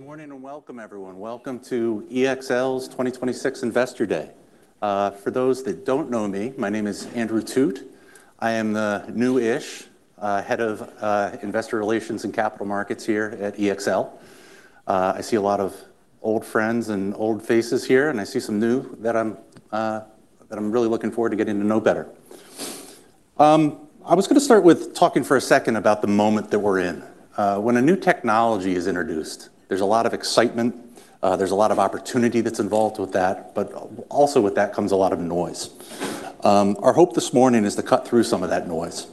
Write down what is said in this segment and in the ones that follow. Good morning and welcome, everyone. Welcome to EXL's 2026 Investor Day. For those that don't know me, my name is Andrew Thut. I am the new-ish head of investor relations and capital markets here at EXL. I see a lot of old friends and old faces here, and I see some new that I'm really looking forward to getting to know better. I was gonna start with talking for a second about the moment that we're in. When a new technology is introduced, there's a lot of excitement, there's a lot of opportunity that's involved with that, also with that comes a lot of noise. Our hope this morning is to cut through some of that noise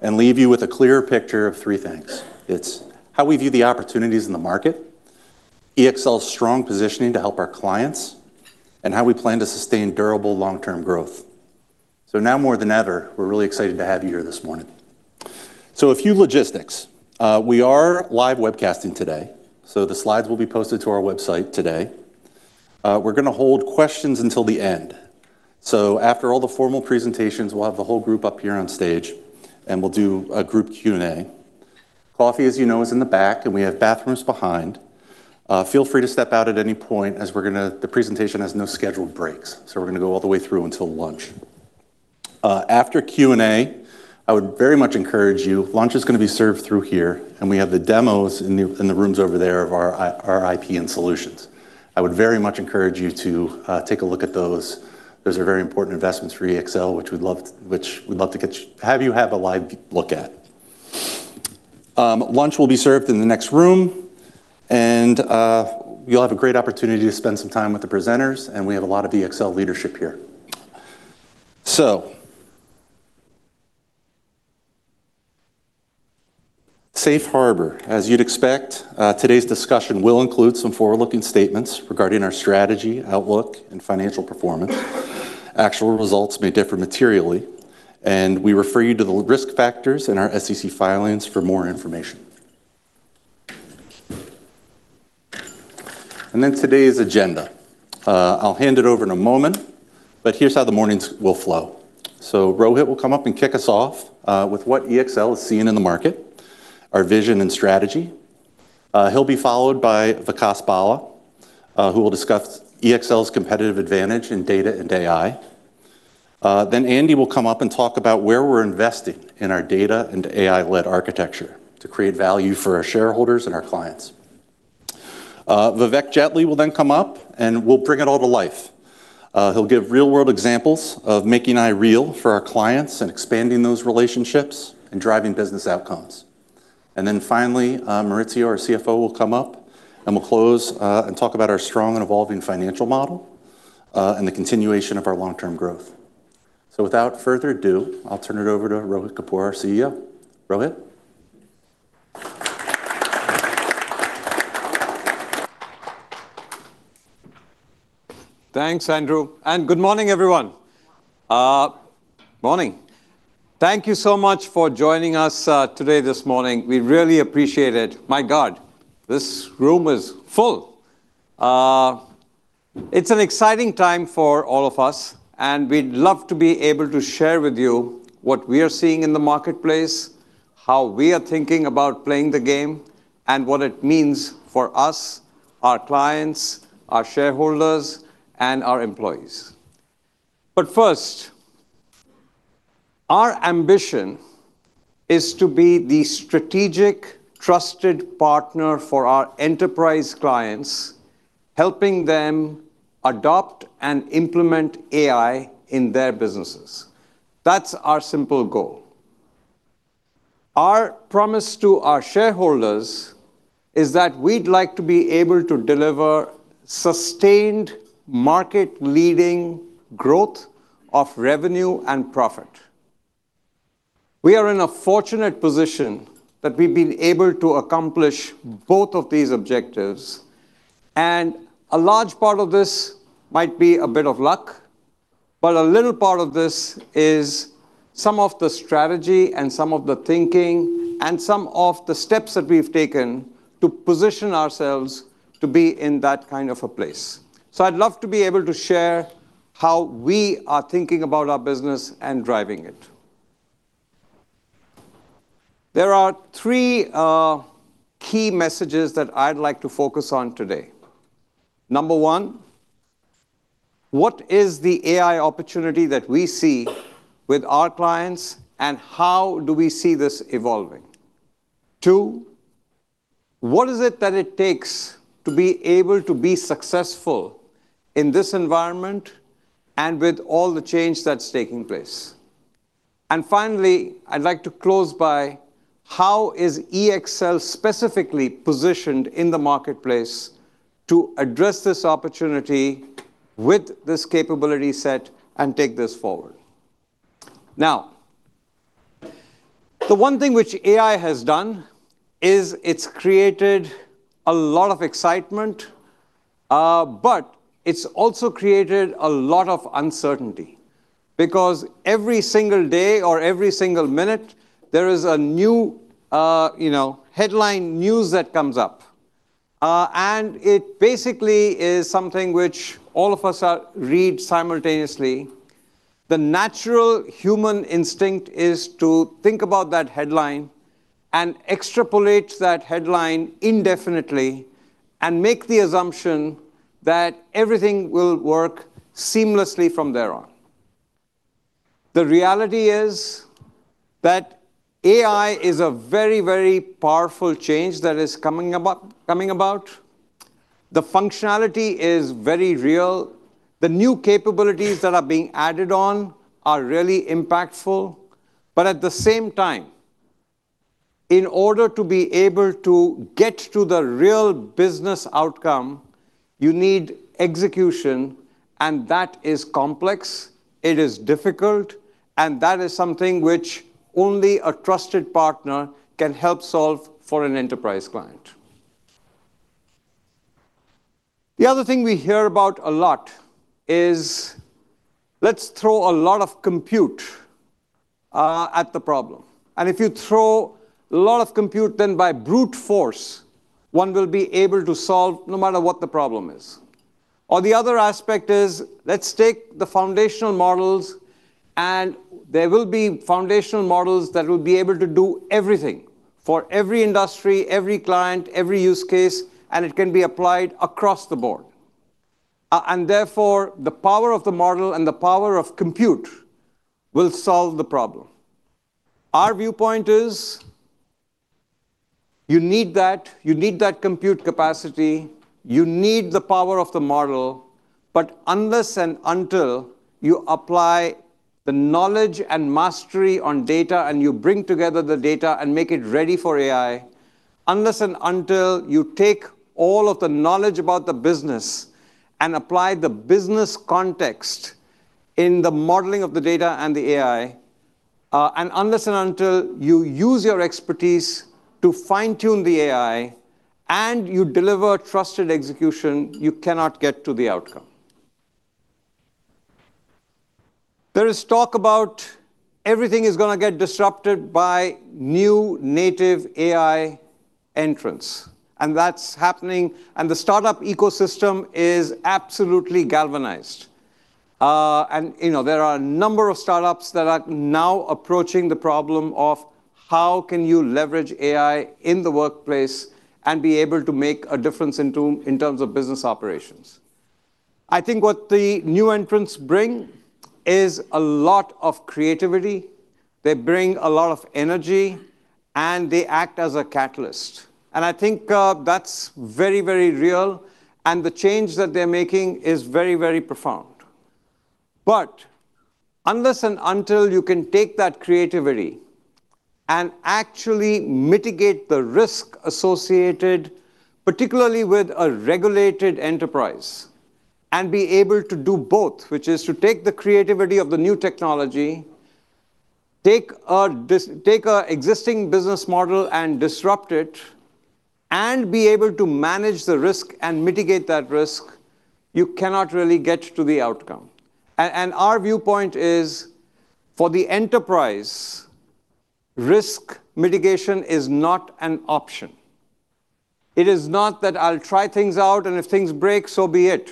and leave you with a clear picture of three things. It's how we view the opportunities in the market, EXL's strong positioning to help our clients, and how we plan to sustain durable long-term growth. Now more than ever, we're really excited to have you here this morning. A few logistics. We are live webcasting today, so the slides will be posted to our website today. We're going to hold questions until the end. After all the formal presentations, we'll have the whole group up here on stage, and we'll do a group Q&A. Coffee, as you know, is in the back, and we have bathrooms behind. Feel free to step out at any point as the presentation has no scheduled breaks, so we're going to go all the way through until lunch. After Q&A, I would very much encourage you Lunch is going to be served through here, and we have the demos in the rooms over there of our IP and solutions. I would very much encourage you to take a look at those. Those are very important investments for EXL, which we'd love to have you have a live look at. Lunch will be served in the next room, and you'll have a great opportunity to spend some time with the presenters, and we have a lot of EXL leadership here. Safe harbor. As you'd expect, today's discussion will include some forward-looking statements regarding our strategy, outlook, and financial performance. Actual results may differ materially, and we refer you to the risk factors in our SEC filings for more information. Today's agenda. I'll hand it over in a moment, but here's how the mornings will flow. Rohit will come up and kick us off with what EXL is seeing in the market, our vision and strategy. He'll be followed by Vikas Bhalla, who will discuss EXL's competitive advantage in data and AI. Andy will come up and talk about where we're investing in our data and AI-led architecture to create value for our shareholders and our clients. Vivek Jetley will then come up, and will bring it all to life. He'll give real-world examples of making AI real for our clients and expanding those relationships and driving business outcomes. Finally, Maurizio, our CFO, will come up, and we'll close, and talk about our strong and evolving financial model, and the continuation of our long-term growth. Without further ado, I'll turn it over to Rohit Kapoor, our CEO. Rohit? Thanks, Andrew, good morning, everyone. Morning. Thank you so much for joining us today this morning. We really appreciate it. My God, this room is full. It's an exciting time for all of us, and we'd love to be able to share with you what we are seeing in the marketplace, how we are thinking about playing the game, and what it means for us, our clients, our shareholders, and our employees. First, our ambition is to be the strategic trusted partner for our enterprise clients, helping them adopt and implement AI in their businesses. That's our simple goal. Our promise to our shareholders is that we'd like to be able to deliver sustained market-leading growth of revenue and profit. We are in a fortunate position that we've been able to accomplish both of these objectives, and a large part of this might be a bit of luck, but a little part of this is some of the strategy and some of the thinking and some of the steps that we've taken to position ourselves to be in that kind of a place. I'd love to be able to share how we are thinking about our business and driving it. There are three key messages that I'd like to focus on today. Number one, what is the AI opportunity that we see with our clients, and how do we see this evolving? Two, what is it that it takes to be able to be successful in this environment and with all the change that's taking place? Finally, I'd like to close by, how is EXL specifically positioned in the marketplace to address this opportunity with this capability set and take this forward? Now, the one thing which AI has done is it's created a lot of excitement, but it's also created a lot of uncertainty because every single day or every single minute, there is a new, you know, headline news that comes up. It basically is something which all of us read simultaneously. The natural human instinct is to think about that headline and extrapolate that headline indefinitely and make the assumption that everything will work seamlessly from there on. The reality is that AI is a very, very powerful change that is coming about. The functionality is very real. The new capabilities that are being added on are really impactful. At the same time, in order to be able to get to the real business outcome, you need execution, and that is complex, it is difficult, and that is something which only a trusted partner can help solve for an enterprise client. The other thing we hear about a lot is, "Let's throw a lot of compute at the problem." If you throw a lot of compute, then by brute force, one will be able to solve no matter what the problem is. The other aspect is, let's take the foundational models and there will be foundational models that will be able to do everything for every industry, every client, every use case, and it can be applied across the board. Therefore, the power of the model and the power of compute will solve the problem. Our viewpoint is you need that, you need that compute capacity, you need the power of the model. Unless and until you apply the knowledge and mastery on data and you bring together the data and make it ready for AI, unless and until you take all of the knowledge about the business and apply the business context in the modeling of the data and the AI, and unless and until you use your expertise to fine-tune the AI and you deliver trusted execution, you cannot get to the outcome. There is talk about everything is gonna get disrupted by new native AI entrants, and that's happening. The startup ecosystem is absolutely galvanized. You know, there are a number of startups that are now approaching the problem of how can you leverage AI in the workplace and be able to make a difference in terms of business operations. I think what the new entrants bring is a lot of creativity, they bring a lot of energy, and they act as a catalyst. I think, that's very, very real, and the change that they're making is very, very profound. Unless and until you can take that creativity and actually mitigate the risk associated, particularly with a regulated enterprise, and be able to do both, which is to take the creativity of the new technology, take a existing business model and disrupt it, and be able to manage the risk and mitigate that risk, you cannot really get to the outcome. Our viewpoint is for the enterprise, risk mitigation is not an option. It is not that I'll try things out and if things break, so be it.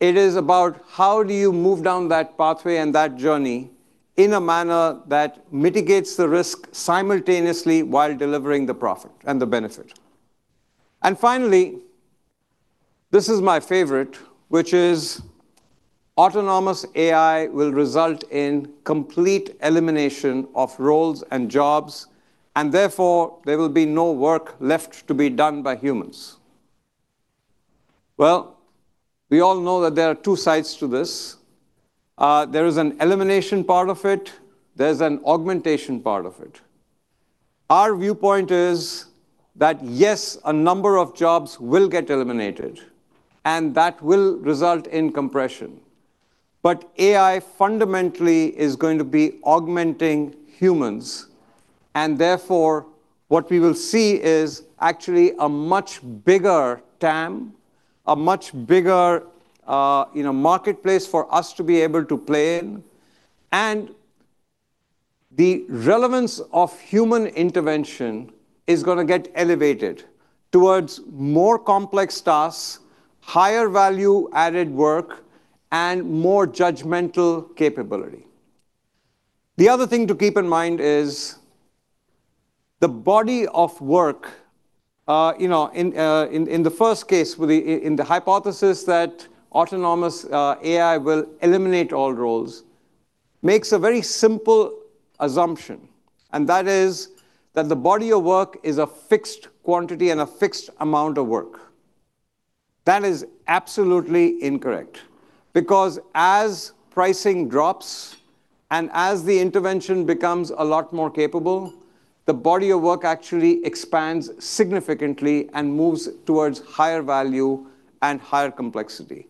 It is about how do you move down that pathway and that journey in a manner that mitigates the risk simultaneously while delivering the profit and the benefit. Finally, this is my favorite, which is autonomous AI will result in complete elimination of roles and jobs and therefore there will be no work left to be done by humans. We all know that there are two sides to this. There is an elimination part of it, there's an augmentation part of it. Our viewpoint is that yes, a number of jobs will get eliminated and that will result in compression. AI fundamentally is going to be augmenting humans and therefore what we will see is actually a much bigger TAM, a much bigger, you know, marketplace for us to be able to play in. The relevance of human intervention is going to get elevated towards more complex tasks, higher value-added work, and more judgmental capability. The other thing to keep in mind is the body of work, you know, in the first case with the in the hypothesis that autonomous AI will eliminate all roles, makes a very simple assumption, and that is that the body of work is a fixed quantity and a fixed amount of work. That is absolutely incorrect because as pricing drops and as the intervention becomes a lot more capable, the body of work actually expands significantly and moves towards higher value and higher complexity.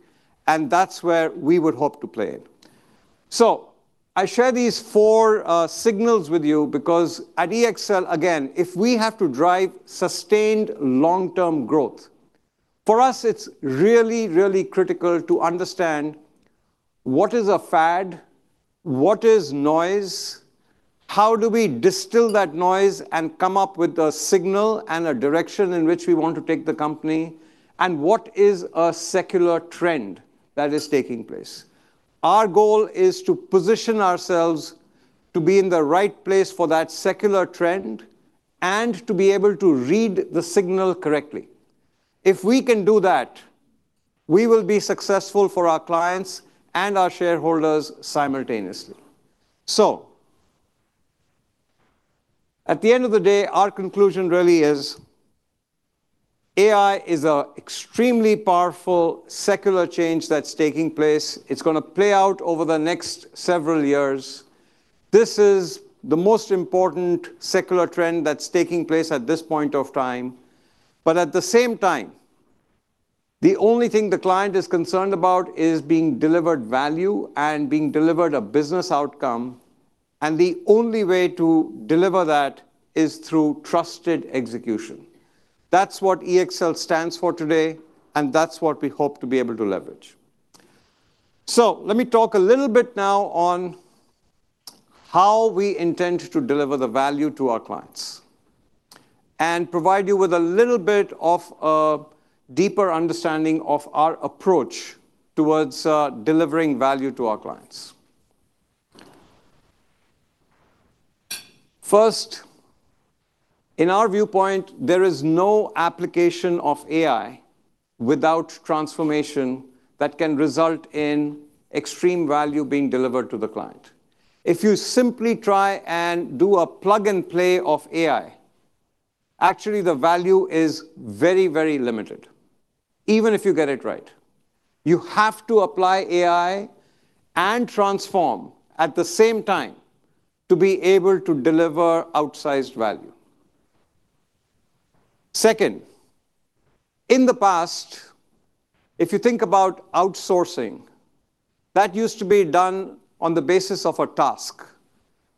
That's where we would hope to play in. I share these four signals with you because at EXL, again, if we have to drive sustained long-term growth, for us it's really, really critical to understand what is a fad, what is noise, how do we distill that noise and come up with a signal and a direction in which we want to take the company, and what is a secular trend that is taking place? Our goal is to position ourselves to be in the right place for that secular trend and to be able to read the signal correctly. If we can do that, we will be successful for our clients and our shareholders simultaneously. At the end of the day, our conclusion really is AI is a extremely powerful secular change that's taking place. It's gonna play out over the next several years. This is the most important secular trend that's taking place at this point of time. At the same time, the only thing the client is concerned about is being delivered value and being delivered a business outcome, and the only way to deliver that is through trusted execution. That's what EXL stands for today, and that's what we hope to be able to leverage. Let me talk a little bit now on how we intend to deliver the value to our clients and provide you with a little bit of a deeper understanding of our approach towards delivering value to our clients. First, in our viewpoint, there is no application of AI without transformation that can result in extreme value being delivered to the client. If you simply try and do a plug-and-play of AI, actually the value is very, very limited, even if you get it right. You have to apply AI and transform at the same time to be able to deliver outsized value. Second, in the past, if you think about outsourcing, that used to be done on the basis of a task.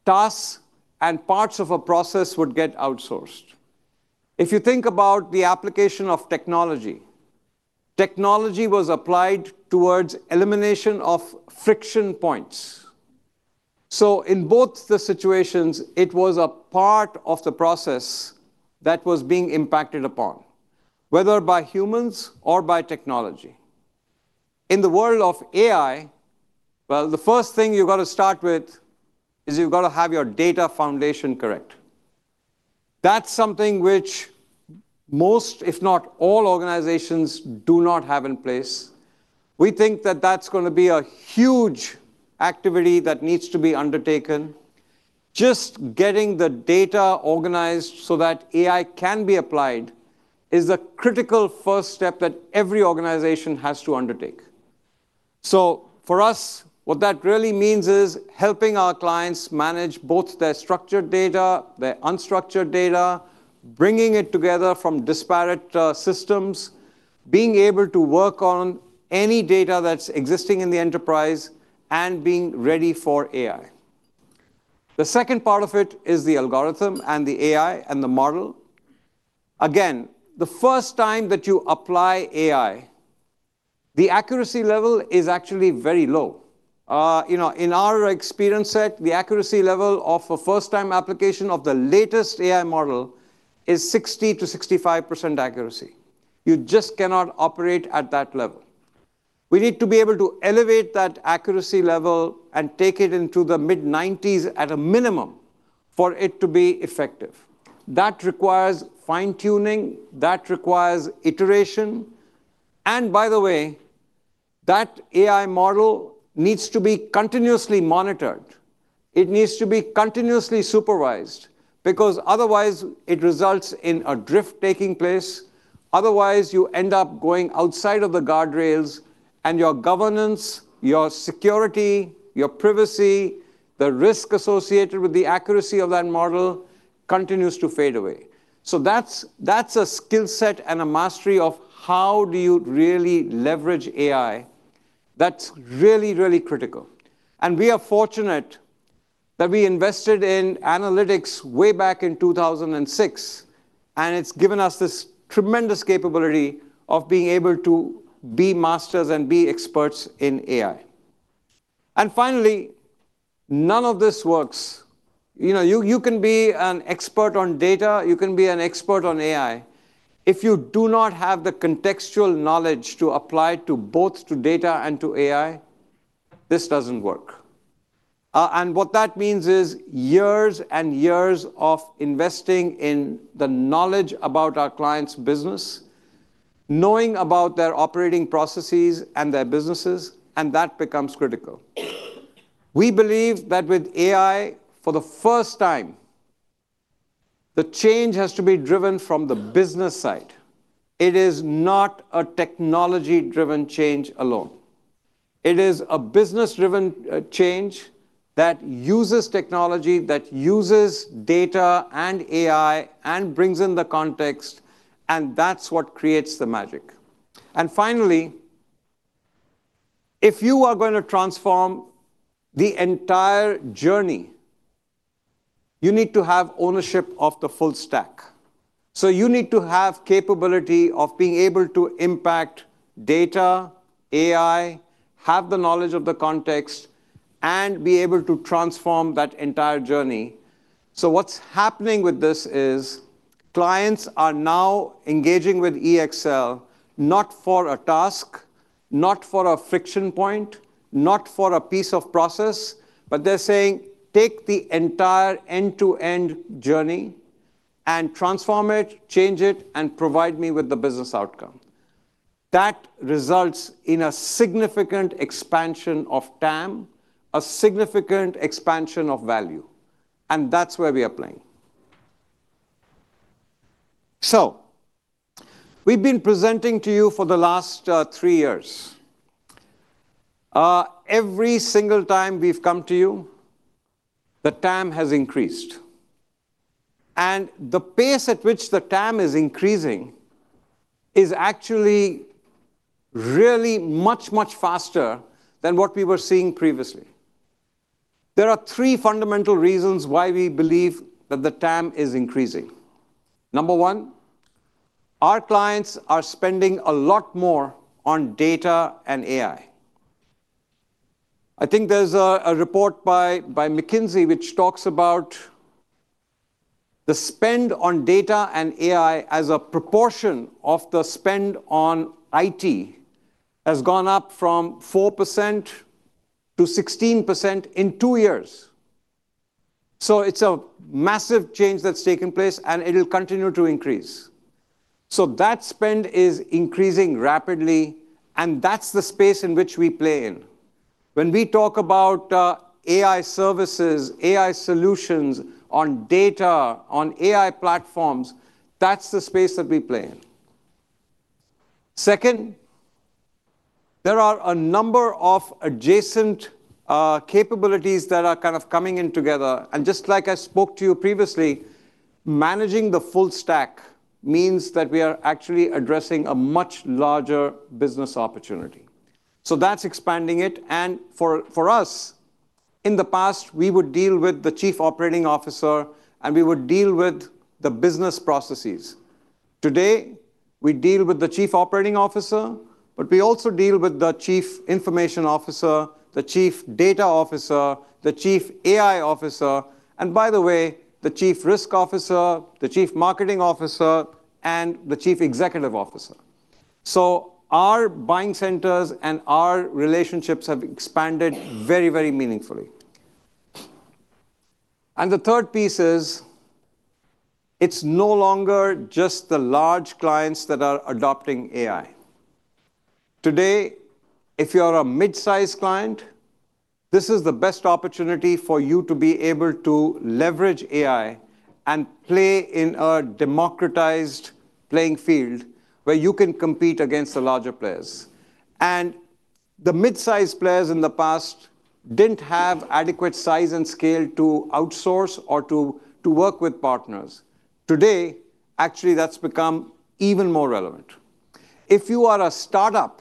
Tasks and parts of a process would get outsourced. If you think about the application of technology was applied towards elimination of friction points. In both the situations, it was a part of the process that was being impacted upon, whether by humans or by technology. In the world of AI, well, the first thing you've got to start with is you've got to have your data foundation correct. That's something which most, if not all, organizations do not have in place. We think that that's gonna be a huge activity that needs to be undertaken. Just getting the data organized so that AI can be applied is a critical first step that every organization has to undertake. For us, what that really means is helping our clients manage both their structured data, their unstructured data, bringing it together from disparate systems, being able to work on any data that's existing in the enterprise and being ready for AI. The second part of it is the algorithm and the AI and the model. Again, the first time that you apply AI, the accuracy level is actually very low. You know, in our experience set, the accuracy level of a first-time application of the latest AI model is 60%-65% accuracy. You just cannot operate at that level. We need to be able to elevate that accuracy level and take it into the mid-90s at a minimum for it to be effective. That requires fine-tuning, that requires iteration. By the way, that AI model needs to be continuously monitored. It needs to be continuously supervised, because otherwise it results in a drift taking place, otherwise you end up going outside of the guardrails and your governance, your security, your privacy, the risk associated with the accuracy of that model continues to fade away. That's a skill set and a mastery of how do you really leverage AI that's really, really critical. We are fortunate that we invested in analytics way back in 2006, and it's given us this tremendous capability of being able to be masters and be experts in AI. Finally, none of this works. You know, you can be an expert on data, you can be an expert on AI. If you do not have the contextual knowledge to apply to both to data and to AI, this doesn't work. What that means is years and years of investing in the knowledge about our clients' business, knowing about their operating processes and their businesses, and that becomes critical. We believe that with AI, for the first time, the change has to be driven from the business side. It is not a technology-driven change alone. It is a business-driven change that uses technology, that uses data and AI and brings in the context, and that's what creates the magic. Finally, if you are gonna transform the entire journey, you need to have ownership of the full stack. So you need to have capability of being able to impact data, AI, have the knowledge of the context, and be able to transform that entire journey. What's happening with this is clients are now engaging with EXL not for a task, not for a friction point, not for a piece of process, but they're saying, Take the entire end-to-end journey and transform it, change it, and provide me with the business outcome. That results in a significant expansion of TAM, a significant expansion of value, and that's where we are playing. We've been presenting to you for the last three years. Every single time we've come to you, the TAM has increased, and the pace at which the TAM is increasing is actually really much, much faster than what we were seeing previously. There are three fundamental reasons why we believe that the TAM is increasing. Number one, our clients are spending a lot more on data and AI. I think there's a report by McKinsey which talks about the spend on data and AI as a proportion of the spend on IT has gone up from 4% to 16% in two years. It's a massive change that's taking place, and it'll continue to increase. That spend is increasing rapidly, and that's the space in which we play in. When we talk about AI services, AI solutions on data, on AI platforms, that's the space that we play in. Second, there are a number of adjacent capabilities that are kind of coming in together, and just like I spoke to you previously, managing the full stack means that we are actually addressing a much larger business opportunity. That's expanding it, and for us, in the past, we would deal with the Chief Operating Officer, and we would deal with the business processes. Today, we deal with the Chief Operating Officer, but we also deal with the Chief Information Officer, the Chief Data Officer, the Chief AI Officer, and by the way, the Chief Risk Officer, the Chief Marketing Officer, and the Chief Executive Officer. Our buying centers and our relationships have expanded very meaningfully. The third piece is it's no longer just the large clients that are adopting AI. Today, if you're a mid-sized client, this is the best opportunity for you to be able to leverage AI and play in a democratized playing field where you can compete against the larger players. The mid-size players in the past didn't have adequate size and scale to outsource or to work with partners. Today, actually, that's become even more relevant. If you are a startup,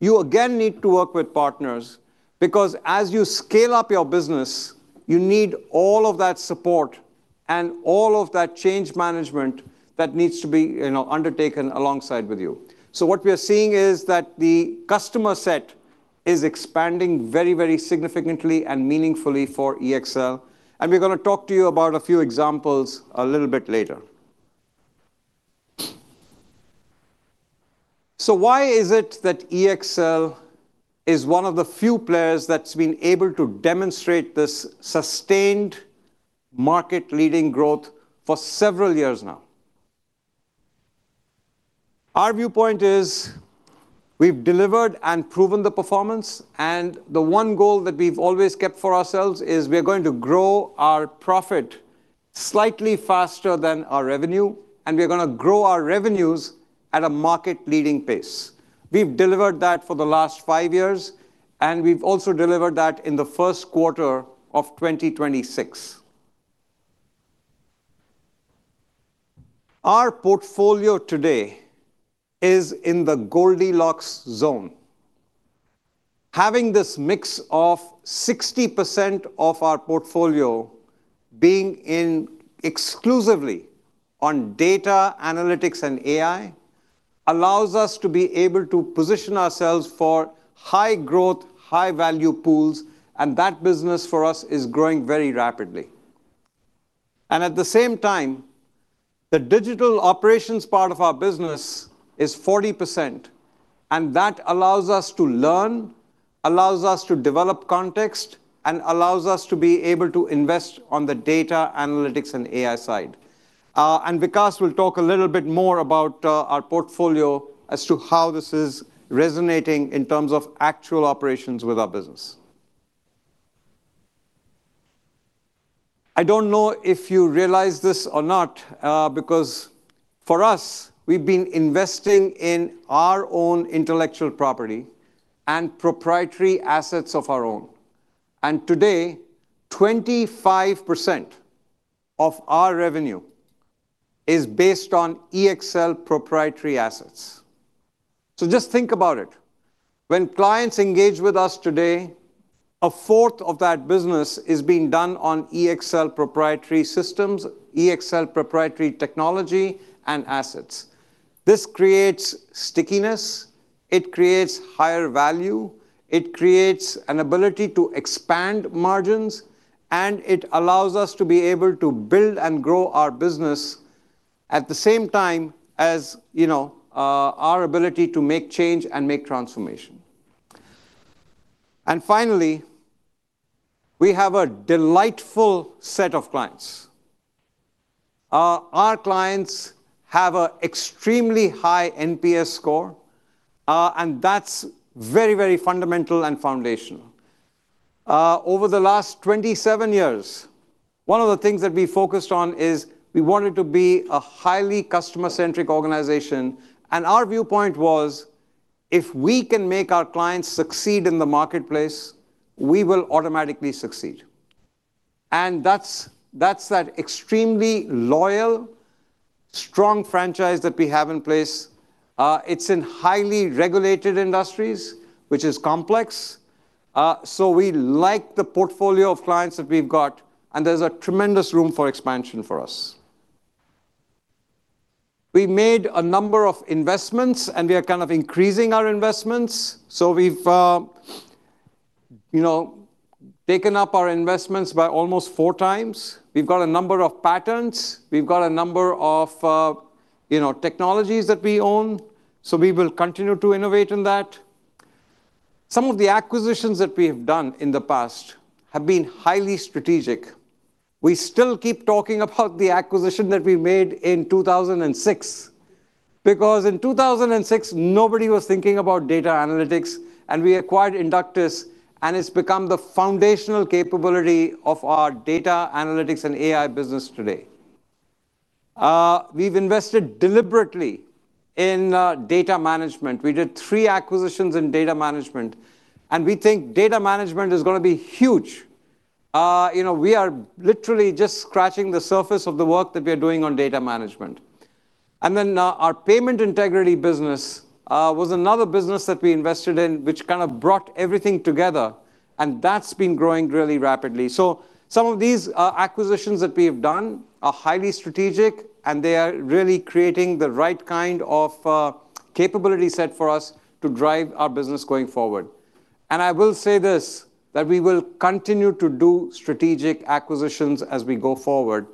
you again need to work with partners because as you scale up your business, you need all of that support and all of that change management that needs to be, you know, undertaken alongside with you. What we are seeing is that the customer set is expanding very, very significantly and meaningfully for EXL, and we're gonna talk to you about a few examples a little bit later. Why is it that EXL is one of the few players that's been able to demonstrate this sustained market-leading growth for several years now? Our viewpoint is we've delivered and proven the performance, and the one goal that we've always kept for ourselves is we're going to grow our profit slightly faster than our revenue, and we're going to grow our revenues at a market-leading pace. We've delivered that for the last five years, and we've also delivered that in the first quarter of 2026. Our portfolio today is in the Goldilocks zone. Having this mix of 60% of our portfolio being in exclusively on data analytics and AI allows us to be able to position ourselves for high growth, high value pools, and that business for us is growing very rapidly. At the same time, the digital operations part of our business is 40%, and that allows us to learn, allows us to develop context, and allows us to be able to invest on the data analytics and AI side. Vikas will talk a little bit more about our portfolio as to how this is resonating in terms of actual operations with our business. I don't know if you realize this or not, because for us, we've been investing in our own intellectual property and proprietary assets of our own. Today, 25% of our revenue is based on EXL proprietary assets. Just think about it. When clients engage with us today, a fourth of that business is being done on EXL proprietary systems, EXL proprietary technology and assets. This creates stickiness, it creates higher value, it creates an ability to expand margins, and it allows us to be able to build and grow our business at the same time as, you know, our ability to make change and make transformation. Finally, we have a delightful set of clients. Our clients have a extremely high NPS score, and that's very, very fundamental and foundational. Over the last 27 years, one of the things that we focused on is we wanted to be a highly customer-centric organization, and our viewpoint was, if we can make our clients succeed in the marketplace, we will automatically succeed. That's that extremely loyal, strong franchise that we have in place. It's in highly regulated industries, which is complex. We like the portfolio of clients that we've got, and there's a tremendous room for expansion for us. We made a number of investments, and we are kind of increasing our investments. We've, you know, taken up our investments by almost 4x. We've got a number of patents. We've got a number of, you know, technologies that we own, so we will continue to innovate in that. Some of the acquisitions that we have done in the past have been highly strategic. We still keep talking about the acquisition that we made in 2006 because in 2006 nobody was thinking about data analytics, and we acquired Inductis, and it's become the foundational capability of our data analytics and AI business today. We've invested deliberately in data management. We did three acquisitions in data management, and we think data management is gonna be huge. You know, we are literally just scratching the surface of the work that we are doing on data management. Our Payment Integrity business was another business that we invested in which kind of brought everything together, and that's been growing really rapidly. Some of these acquisitions that we have done are highly strategic, and they are really creating the right kind of capability set for us to drive our business going forward. I will say this, that we will continue to do strategic acquisitions as we go forward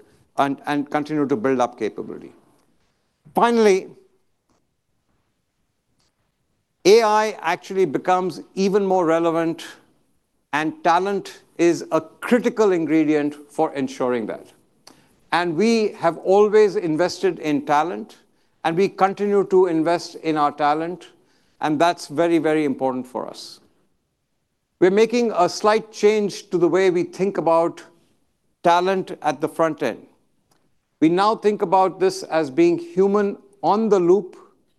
and continue to build up capability. Finally, AI actually becomes even more relevant, and talent is a critical ingredient for ensuring that. We have always invested in talent. We continue to invest in our talent. That's very, very important for us. We're making a slight change to the way we think about talent at the front end. We now think about this as being human on the loop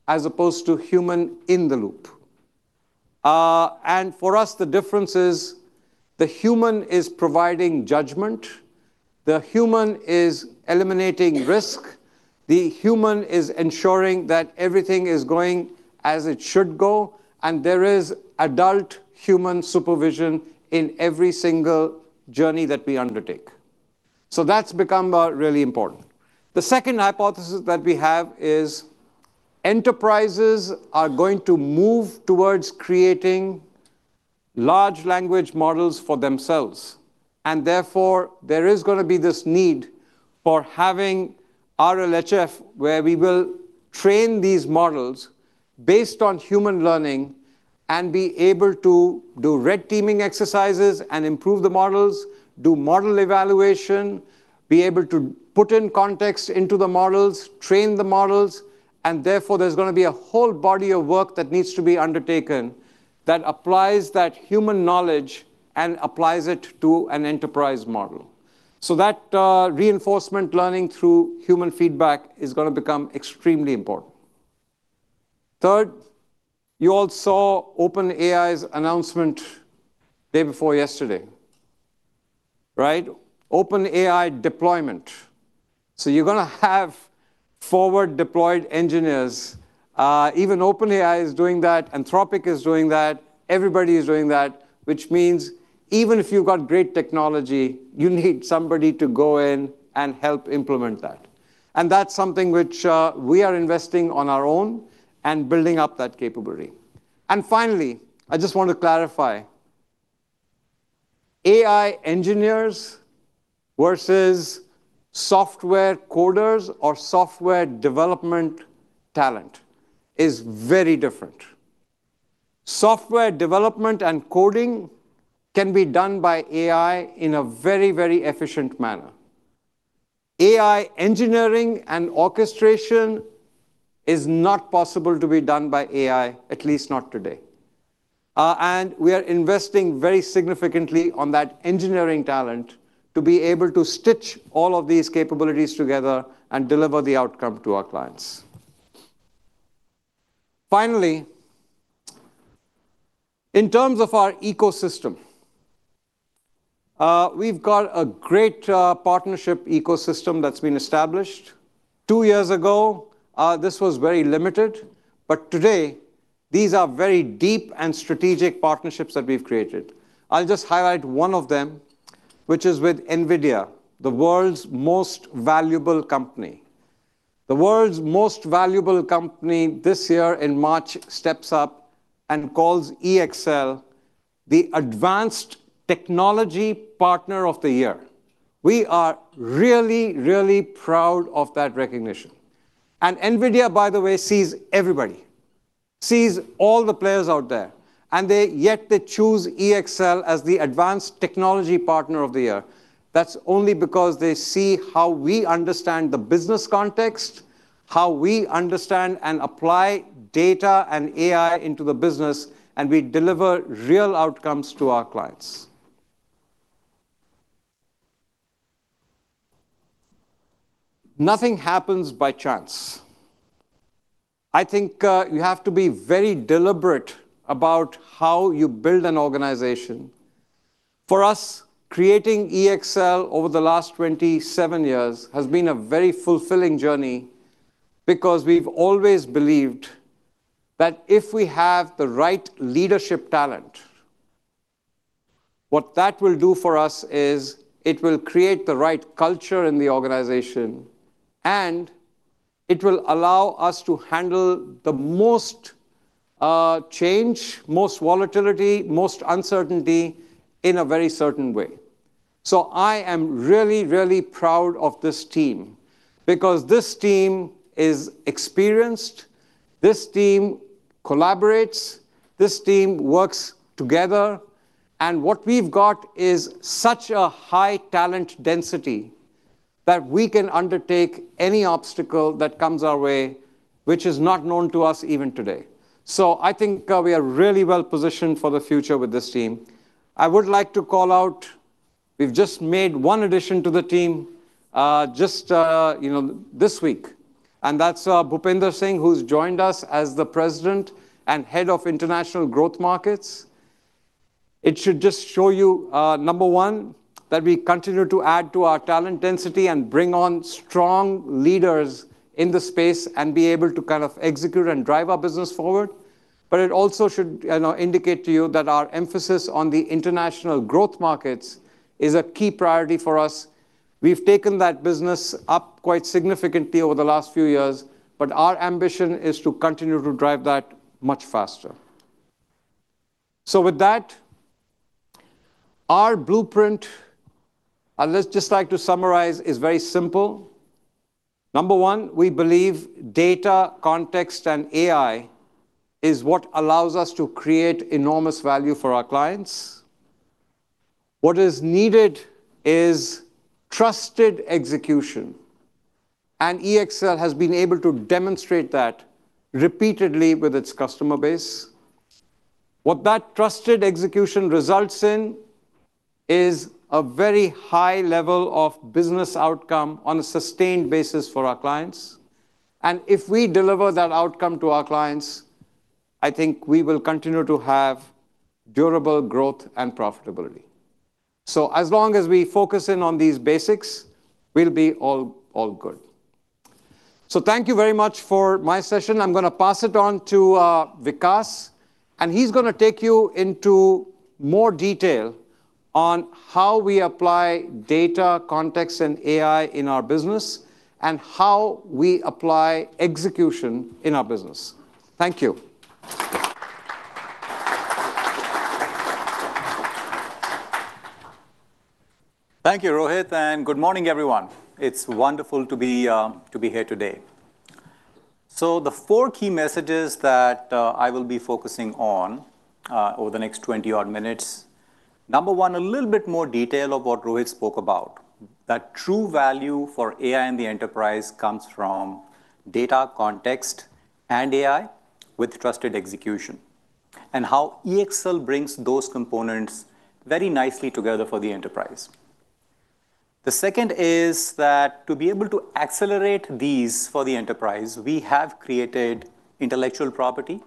as opposed to human in the loop. For us the difference is the human is providing judgment, the human is eliminating risk, the human is ensuring that everything is going as it should go, and there is adult human supervision in every single journey that we undertake. That's become really important. The second hypothesis that we have is enterprises are going to move towards creating large language models for themselves, and therefore there is gonna be this need for having RLHF where we will train these models based on human learning and be able to do red teaming exercises and improve the models, do model evaluation, be able to put in context into the models, train the models, and therefore there's gonna be a whole body of work that needs to be undertaken that applies that human knowledge and applies it to an enterprise model. That reinforcement learning through human feedback is gonna become extremely important. Third, you all saw OpenAI's announcement day before yesterday, right? OpenAI deployment. You're gonna have forward deployed engineers. Even OpenAI is doing that, Anthropic is doing that, everybody is doing that, which means even if you've got great technology, you need somebody to go in and help implement that. That's something which we are investing on our own and building up that capability. Finally, I just want to clarify, AI engineers versus software coders or software development talent is very different. Software development and coding can be done by AI in a very, very efficient manner. AI engineering and orchestration is not possible to be done by AI, at least not today. We are investing very significantly on that engineering talent to be able to stitch all of these capabilities together and deliver the outcome to our clients. Finally, in terms of our ecosystem, we've got a great partnership ecosystem that's been established. Two years ago, this was very limited, but today these are very deep and strategic partnerships that we've created. I'll just highlight one of them, which is with NVIDIA, the world's most valuable company. The world's most valuable company this year in March steps up and calls EXL the Advanced Technology Partner of the Year. We are really proud of that recognition. NVIDIA, by the way, sees everybody, sees all the players out there, yet they choose EXL as the Advanced Technology Partner of the Year. That's only because they see how we understand the business context, how we understand and apply data and AI into the business, and we deliver real outcomes to our clients. Nothing happens by chance. I think, you have to be very deliberate about how you build an organization. For us, creating EXL over the last 27 years has been a very fulfilling journey because we've always believed that if we have the right leadership talent, what that will do for us is it will create the right culture in the organization, and it will allow us to handle the most change, most volatility, most uncertainty in a very certain way. I am really, really proud of this team because this team is experienced, this team collaborates, this team works together, and what we've got is such a high talent density that we can undertake any obstacle that comes our way, which is not known to us even today. I think, we are really well positioned for the future with this team. I would like to call out. We've just made one addition to the team, just, you know, this week, and that's Bhupender Singh, who's joined us as the President and Head of International Growth Markets. It should just show you, number one, that we continue to add to our talent density and bring on strong leaders in the space and be able to kind of execute and drive our business forward. It also should, you know, indicate to you that our emphasis on the International Growth Markets is a key priority for us. We've taken that business up quite significantly over the last few years, our ambition is to continue to drive that much faster. With that, our blueprint, I'd just like to summarize, is very simple. Number one, we believe data, context, and AI is what allows us to create enormous value for our clients. What is needed is trusted execution. EXL has been able to demonstrate that repeatedly with its customer base. What that trusted execution results in is a very high level of business outcome on a sustained basis for our clients. If we deliver that outcome to our clients, I think we will continue to have durable growth and profitability. As long as we focus in on these basics, we'll be all good. Thank you very much for my session. I'm gonna pass it on to Vikas. He's gonna take you into more detail on how we apply data, context, and AI in our business and how we apply execution in our business. Thank you. Thank you, Rohit. Good morning, everyone. It's wonderful to be here today. The four key messages that I will be focusing on over the next 20-odd minutes. Number one, a little bit more detail of what Rohit spoke about. That true value for AI in the enterprise comes from data, context, and AI with trusted execution, and how EXL brings those components very nicely together for the enterprise. The second is that to be able to accelerate these for the enterprise, we have created intellectual property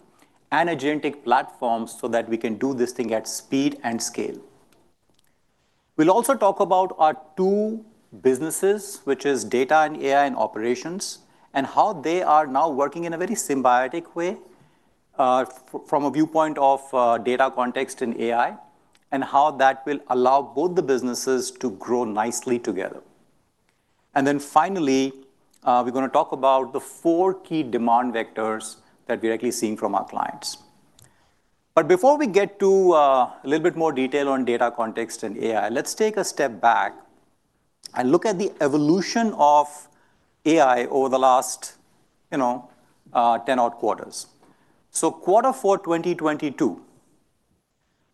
and agentic platforms so that we can do this thing at speed and scale. We'll also talk about our two businesses, which is data and AI and operations, and how they are now working in a very symbiotic way from a viewpoint of data context and AI, and how that will allow both the businesses to grow nicely together. Finally, we're gonna talk about the four key demand vectors that we're actually seeing from our clients. Before we get to a little bit more detail on data context and AI, let's take a step back and look at the evolution of AI over the last, you know, 10-odd quarters. Q4 2022,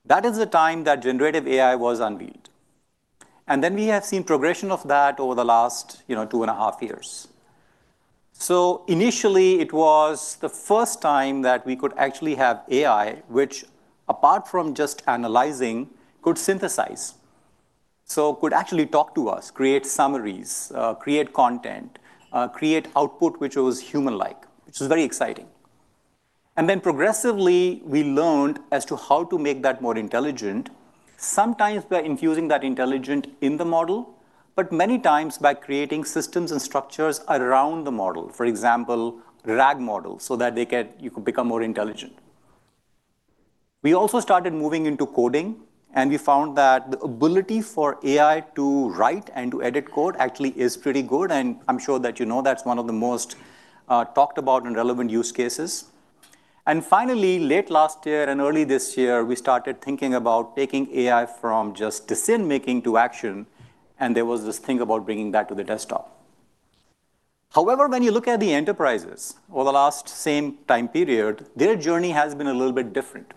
that is the time that generative AI was unveiled. We have seen progression of that over the last, you know, two and a half years. Initially it was the first time that we could actually have AI, which apart from just analyzing, could synthesize. Could actually talk to us, create summaries, create content, create output which was human-like, which is very exciting. Then progressively, we learned as to how to make that more intelligent, sometimes by infusing that intelligent in the model, but many times by creating systems and structures around the model, for example, RAG models, so that you could become more intelligent. We also started moving into coding, and we found that the ability for AI to write and to edit code actually is pretty good. I'm sure that you know that's one of the most talked about and relevant use cases. Finally, late last year and early this year, we started thinking about taking AI from just decision-making to action, and there was this thing about bringing that to the desktop. However, when you look at the enterprises over the last same time period, their journey has been a little bit different.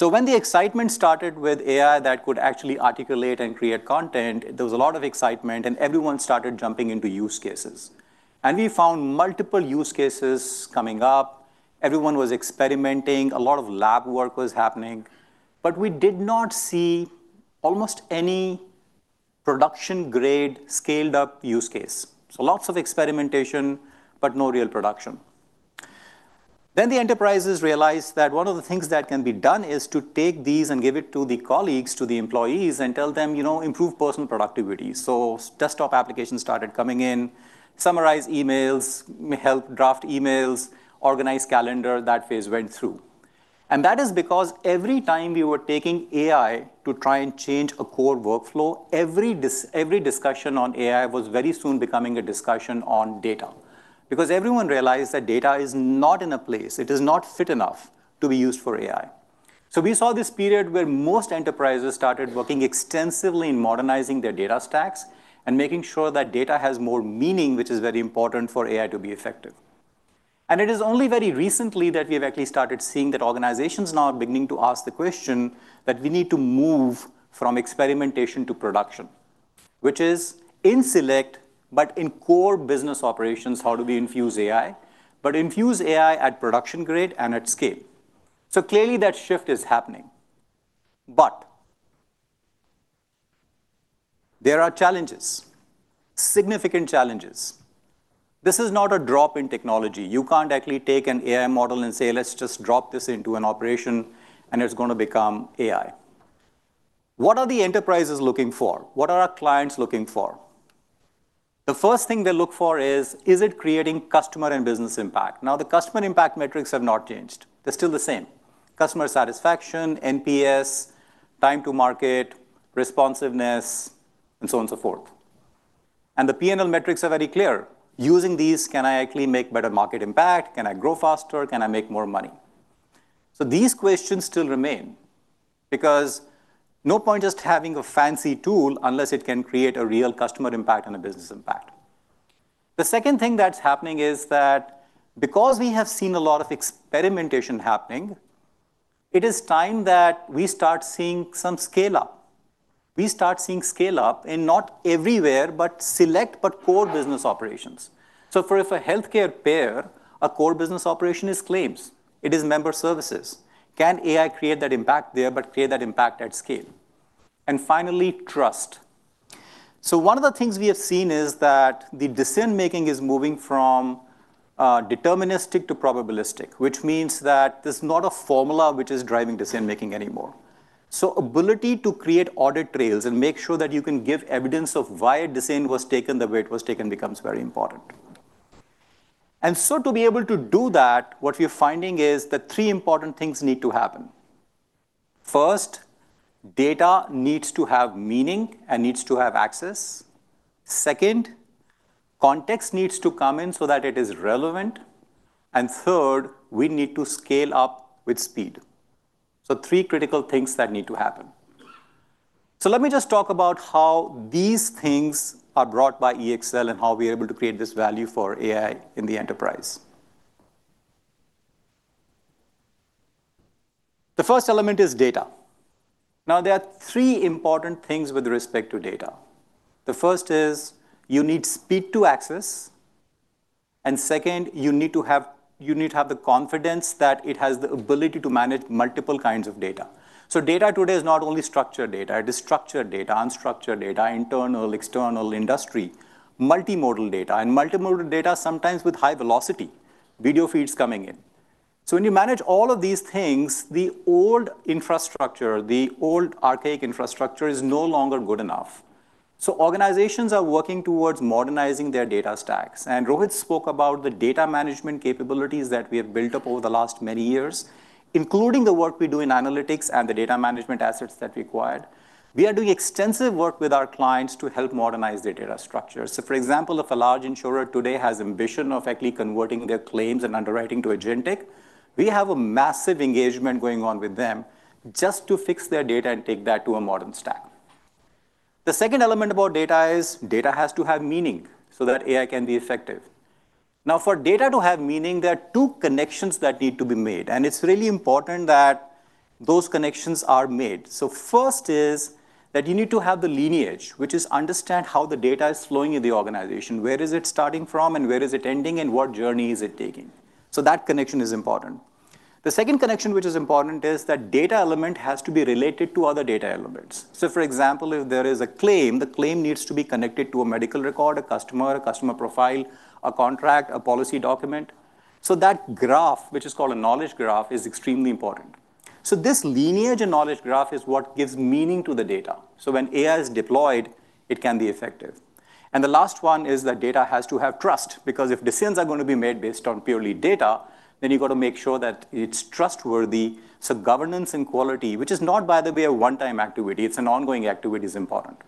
When the excitement started with AI that could actually articulate and create content, there was a lot of excitement, and everyone started jumping into use cases. We found multiple use cases coming up. Everyone was experimenting. A lot of lab work was happening. We did not see almost any production-grade, scaled-up use case. Lots of experimentation, but no real production. The enterprises realized that one of the things that can be done is to take these and give it to the colleagues, to the employees, and tell them, you know, improve personal productivity. Desktop applications started coming in, summarize emails, help draft emails, organize calendar. That phase went through. That is because every time we were taking AI to try and change a core workflow, every discussion on AI was very soon becoming a discussion on data because everyone realized that data is not in a place, it is not fit enough to be used for AI. We saw this period where most enterprises started working extensively in modernizing their data stacks and making sure that data has more meaning, which is very important for AI to be effective. It is only very recently that we have actually started seeing that organizations now are beginning to ask the question that we need to move from experimentation to production, which is in select but in core business operations, how do we infuse AI, but infuse AI at production grade and at scale. Clearly that shift is happening. There are challenges, significant challenges. This is not a drop-in technology. You can't actually take an AI model and say, let's just drop this into an operation, and it's gonna become AI. What are the enterprises looking for? What are our clients looking for? The first thing they look for is it creating customer and business impact? Now, the customer impact metrics have not changed. They're still the same: customer satisfaction, NPS, time to market, responsiveness, and so on and so forth. The P&L metrics are very clear. Using these, can I actually make better market impact? Can I grow faster? Can I make more money? These questions still remain because no point just having a fancy tool unless it can create a real customer impact and a business impact. The second thing that's happening is that because we have seen a lot of experimentation happening, it is time that we start seeing some scale-up. We start seeing scale-up in not everywhere, but select core business operations. If a healthcare payer, a core business operation is claims. It is member services. Can AI create that impact there but create that impact at scale? Finally, trust. One of the things we have seen is that the decision-making is moving from deterministic to probabilistic, which means that there's not a formula which is driving decision-making anymore. Ability to create audit trails and make sure that you can give evidence of why a decision was taken the way it was taken becomes very important. To be able to do that, what we're finding is that three important things need to happen. First, data needs to have meaning and needs to have access. Second, context needs to come in so that it is relevant. Third, we need to scale up with speed. Three critical things that need to happen. Let me just talk about how these things are brought by EXL and how we are able to create this value for AI in the enterprise. The first element is data. There are three important things with respect to data. The first is you need speed to access. Second, you need to have the confidence that it has the ability to manage multiple kinds of data. Data today is not only structured data. It is structured data, unstructured data, internal, external, industry, multimodal data, and multimodal data sometimes with high velocity, video feeds coming in. When you manage all of these things, the old infrastructure, the old archaic infrastructure is no longer good enough. Organizations are working towards modernizing their data stacks. Rohit spoke about the data management capabilities that we have built up over the last many years, including the work we do in analytics and the data management assets that required. We are doing extensive work with our clients to help modernize their data structures. For example, if a large insurer today has ambition of actually converting their claims and underwriting to agentic, we have a massive engagement going on with them just to fix their data and take that to a modern stack. The second element about data is data has to have meaning so that AI can be effective. For data to have meaning, there are two connections that need to be made, and it's really important that those connections are made. First is that you need to have the lineage, which is understand how the data is flowing in the organization. Where is it starting from, and where is it ending, and what journey is it taking? That connection is important. The second connection which is important is that data element has to be related to other data elements. For example, if there is a claim, the claim needs to be connected to a medical record, a customer, a customer profile, a contract, a policy document. That graph, which is called a knowledge graph, is extremely important. This lineage and knowledge graph is what gives meaning to the data. When AI is deployed, it can be effective. The last one is that data has to have trust, because if decisions are gonna be made based on purely data, then you've got to make sure that it's trustworthy. Governance and quality, which is not by the way a one-time activity, it's an ongoing activity, is important.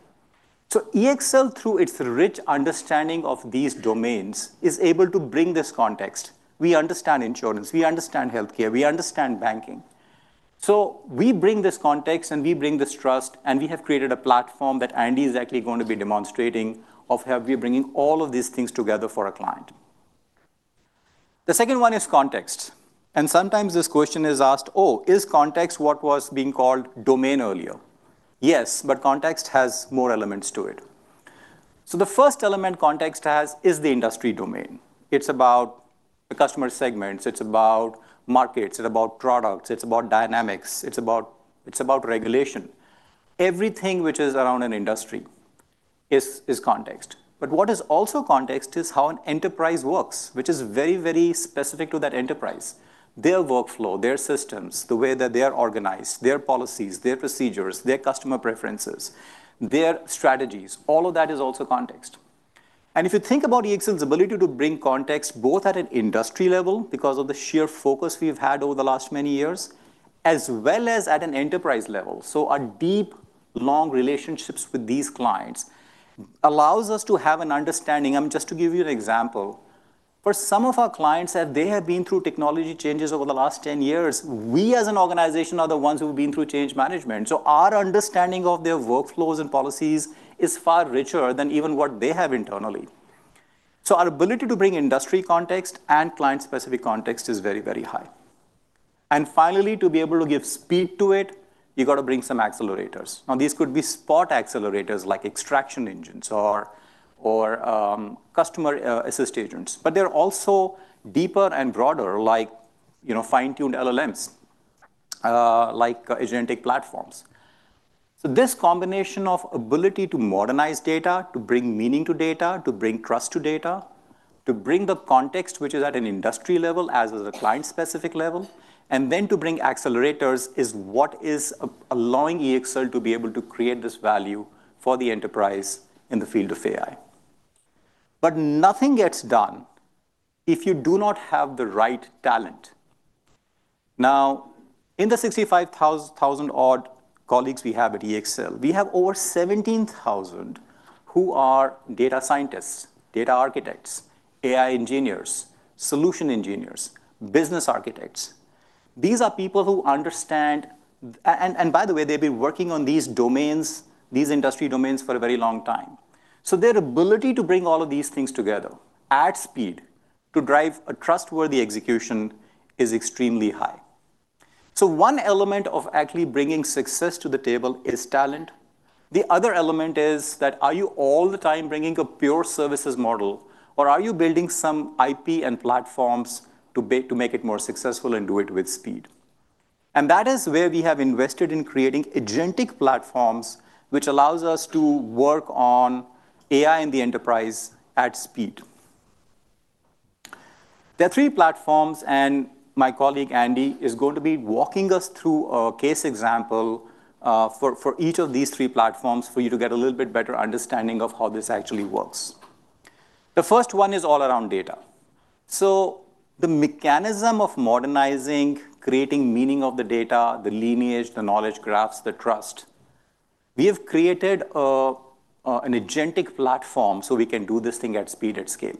EXL, through its rich understanding of these domains, is able to bring this context. We understand insurance, we understand healthcare, we understand banking. We bring this context and we bring this trust, and we have created a platform that Andy is actually going to be demonstrating of how we're bringing all of these things together for a client. The second one is context. Sometimes this question is asked, "Oh, is context what was being called domain earlier?" Yes, but context has more elements to it. The first element context has is the industry domain. It's about the customer segments, it's about markets, it's about products, it's about dynamics, it's about regulation. Everything which is around an industry is context. What is also context is how an enterprise works, which is very, very specific to that enterprise. Their workflow, their systems, the way that they are organized, their policies, their procedures, their customer preferences, their strategies, all of that is also context. If you think about EXL's ability to bring context both at an industry level, because of the sheer focus we've had over the last many years, as well as at an enterprise level, so our deep, long relationships with these clients allows us to have an understanding. Just to give you an example. For some of our clients, as they have been through technology changes over the last 10 years, we as an organization are the ones who've been through change management. Our understanding of their workflows and policies is far richer than even what they have internally. Our ability to bring industry context and client-specific context is very, very high. Finally, to be able to give speed to it, you've got to bring some accelerators. Now, these could be spot accelerators like extraction engines or customer assist agents. They're also deeper and broader like, you know, fine-tuned LLMs, like agentic platforms. This combination of ability to modernize data, to bring meaning to data, to bring trust to data, to bring the context which is at an industry level as is a client-specific level, and then to bring accelerators is what is allowing EXL to be able to create this value for the enterprise in the field of AI. Nothing gets done if you do not have the right talent. Now, in the 65,000-odd colleagues we have at EXL, we have over 17,000 who are data scientists, data architects, AI engineers, solution engineers, business architects. These are people who understand, and by the way, they've been working on these domains, these industry domains for a very long time. Their ability to bring all of these things together at speed to drive a trustworthy execution is extremely high. One element of actually bringing success to the table is talent. The other element is that are you all the time bringing a pure services model or are you building some IP and platforms to make it more successful and do it with speed? That is where we have invested in creating agentic platforms which allows us to work on AI in the enterprise at speed. There are three platforms and my colleague Andy is going to be walking us through a case example for each of these three platforms for you to get a little bit better understanding of how this actually works. The first one is all around data. The mechanism of modernizing, creating meaning of the data, the lineage, the knowledge graphs, the trust. We have created an agentic platform so we can do this thing at speed, at scale.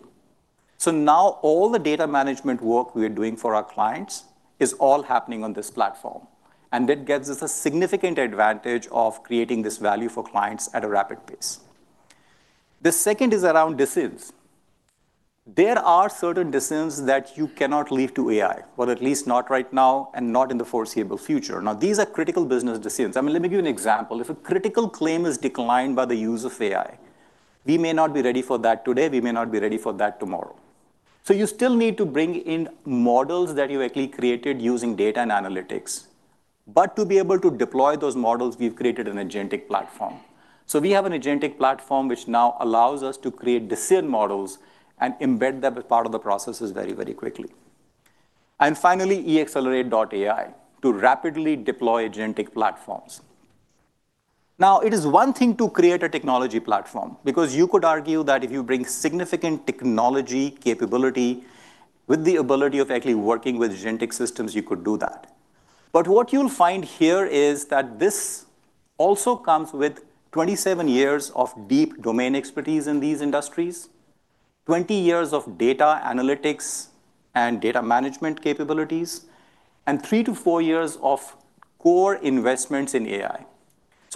Now all the data management work we are doing for our clients is all happening on this platform. That gives us a significant advantage of creating this value for clients at a rapid pace. The second is around decisions. There are certain decisions that you cannot leave to AI. Well, at least not right now and not in the foreseeable future. These are critical business decisions. I mean, let me give you an example. If a critical claim is declined by the use of AI, we may not be ready for that today, we may not be ready for that tomorrow. You still need to bring in models that you actually created using data and analytics. To be able to deploy those models, we've created an agentic platform. We have an agentic platform which now allows us to create decision models and embed them as part of the processes very, very quickly. Finally, EXLerate.ai to rapidly deploy agentic platforms. It is one thing to create a technology platform because you could argue that if you bring significant technology capability with the ability of actually working with agentic systems, you could do that. What you'll find here is that this also comes with 27 years of deep domain expertise in these industries, 20 years of data analytics and data management capabilities, and three to four years of core investments in AI.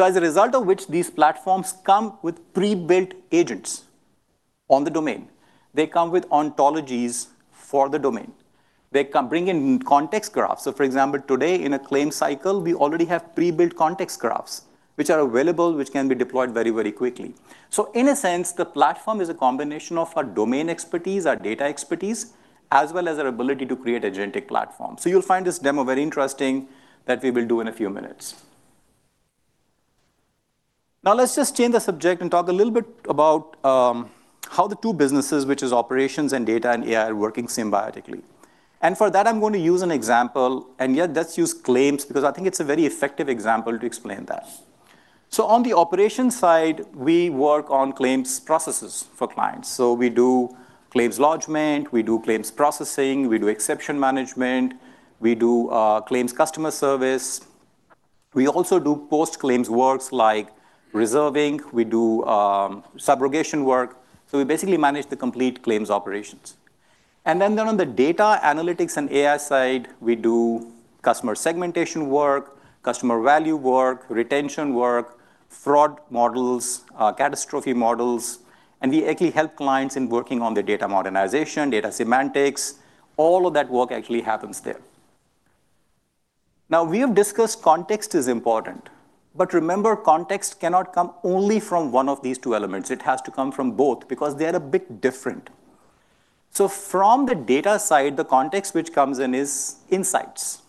As a result of which these platforms come with pre-built agents on the domain. They come with ontologies for the domain. They come bring in context graphs. For example, today in a claim cycle, we already have pre-built context graphs, which are available, which can be deployed very quickly. In a sense, the platform is a combination of our domain expertise, our data expertise, as well as our ability to create agentic platform. You'll find this demo very interesting that we will do in a few minutes. Let's just change the subject and talk a little bit about how the two businesses, which is operations and Data and AI, are working symbiotically. For that, I'm going to use an example, let's use claims because I think it's a very effective example to explain that. On the operations side, we work on claims processes for clients. We do claims lodgment, we do claims processing, we do exception management, we do claims customer service. We also do post-claims works like reserving. We do subrogation work. We basically manage the complete claims operations. On the data analytics and AI side, we do customer segmentation work, customer value work, retention work, fraud models, catastrophe models, and we actually help clients in working on their data modernization, data semantics. All of that work actually happens there. We have discussed context is important, but remember, context cannot come only from one of these two elements. It has to come from both because they are a bit different. From the data side, the context which comes in is insights.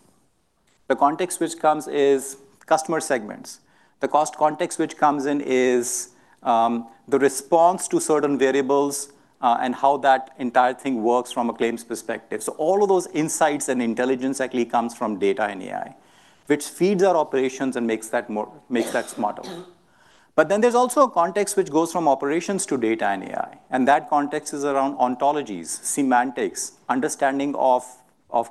The context which comes is customer segments. The cost context which comes in is the response to certain variables and how that entire thing works from a claims perspective. All of those insights and intelligence actually comes from data and AI, which feeds our operations and makes that smarter. There's also a context which goes from operations to data and AI, and that context is around ontologies, semantics, understanding of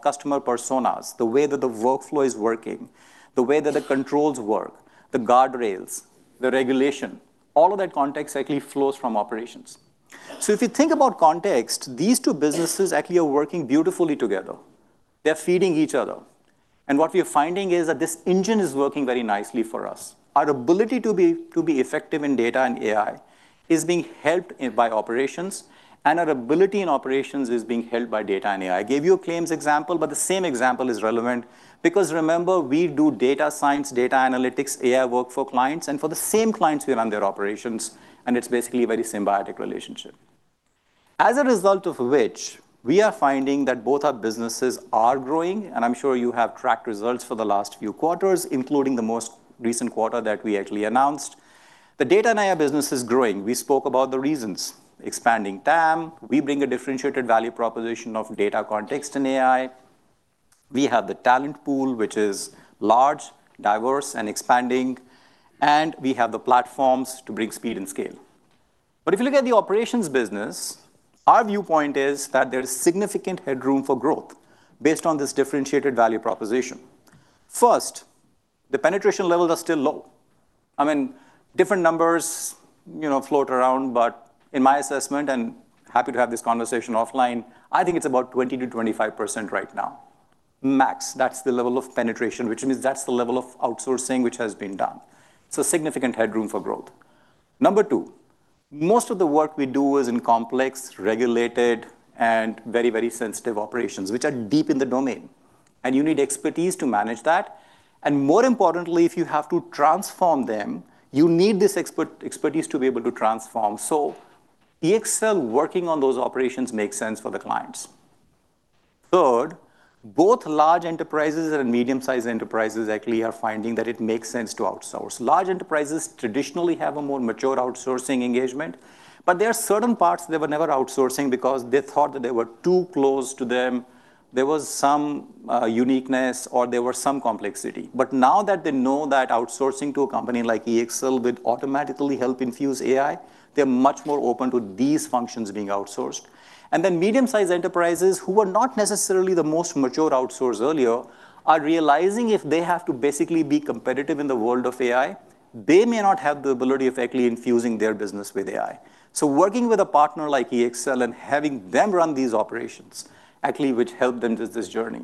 customer personas, the way that the workflow is working, the way that the controls work, the guardrails, the regulation. All of that context actually flows from operations. If you think about context, these two businesses actually are working beautifully together. They're feeding each other. What we are finding is that this engine is working very nicely for us. Our ability to be effective in data and AI is being helped by operations, and our ability in operations is being helped by data and AI. I gave you a claims example, but the same example is relevant because remember, we do data science, data analytics, AI work for clients, and for the same clients, we run their operations, and it's basically a very symbiotic relationship. As a result of which, we are finding that both our businesses are growing, and I'm sure you have tracked results for the last few quarters, including the most recent quarter that we actually announced. The data and AI business is growing. We spoke about the reasons. Expanding TAM. We bring a differentiated value proposition of data context and AI. We have the talent pool, which is large, diverse and expanding, and we have the platforms to bring speed and scale. If you look at the operations business, our viewpoint is that there is significant headroom for growth based on this differentiated value proposition. First, the penetration levels are still low. I mean, different numbers, you know, float around, in my assessment, and happy to have this conversation offline, I think it's about 20%-25% right now, max. That's the level of penetration, which means that's the level of outsourcing which has been done. Significant headroom for growth. Number two, most of the work we do is in complex, regulated and very, very sensitive operations, which are deep in the domain, and you need expertise to manage that. More importantly, if you have to transform them, you need this expert-expertise to be able to transform. EXL working on those operations makes sense for the clients. Third, both large enterprises and medium-sized enterprises actually are finding that it makes sense to outsource. Large enterprises traditionally have a more mature outsourcing engagement, but there are certain parts they were never outsourcing because they thought that they were too close to them. There was some uniqueness or there was some complexity. Now that they know that outsourcing to a company like EXL will automatically help infuse AI, they're much more open to these functions being outsourced. Medium-sized enterprises who were not necessarily the most mature outsource earlier are realizing if they have to basically be competitive in the world of AI, they may not have the ability of actually infusing their business with AI. Working with a partner like EXL and having them run these operations actually would help them with this journey.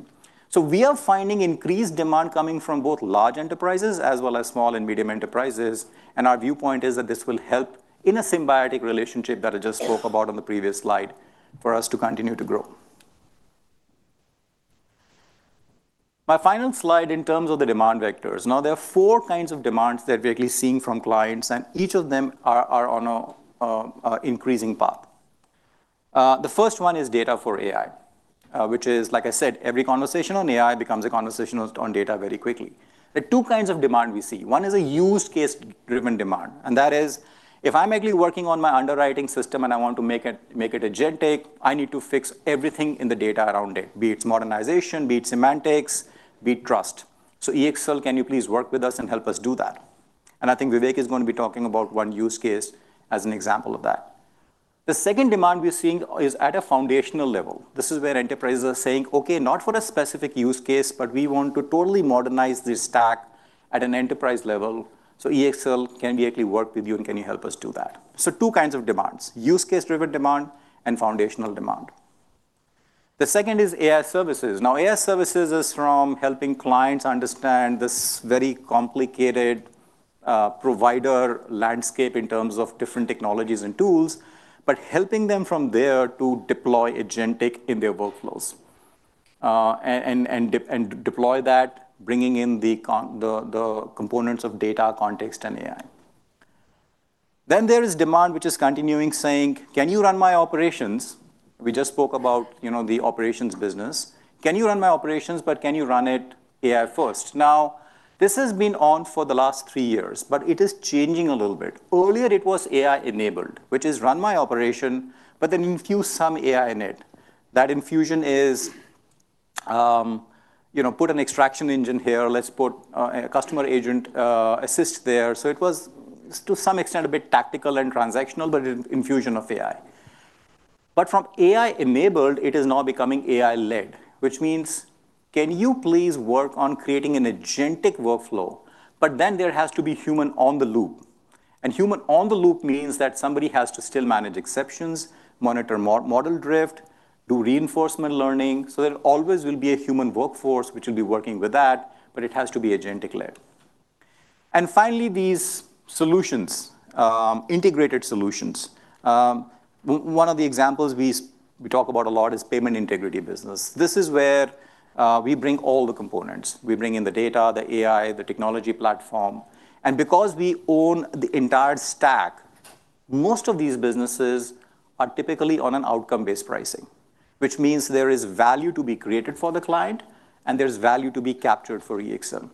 We are finding increased demand coming from both large enterprises as well as small and medium enterprises, and our viewpoint is that this will help in a symbiotic relationship that I just spoke about on the previous slide for us to continue to grow. My final slide in terms of the demand vectors. There are four kinds of demands that we're actually seeing from clients, and each of them are on a increasing path. The first one is data for AI, which is, like I said, every conversation on AI becomes a conversation on data very quickly. There are two kinds of demand we see. One is a use case-driven demand. That is, if I'm actually working on my underwriting system and I want to make it agentic, I need to fix everything in the data around it, be it modernization, be it semantics, be it trust. EXL, can you please work with us and help us do that? I think Vivek is going to be talking about one use case as an example of that. The second demand we're seeing is at a foundational level. This is where enterprises are saying, "Okay, not for a specific use case, but we want to totally modernize this stack at an enterprise level. EXL, can we actually work with you, and can you help us do that?" Two kinds of demands, use case-driven demand and foundational demand. The second is AI services. AI services is from helping clients understand this very complicated provider landscape in terms of different technologies and tools, but helping them from there to deploy agentic in their workflows. And deploy that, bringing in the components of data, context, and AI. There is demand which is continuing, saying, "Can you run my operations?" We just spoke about, you know, the operations business. "Can you run my operations, but can you run it AI first?" This has been on for the last three years, but it is changing a little bit. Earlier it was AI-enabled, which is run my operation, but then infuse some AI in it. That infusion is, you know, put an extraction engine here. Let's put a customer agent assist there. It was, to some extent, a bit tactical and transactional, but an infusion of AI. From AI-enabled, it is now becoming AI-led, which means, "Can you please work on creating an agentic workflow?" Then there has to be human on the loop, and human on the loop means that somebody has to still manage exceptions, monitor model drift, do reinforcement learning. There always will be a human workforce which will be working with that, but it has to be agentic-led. Finally, these solutions, integrated solutions. One of the examples we talk about a lot is Payment Integrity business. This is where we bring all the components. We bring in the data, the AI, the technology platform. Because we own the entire stack, most of these businesses are typically on an outcome-based pricing, which means there is value to be created for the client and there is value to be captured for EXL.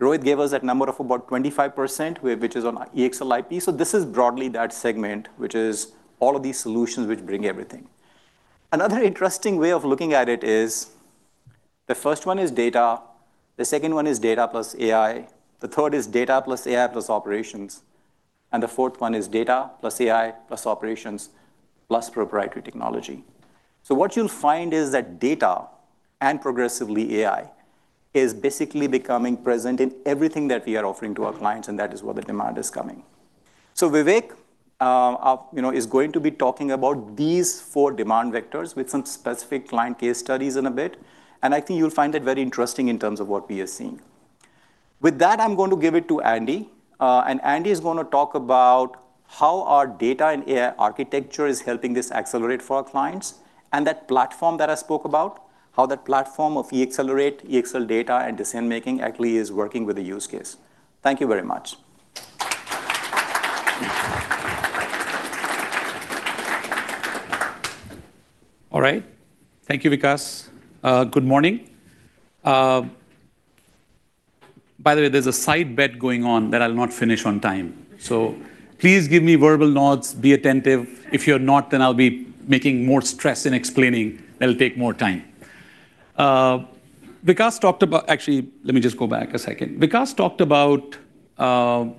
Rohit gave us that number of about 25%, which is on EXL IP. This is broadly that segment, which is all of these solutions which bring everything. Another interesting way of looking at it is the first one is data, the second one is data plus AI, the third is data plus AI plus operations, and the fourth one is data plus AI plus operations plus proprietary technology. What you will find is that data and progressively AI is basically becoming present in everything that we are offering to our clients, and that is where the demand is coming. Vivek, you know, is going to be talking about these four demand vectors with some specific client case studies in a bit, and I think you'll find it very interesting in terms of what we are seeing. With that, I'm going to give it to Andy, and Andy is gonna talk about how our data and AI architecture is helping this accelerate for our clients. That platform that I spoke about, how that platform of EXLerate.ai, EXLdata.ai, and EXLdecision.ai actually is working with a use case. Thank you very much. All right. Thank you, Vikas. Good morning. By the way, there's a side bet going on that I'll not finish on time. Please give me verbal nods, be attentive. If you're not, then I'll be making more stress in explaining. That'll take more time. Vikas talked about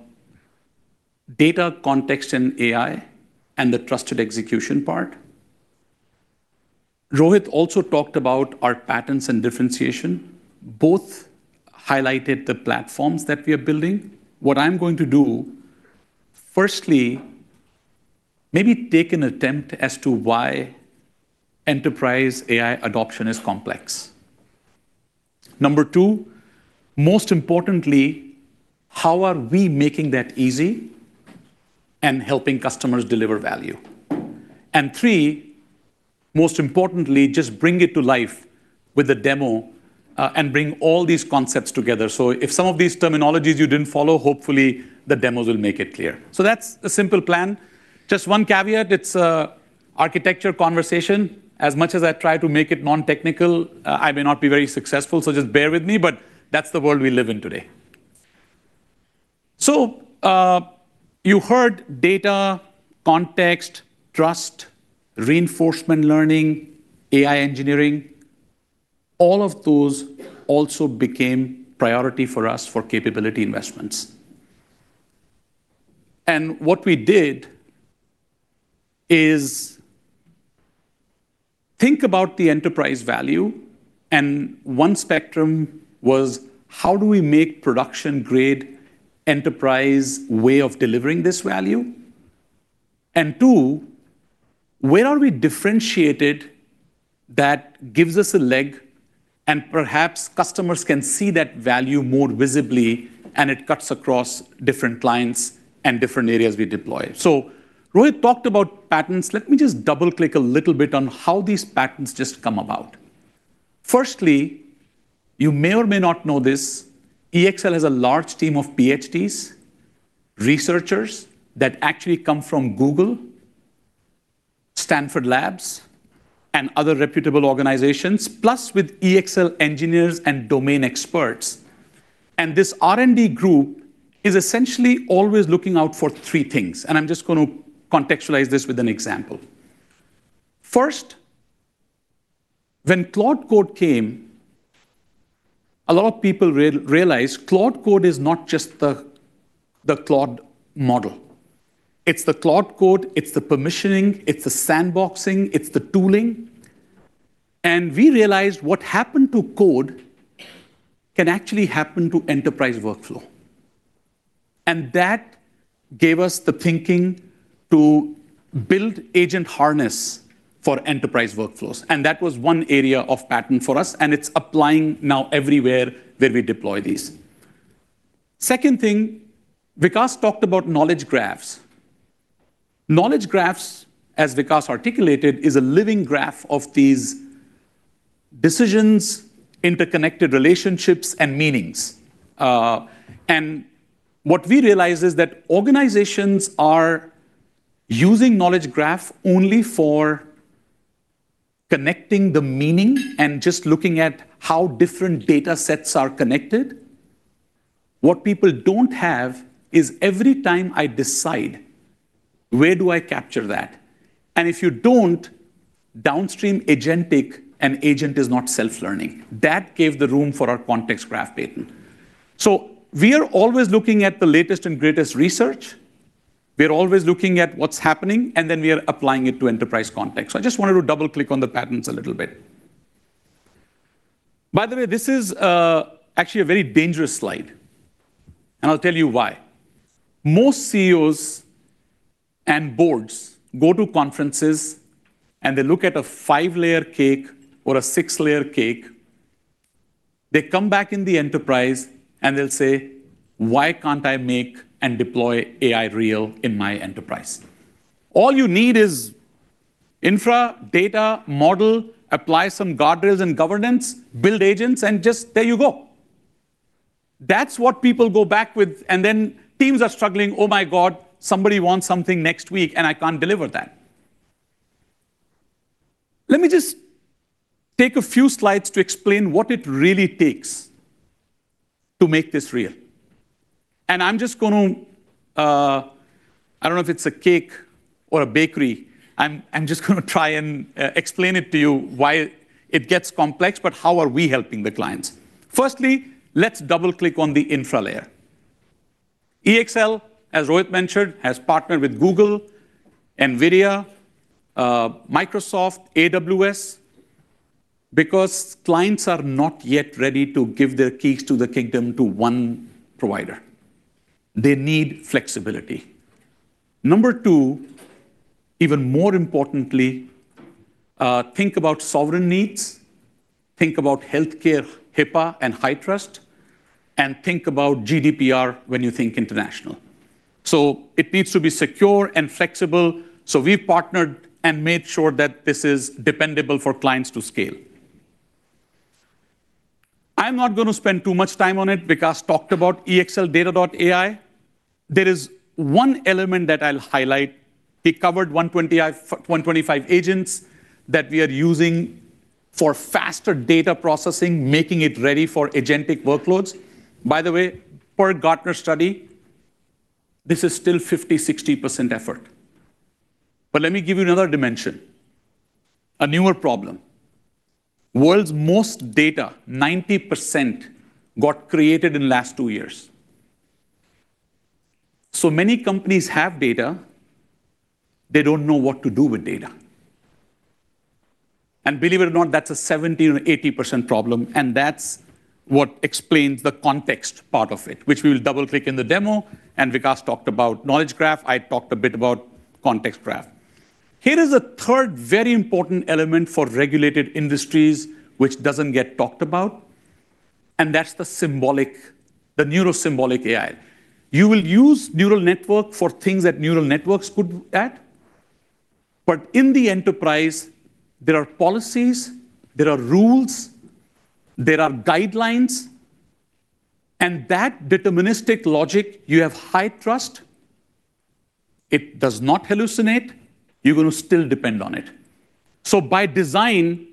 data context and AI and the trusted execution part. Rohit also talked about our patents and differentiation. Both highlighted the platforms that we are building. What I'm going to do, firstly, maybe take an attempt as to why enterprise AI adoption is complex. Number two, most importantly, how are we making that easy and helping customers deliver value? Three, most importantly, just bring it to life with a demo and bring all these concepts together. If some of these terminologies you didn't follow, hopefully the demos will make it clear. That's the simple plan. Just one caveat, it's an architecture conversation. As much as I try to make it non-technical, I may not be very successful, so just bear with me, but that's the world we live in today. You heard data, context, trust, reinforcement learning, AI engineering. All of those also became priority for us for capability investments. What we did is think about the enterprise value, and one spectrum was, how do we make production-grade enterprise way of delivering this value? Two, where are we differentiated that gives us a leg and perhaps customers can see that value more visibly and it cuts across different clients and different areas we deploy? Rohit talked about patents. Let me just double-click a little bit on how these patents just come about. Firstly, you may or may not know this, EXL has a large team of PhDs, researchers that actually come from Google, Stanford AI Lab, and other reputable organizations, plus with EXL engineers and domain experts. This R&D group is essentially always looking out for three things, and I'm just going to contextualize this with an example. First, when Claude Code came, a lot of people realized Claude Code is not just the Claude model. It's the Claude Code, it's the permissioning, it's the sandboxing, it's the tooling. We realized what happened to code can actually happen to enterprise workflow. That gave us the thinking to build agent harness for enterprise workflows, and that was one area of patent for us, and it's applying now everywhere where we deploy these. Second thing, Vikas talked about knowledge graphs. Knowledge graphs, as Vikas articulated, is a living graph of these decisions, interconnected relationships, and meanings. What we realize is that organizations are using knowledge graph only for connecting the meaning and just looking at how different data sets are connected. What people don't have is every time I decide, where do I capture that? If you don't, downstream agentic and agent is not self-learning. That gave the room for our context graph patent. We are always looking at the latest and greatest research, we're always looking at what's happening, and then we are applying it to enterprise context. I just wanted to double-click on the patents a little bit. By the way, this is, actually a very dangerous slide, I'll tell you why. Most CEOs and boards go to conferences, and they look at a five-layer cake or a six-layer cake. They come back in the enterprise, and they'll say, "Why can't I make and deploy AI real in my enterprise? All you need is infra, data, model, apply some guardrails and governance, build agents, and just there you go." That's what people go back with, and then teams are struggling, "Oh, my God, somebody wants something next week, and I can't deliver that." Let me just take a few slides to explain what it really takes to make this real. I'm just gonna, I don't know if it's a cake or a bakery. I'm just gonna try and explain it to you why it gets complex, but how are we helping the clients. Firstly, let's double-click on the infra layer. EXL, as Rohit mentioned, has partnered with Google, NVIDIA, Microsoft, AWS because clients are not yet ready to give their keys to the kingdom to one provider. They need flexibility. Number two, even more importantly, think about sovereign needs, think about healthcare, HIPAA, and HITRUST, and think about GDPR when you think international. It needs to be secure and flexible, so we partnered and made sure that this is dependable for clients to scale. I'm not gonna spend too much time on it. Vikas talked about EXLdata.ai. There is one element that I'll highlight. He covered 125 agents that we are using for faster data processing, making it ready for agentic workloads. By the way, per a Gartner study, this is still 50%, 60% effort. Let me give you another dimension, a newer problem. World's most data, 90%, got created in last two years. Many companies have data, they don't know what to do with data. Believe it or not, that's a 70% or 80% problem, and that's what explains the context part of it, which we'll double-click in the demo. Vikas talked about knowledge graph, I talked a bit about context graph. Here is a third very important element for regulated industries which doesn't get talked about, and that's the symbolic, the Neuro-symbolic AI. You will use neural network for things that neural networks good at. In the enterprise, there are policies, there are rules, there are guidelines, and that deterministic logic, you have high trust. It does not hallucinate. You're gonna still depend on it. By design,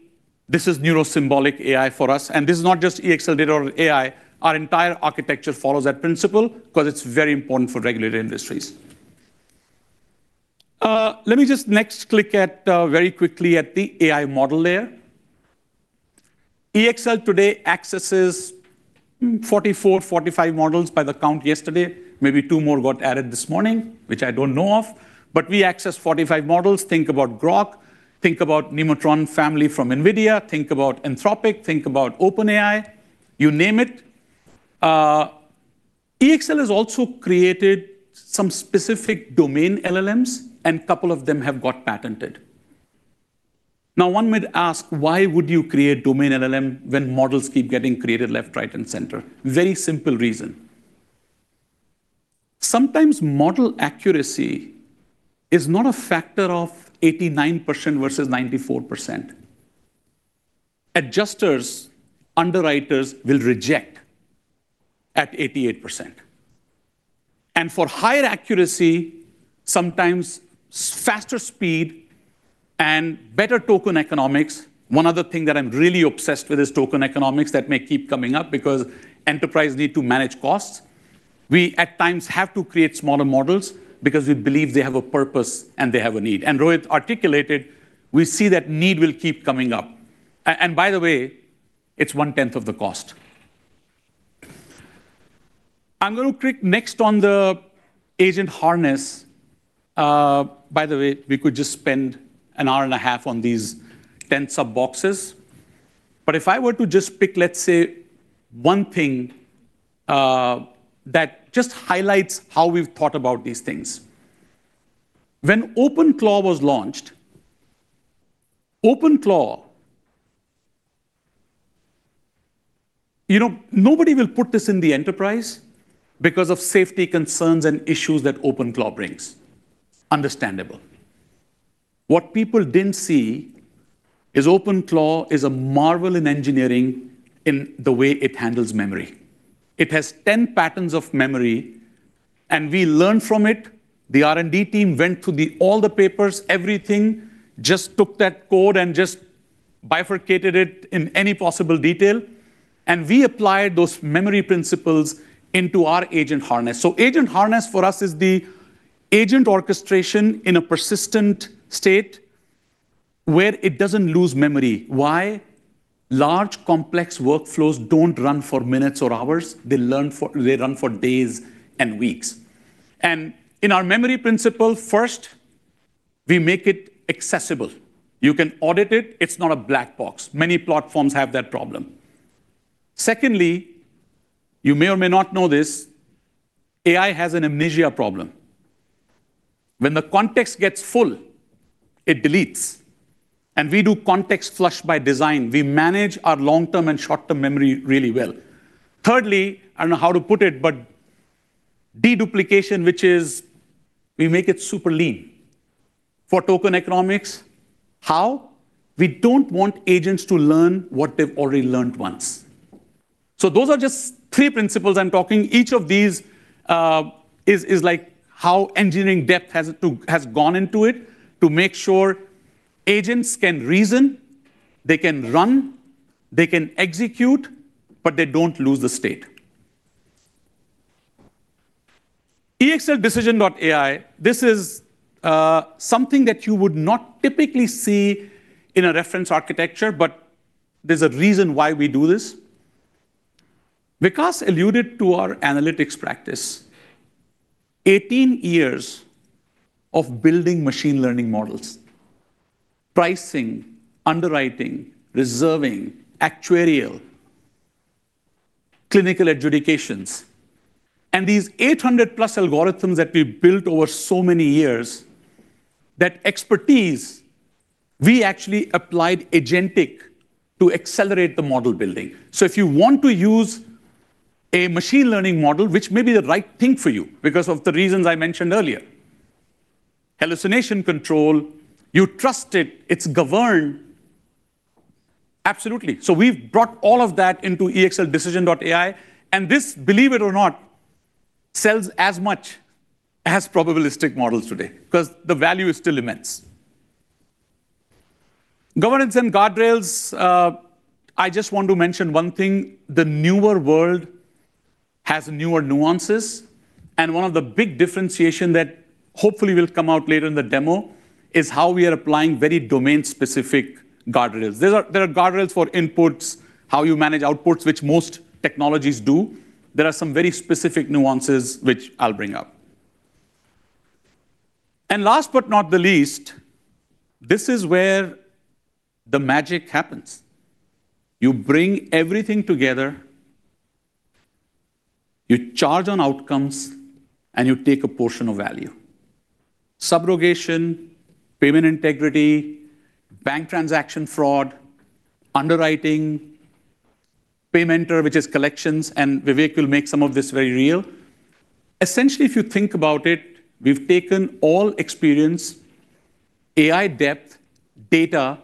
this is Neuro-symbolic AI for us. This is not just EXLdata.ai. Our entire architecture follows that principle 'cause it's very important for regulated industries. Let me just next click at very quickly at the AI model layer. EXL today accesses 44, 45 models by the count yesterday. Maybe two more got added this morning, which I don't know of. We access 45 models. Think about Groq, think about Nemotron family from NVIDIA, think about Anthropic, think about OpenAI, you name it. EXL has also created some specific domain LLMs, and couple of them have got patented. One might ask, "Why would you create domain LLM when models keep getting created left, right, and center?" Very simple reason. Sometimes model accuracy is not a factor of 89% versus 94%. Adjusters, underwriters will reject at 88%. For higher accuracy, sometimes faster speed and better token economics, one other thing that I'm really obsessed with is token economics that may keep coming up because enterprise need to manage costs. We, at times, have to create smaller models because we believe they have a purpose and they have a need. Rohit articulated we see that need will keep coming up. By the way, it's one-tenth of the cost. I'm gonna click next on the agent harness. By the way, we could just spend an hour and a half on these 10 sub-boxes. If I were to just pick, let's say, one thing that just highlights how we've thought about these things. When OpenClaw was launched, you know, nobody will put this in the enterprise because of safety concerns and issues that OpenClaw brings. Understandable. What people didn't see is OpenClaw is a marvel in engineering in the way it handles memory. It has 10 patterns of memory, and we learn from it. The R&D team went through the all the papers, everything, just took that code and just bifurcated it in any possible detail, and we applied those memory principles into our Agent Harness. Agent Harness for us is the agent orchestration in a persistent state where it doesn't lose memory. Why? Large, complex workflows don't run for minutes or hours, they run for days and weeks. In our memory principle, first, we make it accessible. You can audit it. It's not a black box. Many platforms have that problem. Secondly, you may or may not know this, AI has an amnesia problem. When the context gets full, it deletes, and we do context flush by design. We manage our long-term and short-term memory really well. Thirdly, I don't know how to put it, but deduplication, which is we make it super lean for token economics. How? We don't want agents to learn what they've already learned once. Those are just three principles I'm talking. Each of these is like how engineering depth has gone into it to make sure agents can reason, they can run, they can execute, but they don't lose the state. EXLdecision.ai, this is something that you would not typically see in a reference architecture, but there's a reason why we do this. Vikas alluded to our analytics practice. 18 years of building machine learning models, pricing, underwriting, reserving, actuarial, clinical adjudications, and these 800+ algorithms that we've built over so many years, that expertise, we actually applied agentic to accelerate the model building. If you want to use a machine learning model, which may be the right thing for you because of the reasons I mentioned earlier, hallucination control, you trust it's governed. Absolutely. We've brought all of that into EXLdecision.ai, and this, believe it or not, sells as much as probabilistic models today 'cause the value is still immense. Governance and guardrails, I just want to mention one thing. The newer world has newer nuances, and one of the big differentiation that hopefully will come out later in the demo is how we are applying very domain-specific guardrails. There are guardrails for inputs, how you manage outputs, which most technologies do. There are some very specific nuances which I'll bring up. Last but not the least, this is where the magic happens. You bring everything together, you charge on outcomes, and you take a portion of value. Subrogation, Payment Integrity, bank transaction fraud, underwriting, PayMentor, which is collections, and Vivek will make some of this very real. Essentially, if you think about it, we've taken all experience, AI depth, data,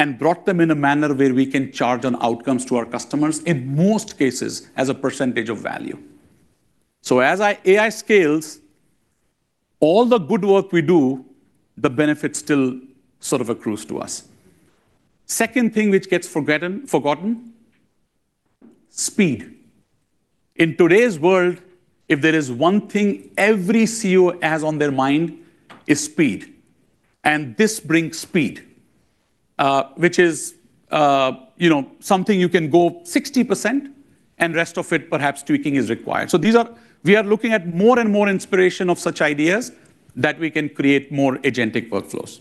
and brought them in a manner where we can charge on outcomes to our customers, in most cases, as a percentage of value. As AI scales all the good work we do, the benefit still sort of accrues to us. Second thing which gets forgotten. Speed. In today's world, if there is one thing every CEO has on their mind is speed, and this brings speed, you know, something you can go 60% and rest of it perhaps tweaking is required. We are looking at more and more inspiration of such ideas that we can create more agentic workflows.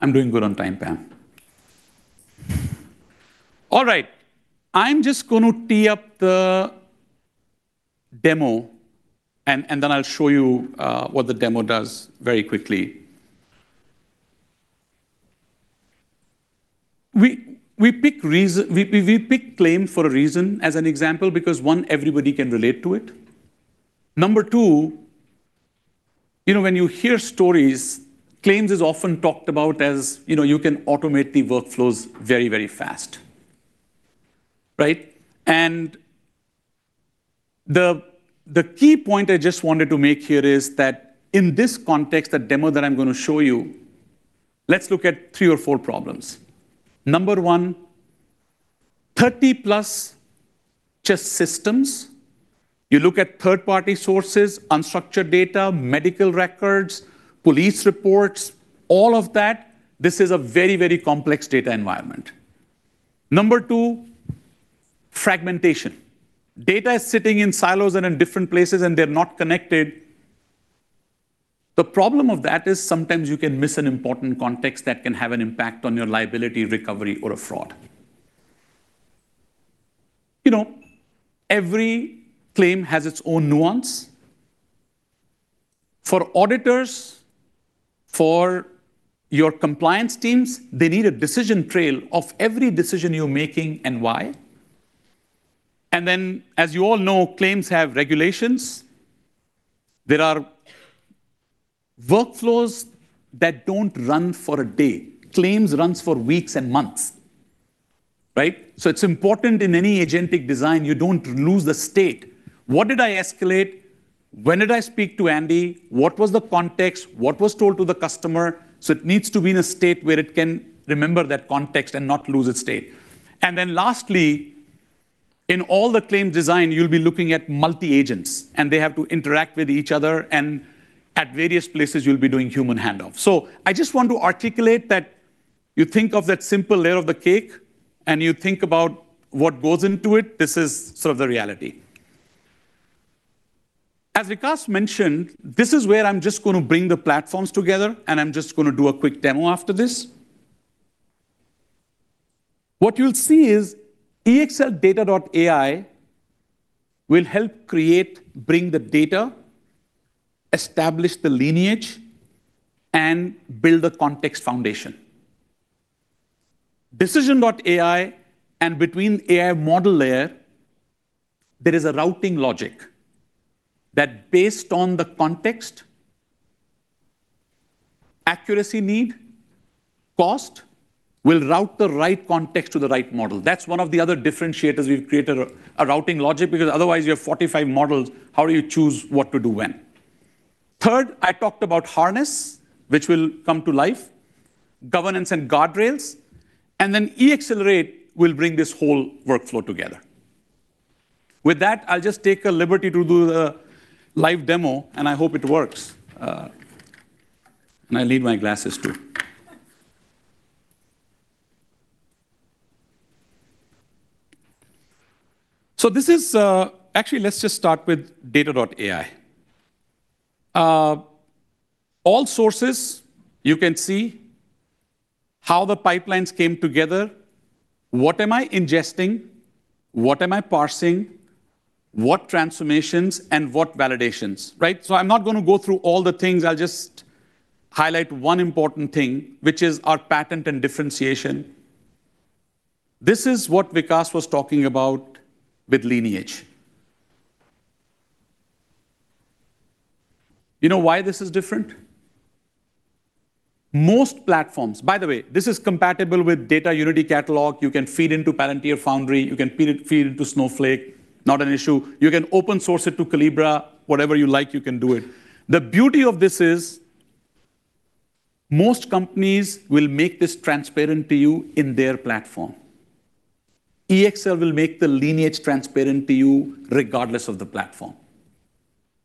I'm doing good on time, Pam. All right. I'm just gonna tee up the demo and then I'll show you what the demo does very quickly. We pick claim for a reason as an example because, one, everybody can relate to it. Number two, you know, when you hear stories, claims is often talked about as, you know, you can automate the workflows very fast, right? The key point I just wanted to make here is that in this context, the demo that I'm gonna show you, let's look at three or four problems. Number one, 30+ just systems. You look at third-party sources, unstructured data, medical records, police reports, all of that. This is a very, very complex data environment. Number two, fragmentation. Data is sitting in silos and in different places, they're not connected. The problem of that is sometimes you can miss an important context that can have an impact on your liability, recovery, or a fraud. You know, every claim has its own nuance. For auditors, for your compliance teams, they need a decision trail of every decision you're making and why. As you all know, claims have regulations. There are workflows that don't run for a day. Claims runs for weeks and months, right? It's important in any agentic design you don't lose the state. What did I escalate? When did I speak to Andy? What was the context? What was told to the customer? It needs to be in a state where it can remember that context and not lose its state. Lastly, in all the claim design, you'll be looking at multi-agents, and they have to interact with each other and at various places, you'll be doing human handoff. I just want to articulate that you think of that simple layer of the cake and you think about what goes into it. This is sort of the reality. As Vikas mentioned, this is where I'm just going to bring the platforms together and I'm just going to do a quick demo after this. What you'll see is EXLdata.ai will help create, bring the data, establish the lineage, and build a context foundation. Decision.AI and between the AI model layer, there is a routing logic that, based on the context, accuracy need, and cost, will route the right context to the right model. That's one of the other differentiators. We've created a routing logic because otherwise you have 45 models, how do you choose what to do when? Third, I talked about harness, which will come to life, governance and guardrails, and then EXLerate will bring this whole workflow together. With that, I'll just take a liberty to do the live demo, and I hope it works. I need my glasses too. This is Actually, let's just start with Data.ai. All sources you can see how the pipelines came together, what am I ingesting, what am I parsing, what transformations, and what validations, right? I'm not gonna go through all the things, I'll just highlight one important thing, which is our patent and differentiation. This is what Vikas was talking about with lineage. You know why this is different? By the way, this is compatible with Unity Catalog. You can feed into Palantir Foundry, you can feed into Snowflake, not an issue. You can open source it to Collibra. Whatever you like, you can do it. The beauty of this is most companies will make this transparent to you in their platform. EXL will make the lineage transparent to you regardless of the platform.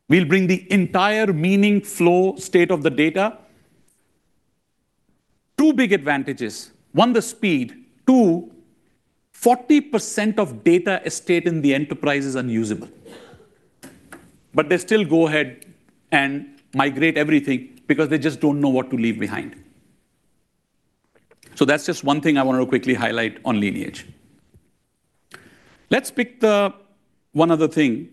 We'll bring the entire meaning flow state of the data. Two big advantages: One, the speed. Two, 40% of data estate in the enterprise is unusable, but they still go ahead and migrate everything because they just don't know what to leave behind. That's just one thing I want to quickly highlight on lineage. Let's pick one other thing.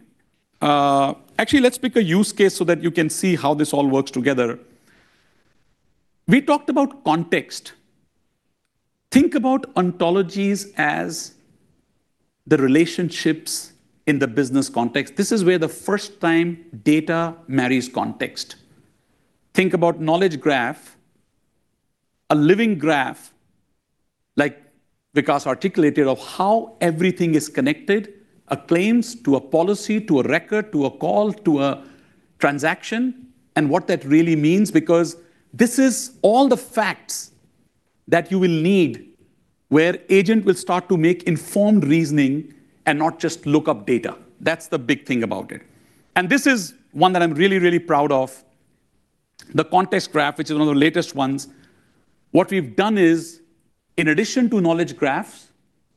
Actually, let's pick a use case so that you can see how this all works together. We talked about context. Think about ontologies as the relationships in the business context. This is where the first time data marries context. Think about knowledge graph, a living graph, like Vikas articulated, of how everything is connected, a claims to a policy to a record to a call to a transaction, and what that really means because this is all the facts that you will need where agent will start to make informed reasoning and not just look up data. That's the big thing about it. This is one that I'm really proud of, the context graph, which is one of the latest ones. What we've done is, in addition to knowledge graphs,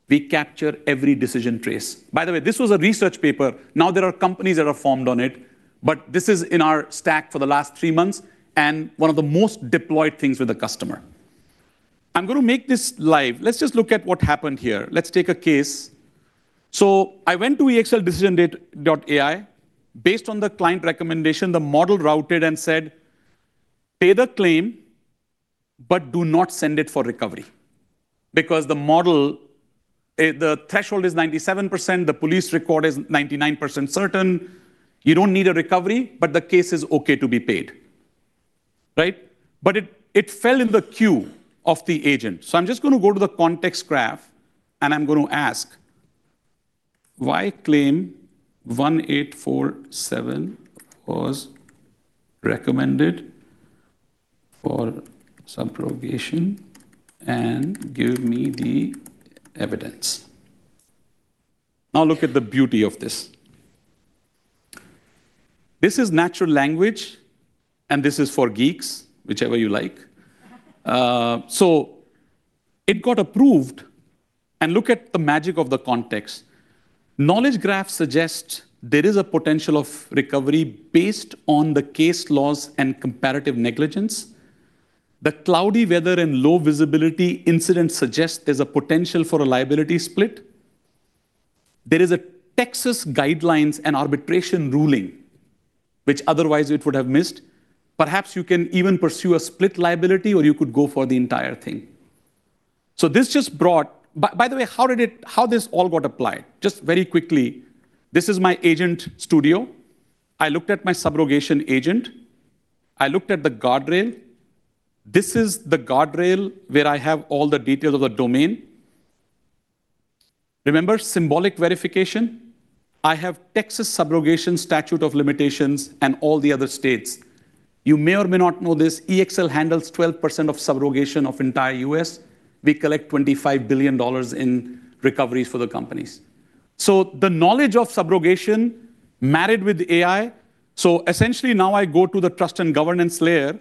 we capture every decision trace. This was a research paper, now there are companies that have formed on it, but this is in our stack for the last three months and one of the most deployed things with the customer. I'm gonna make this live. Let's just look at what happened here. Let's take a case. I went to EXLdecision.ai. Based on the client recommendation, the model routed and said, "Pay the claim, but do not send it for recovery," because the model, the threshold is 97%, the police record is 99% certain, you don't need a recovery, but the case is okay to be paid, right? It fell in the queue of the agent. I'm just gonna go to the context graph and I'm gonna ask, "Why claim 1847 was recommended for subrogation? Give me the evidence. Now look at the beauty of this. This is natural language, and this is for geeks, whichever you like. It got approved, and look at the magic of the context. Knowledge graph suggests there is a potential of recovery based on the case laws and comparative negligence. The cloudy weather and low visibility incident suggests there's a potential for a liability split. There is a Texas guidelines and arbitration ruling which otherwise it would have missed. Perhaps you can even pursue a split liability, or you could go for the entire thing. This just brought, by the way, how this all got applied? Just very quickly, this is my agent studio. I looked at my subrogation agent. I looked at the guardrail. This is the guardrail where I have all the details of the domain. Remember symbolic verification? I have Texas Subrogation Statute of Limitations and all the other states. You may or may not know this, EXL handles 12% of subrogation of entire U.S. We collect $25 billion in recoveries for the companies. The knowledge of subrogation married with AI. Essentially, now I go to the trust and governance layer.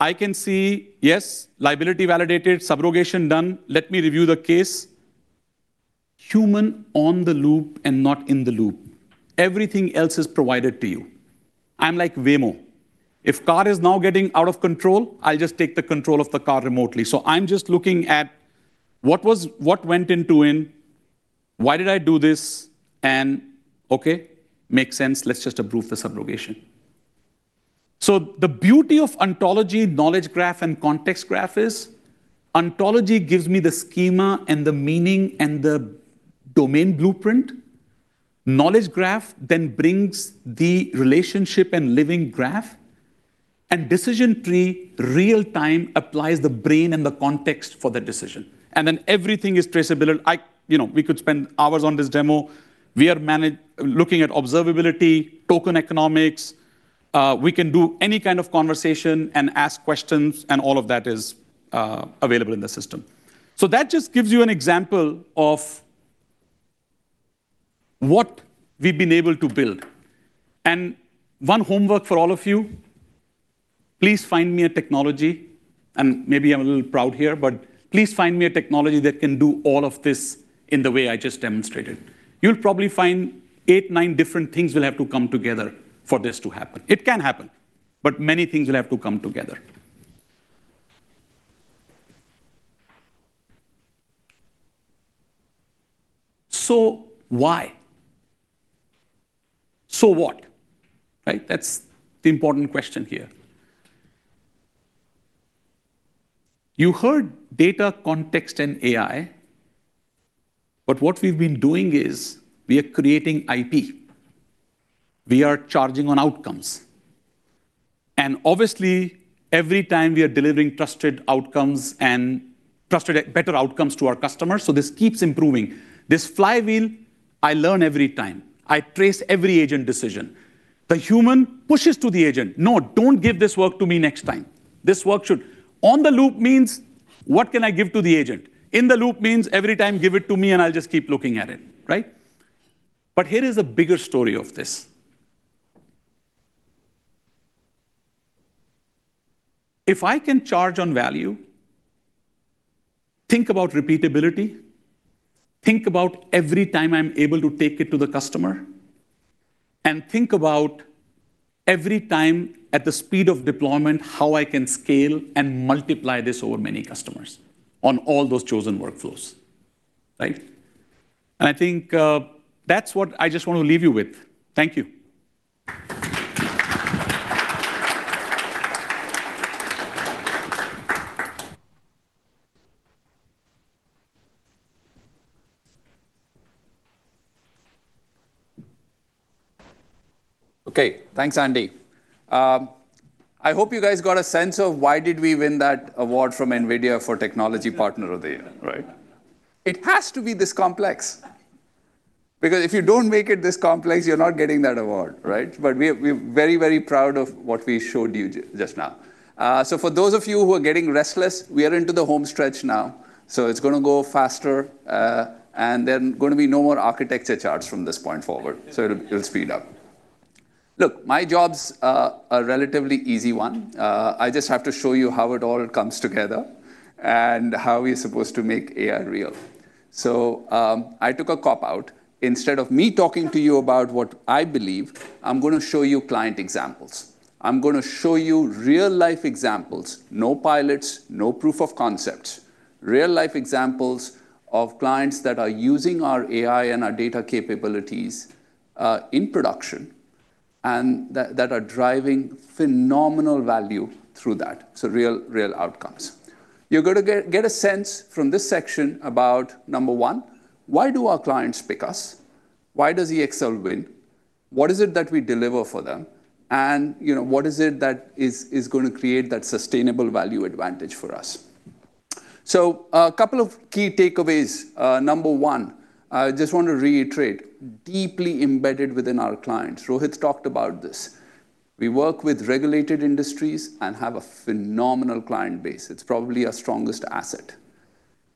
I can see, yes, liability validated, subrogation done. Let me review the case. Human on the loop and not in the loop. Everything else is provided to you. I'm like Waymo. If car is now getting out of control, I'll just take the control of the car remotely. I'm just looking at what went into in, why did I do this, and okay, makes sense. Let's just approve the subrogation. The beauty of ontology knowledge graph and context graph is ontology gives me the schema and the meaning and the domain blueprint. Knowledge graph then brings the relationship and living graph, and decision tree real-time applies the brain and the context for the decision. Everything is. You know, we could spend hours on this demo. We are looking at observability, token economics. We can do any kind of conversation and ask questions, and all of that is available in the system. That just gives you an example of what we've been able to build. One homework for all of you, please find me a technology, and maybe I'm a little proud here, but please find me a technology that can do all of this in the way I just demonstrated. You'll probably find eight, nine different things will have to come together for this to happen. It can happen, but many things will have to come together. Why? What? Right? That's the important question here. You heard data context and AI. What we've been doing is we are creating IP. We are charging on outcomes. Obviously, every time we are delivering trusted outcomes and trusted better outcomes to our customers, this keeps improving. This flywheel, I learn every time. I trace every agent decision. The human pushes to the agent, "No, don't give this work to me next time." On the loop means what can I give to the agent? In the loop means every time give it to me, and I'll just keep looking at it, right? Here is a bigger story of this. If I can charge on value, think about repeatability, think about every time I'm able to take it to the customer, and think about every time at the speed of deployment, how I can scale and multiply this over many customers on all those chosen workflows, right? I think, that's what I just want to leave you with. Thank you. Okay. Thanks, Andy. I hope you guys got a sense of why did we win that award from NVIDIA for technology partner of the year, right? It has to be this complex, because if you don't make it this complex, you're not getting that award, right? We're very, very proud of what we showed you just now. For those of you who are getting restless, we are into the home stretch now, so it's gonna go faster, and there are gonna be no more architecture charts from this point forward. It'll speed up. Look, my job's a relatively easy one. I just have to show you how it all comes together and how we're supposed to make AI real. I took a cop-out. Instead of me talking to you about what I believe, I'm gonna show you client examples. I'm gonna show you real-life examples. No pilots, no proof of concepts. Real-life examples of clients that are using our AI and our data capabilities in production, and that are driving phenomenal value through that. Real outcomes. You're gonna get a sense from this section about, number one, why do our clients pick us? Why does EXL win? What is it that we deliver for them? you know, what is it that is gonna create that sustainable value advantage for us? A couple of key takeaways. number one, I just want to reiterate, deeply embedded within our clients. Rohit's talked about this. We work with regulated industries and have a phenomenal client base. It's probably our strongest asset.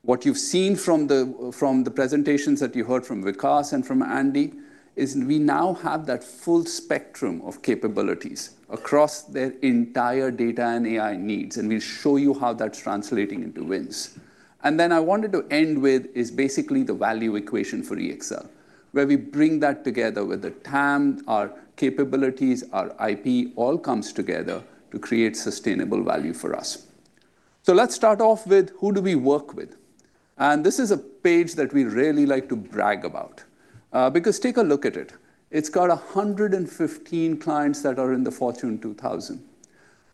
What you've seen from the presentations that you heard from Vikas and from Andy is we now have that full spectrum of capabilities across their entire data and AI needs, and we'll show you how that's translating into wins. I wanted to end with is basically the value equation for EXL, where we bring that together with the TAM, our capabilities, our IP, all comes together to create sustainable value for us. Who do we work with? This is a page that we really like to brag about, because take a look at it. It's got 115 clients that are in the Fortune 2000.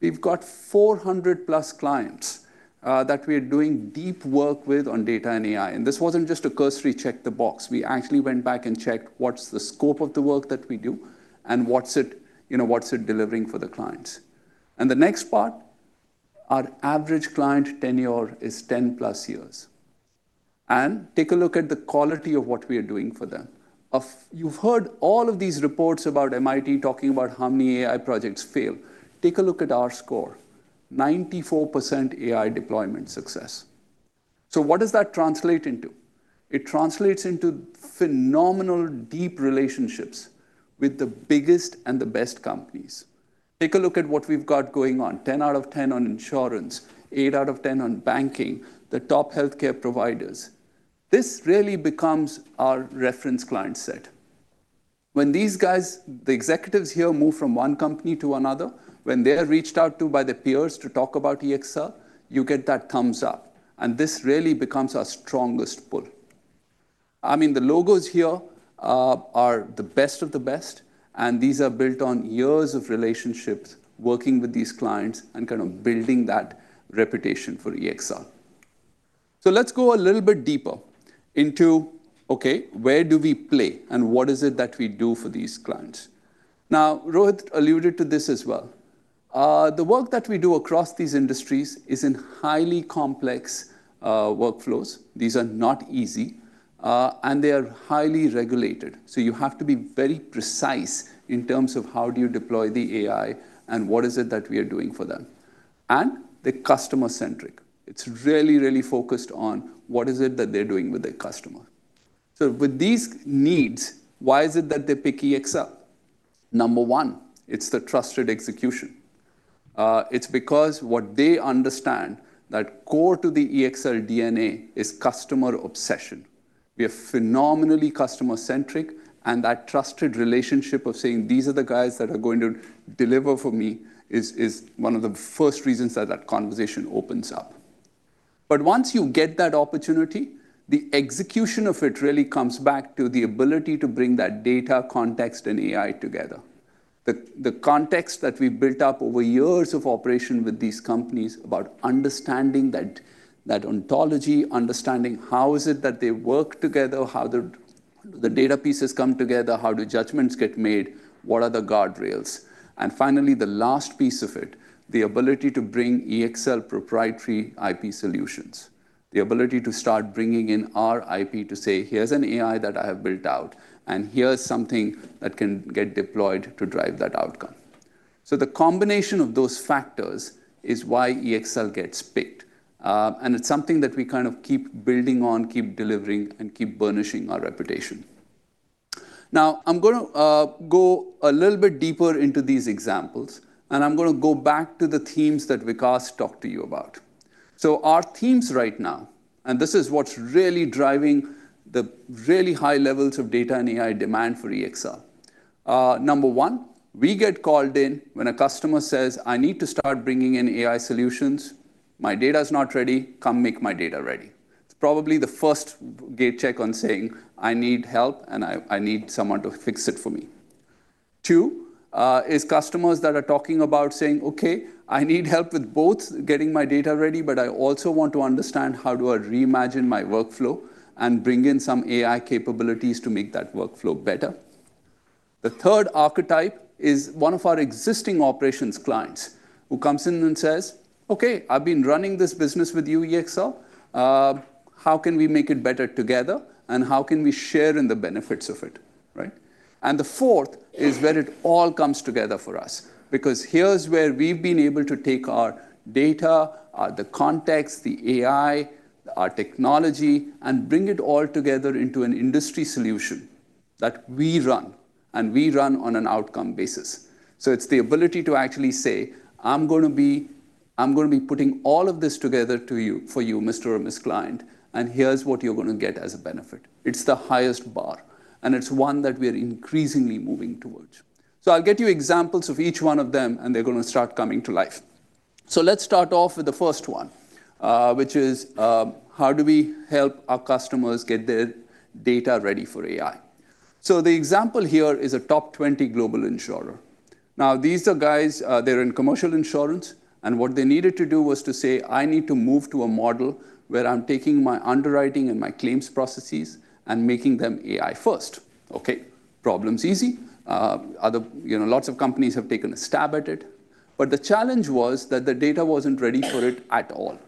We've got 400+ clients that we're doing deep work with on data and AI, and this wasn't just a cursory check the box. We actually went back and checked what's the scope of the work that we do and what's it, you know, what's it delivering for the clients. The next part, our average client tenure is 10+ years. Take a look at the quality of what we are doing for them. You've heard all of these reports about MIT talking about how many AI projects fail. Take a look at our score, 94% AI deployment success. What does that translate into? It translates into phenomenal, deep relationships with the biggest and the best companies. Take a look at what we've got going on. 10 out of 10 on insurance, eight out of 10 on banking, the top healthcare providers. This really becomes our reference client set. When these guys, the executives here move from one company to another, when they are reached out to by their peers to talk about EXL, you get that thumbs up, and this really becomes our strongest pull. I mean, the logos here are the best of the best, and these are built on years of relationships working with these clients and kind of building that reputation for EXL. Let's go a little bit deeper into, okay, where do we play and what is it that we do for these clients? Now, Rohit alluded to this as well. The work that we do across these industries is in highly complex workflows. These are not easy, and they are highly regulated. You have to be very precise in terms of how do you deploy the AI and what is it that we are doing for them, and they're customer-centric. It's really, really focused on what is it that they're doing with their customer. With these needs, why is it that they pick EXL? Number one, it's the trusted execution. It's because what they understand that core to the EXL DNA is customer obsession. We are phenomenally customer-centric, and that trusted relationship of saying, "These are the guys that are going to deliver for me," is one of the first reasons that that conversation opens up. Once you get that opportunity, the execution of it really comes back to the ability to bring that data context and AI together. The context that we built up over years of operation with these companies about understanding that ontology, understanding how is it that they work together, how the data pieces come together, how do judgments get made, what are the guardrails. Finally, the last piece of it, the ability to bring EXL proprietary IP solutions. The ability to start bringing in our IP to say, "Here's an AI that I have built out, and here's something that can get deployed to drive that outcome." The combination of those factors is why EXL gets picked, and it's something that we kind of keep building on, keep delivering, and keep burnishing our reputation. I'm gonna go a little bit deeper into these examples, and I'm gonna go back to the themes that Vikas talked to you about. Our themes right now, and this is what's really driving the really high levels of data and AI demand for EXL. Number one, we get called in when a customer says, "I need to start bringing in AI solutions. My data is not ready. Come make my data ready." It's probably the first gate check on saying, "I need help and I need someone to fix it for me." Two, is customers that are talking about saying, "Okay, I need help with both getting my data ready, but I also want to understand how do I reimagine my workflow and bring in some AI capabilities to make that workflow better." The third archetype is one of our existing operations clients who comes in and says, "Okay, I've been running this business with you, EXL. How can we make it better together, and how can we share in the benefits of it?" Right? The fourth is where it all comes together for us because here's where we've been able to take our data, the context, the AI, our technology, and bring it all together into an industry solution that we run, and we run on an outcome basis. It's the ability to actually say, "I'm gonna be putting all of this together for you, Mr. or Ms. Client, and here's what you're gonna get as a benefit." It's the highest bar, and it's one that we're increasingly moving towards. I'll get you examples of each one of them, and they're gonna start coming to life. Let's start off with the first one, which is, how do we help our customers get their data ready for AI? The example here is a top 20 global insurer. These are guys, they're in commercial insurance, and what they needed to do was to say, "I need to move to a model where I'm taking my underwriting and my claims processes and making them AI first." Problem's easy. Other, you know, lots of companies have taken a stab at it. The challenge was that the data wasn't ready for it at all.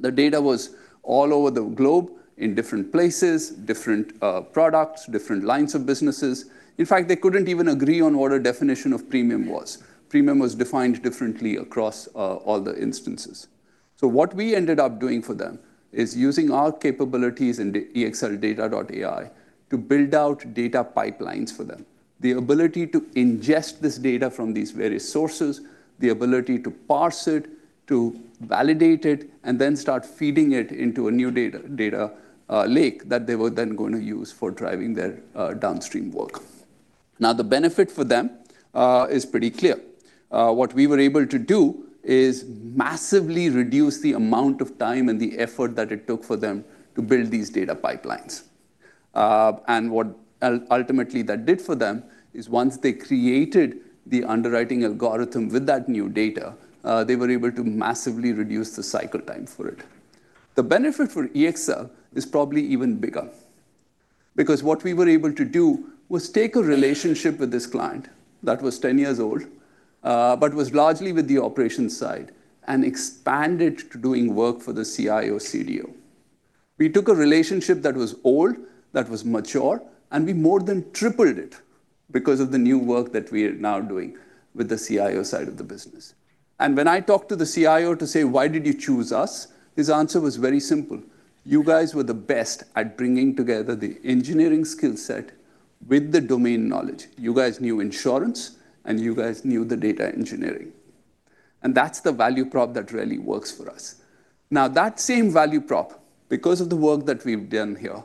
The data was all over the globe in different places, different products, different lines of businesses. In fact, they couldn't even agree on what a definition of premium was. Premium was defined differently across all the instances. What we ended up doing for them is using our capabilities in the EXLdata.ai to build out data pipelines for them. The ability to ingest this data from these various sources, the ability to parse it, to validate it, and then start feeding it into a new data lake that they were then going to use for driving their downstream work. The benefit for them is pretty clear. What we were able to do is massively reduce the amount of time and the effort that it took for them to build these data pipelines. What ultimately that did for them is once they created the underwriting algorithm with that new data, they were able to massively reduce the cycle time for it. The benefit for EXL is probably even bigger. Because what we were able to do was take a relationship with this client that was 10 years old, but was largely with the operations side, and expand it to doing work for the CIO/CDO. We took a relationship that was old, that was mature, and we more than tripled it because of the new work that we're now doing with the CIO side of the business. When I talked to the CIO to say, "Why did you choose us?" His answer was very simple: "You guys were the best at bringing together the engineering skill set with the domain knowledge. You guys knew insurance, and you guys knew the data engineering. That's the value prop that really works for us." That same value prop, because of the work that we've done here,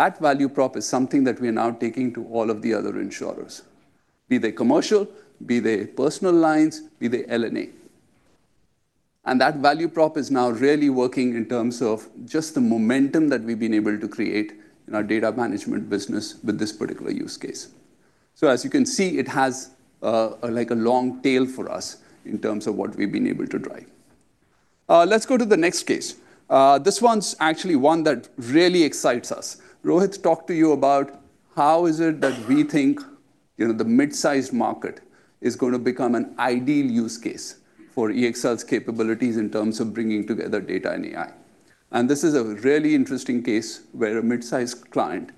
that value prop is something that we're now taking to all of the other insurers, be they commercial, be they personal lines, be they L&A. That value prop is now really working in terms of just the momentum that we've been able to create in our data management business with this particular use case. As you can see, it has like a long tail for us in terms of what we've been able to drive. Let's go to the next case. This one's actually one that really excites us. Rohit talked to you about how is it that we think, you know, the mid-sized market is gonna become an ideal use case for EXL's capabilities in terms of bringing together data and AI. This is a really interesting case where a mid-sized client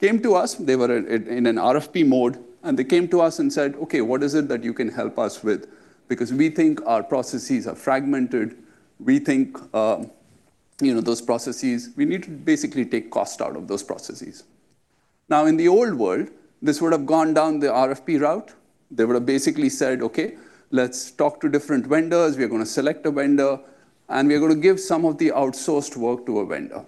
came to us, they were in an RFP mode, they came to us and said, "Okay, what is it that you can help us with? We think our processes are fragmented, we think, you know, we need to basically take cost out of those processes." In the old world, this would have gone down the RFP route. They would have basically said, "Okay, let's talk to different vendors. We're gonna select a vendor, we're gonna give some of the outsourced work to a vendor."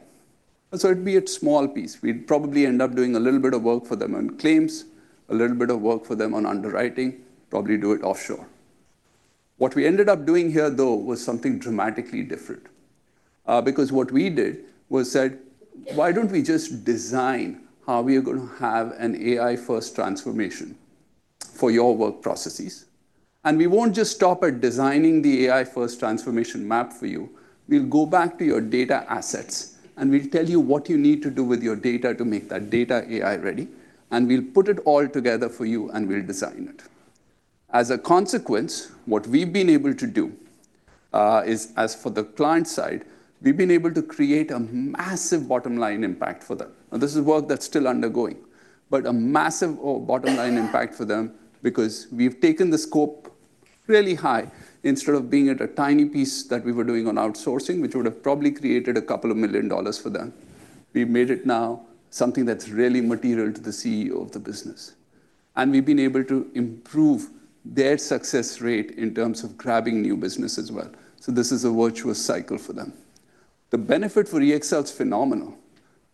It'd be a small piece. We'd probably end up doing a little bit of work for them on claims, a little bit of work for them on underwriting, probably do it offshore. What we ended up doing here, though, was something dramatically different. What we did was said, "Why don't we just design how we are gonna have an AI-first transformation for your work processes? We won't just stop at designing the AI-first transformation map for you. We'll go back to your data assets, and we'll tell you what you need to do with your data to make that data AI-ready, and we'll put it all together for you, and we'll design it." As a consequence, what we've been able to do, is as for the client side, we've been able to create a massive bottom line impact for them. This is work that's still undergoing, but a massive bottom line impact for them because we've taken the scope really high. Instead of being at a tiny piece that we were doing on outsourcing, which would have probably created $2 million for them, we've made it now something that's really material to the CEO of the business. We've been able to improve their success rate in terms of grabbing new business as well. This is a virtuous cycle for them. The benefit for EXL is phenomenal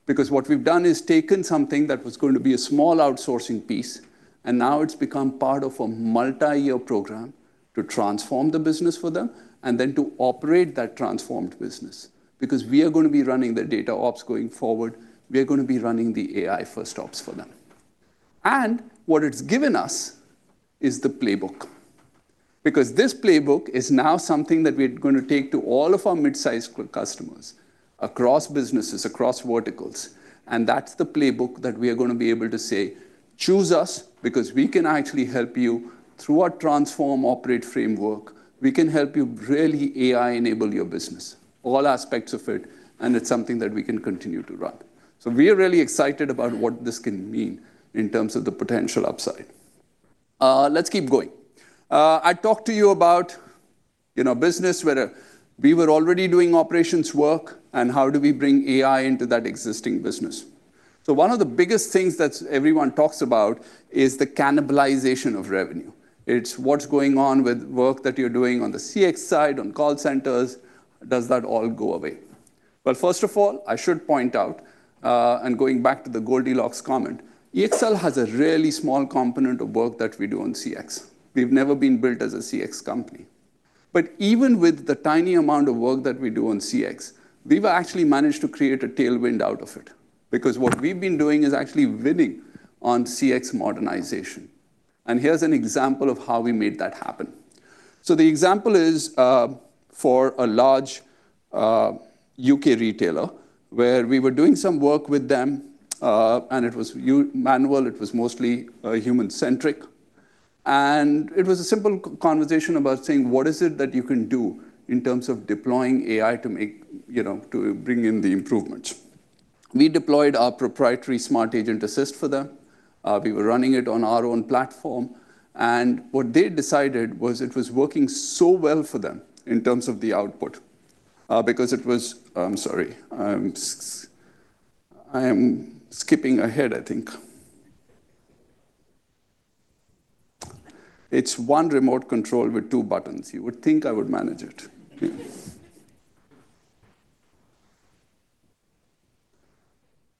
because what we've done is taken something that was going to be a small outsourcing piece, and now it's become part of a multi-year program to transform the business for them and then to operate that transformed business. We are gonna be running their DataOps going forward, we are gonna be running the AI-first ops for them. What it's given us is the playbook. This playbook is now something that we're gonna take to all of our mid-sized customers across businesses, across verticals, and that's the playbook that we are gonna be able to say, "Choose us because we can actually help you through our transform operate framework. We can help you really AI-enable your business, all aspects of it, and it's something that we can continue to run." We are really excited about what this can mean in terms of the potential upside. Let's keep going. I talked to you about, you know, business where we were already doing operations work and how do we bring AI into that existing business. One of the biggest things that everyone talks about is the cannibalization of revenue. It's what's going on with work that you're doing on the CX side, on call centers, does that all go away? Well, first of all, I should point out, and going back to the Goldilocks comment, EXL has a really small component of work that we do on CX. We've never been built as a CX company. Even with the tiny amount of work that we do on CX, we've actually managed to create a tailwind out of it because what we've been doing is actually winning on CX modernization. Here's an example of how we made that happen. The example is for a large U.K. retailer where we were doing some work with them, and it was manual, it was mostly human-centric. It was a simple conversation about saying, "What is it that you can do in terms of deploying AI to make, you know, to bring in the improvements?" We deployed our proprietary Smart Agent Assist for them. We were running it on our own platform. What they decided was it was working so well for them in terms of the output, because it was I'm sorry. I am skipping ahead, I think. It's one remote control with two buttons. You would think I would manage it.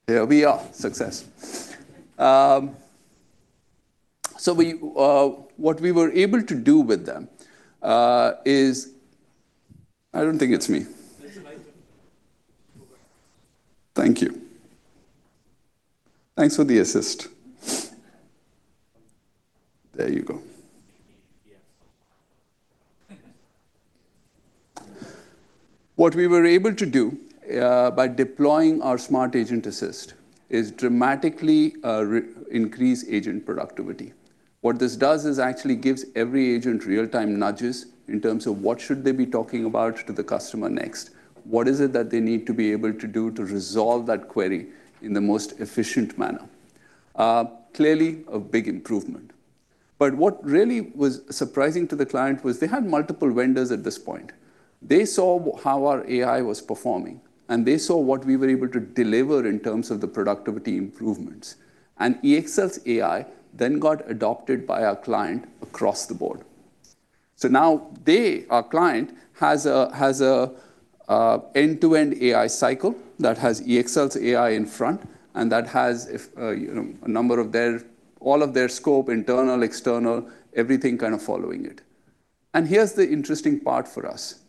There we are. Success. We, what we were able to do with them, is I don't think it's me. It's right. Thank you. Thanks for the assist. There you go. Yes. What we were able to do, by deploying our Smart Agent Assist is dramatically increase agent productivity. What this does is actually gives every agent real-time nudges in terms of what should they be talking about to the customer next. What is it that they need to be able to do to resolve that query in the most efficient manner? Clearly a big improvement. What really was surprising to the client was they had multiple vendors at this point. They saw how our AI was performing, and they saw what we were able to deliver in terms of the productivity improvements. EXL's AI then got adopted by our client across the board. Now they, our client, has a end-to-end AI cycle that has EXL's AI in front and that has, if, you know, all of their scope, internal, external, everything kind of following it. Here's the interesting part for us.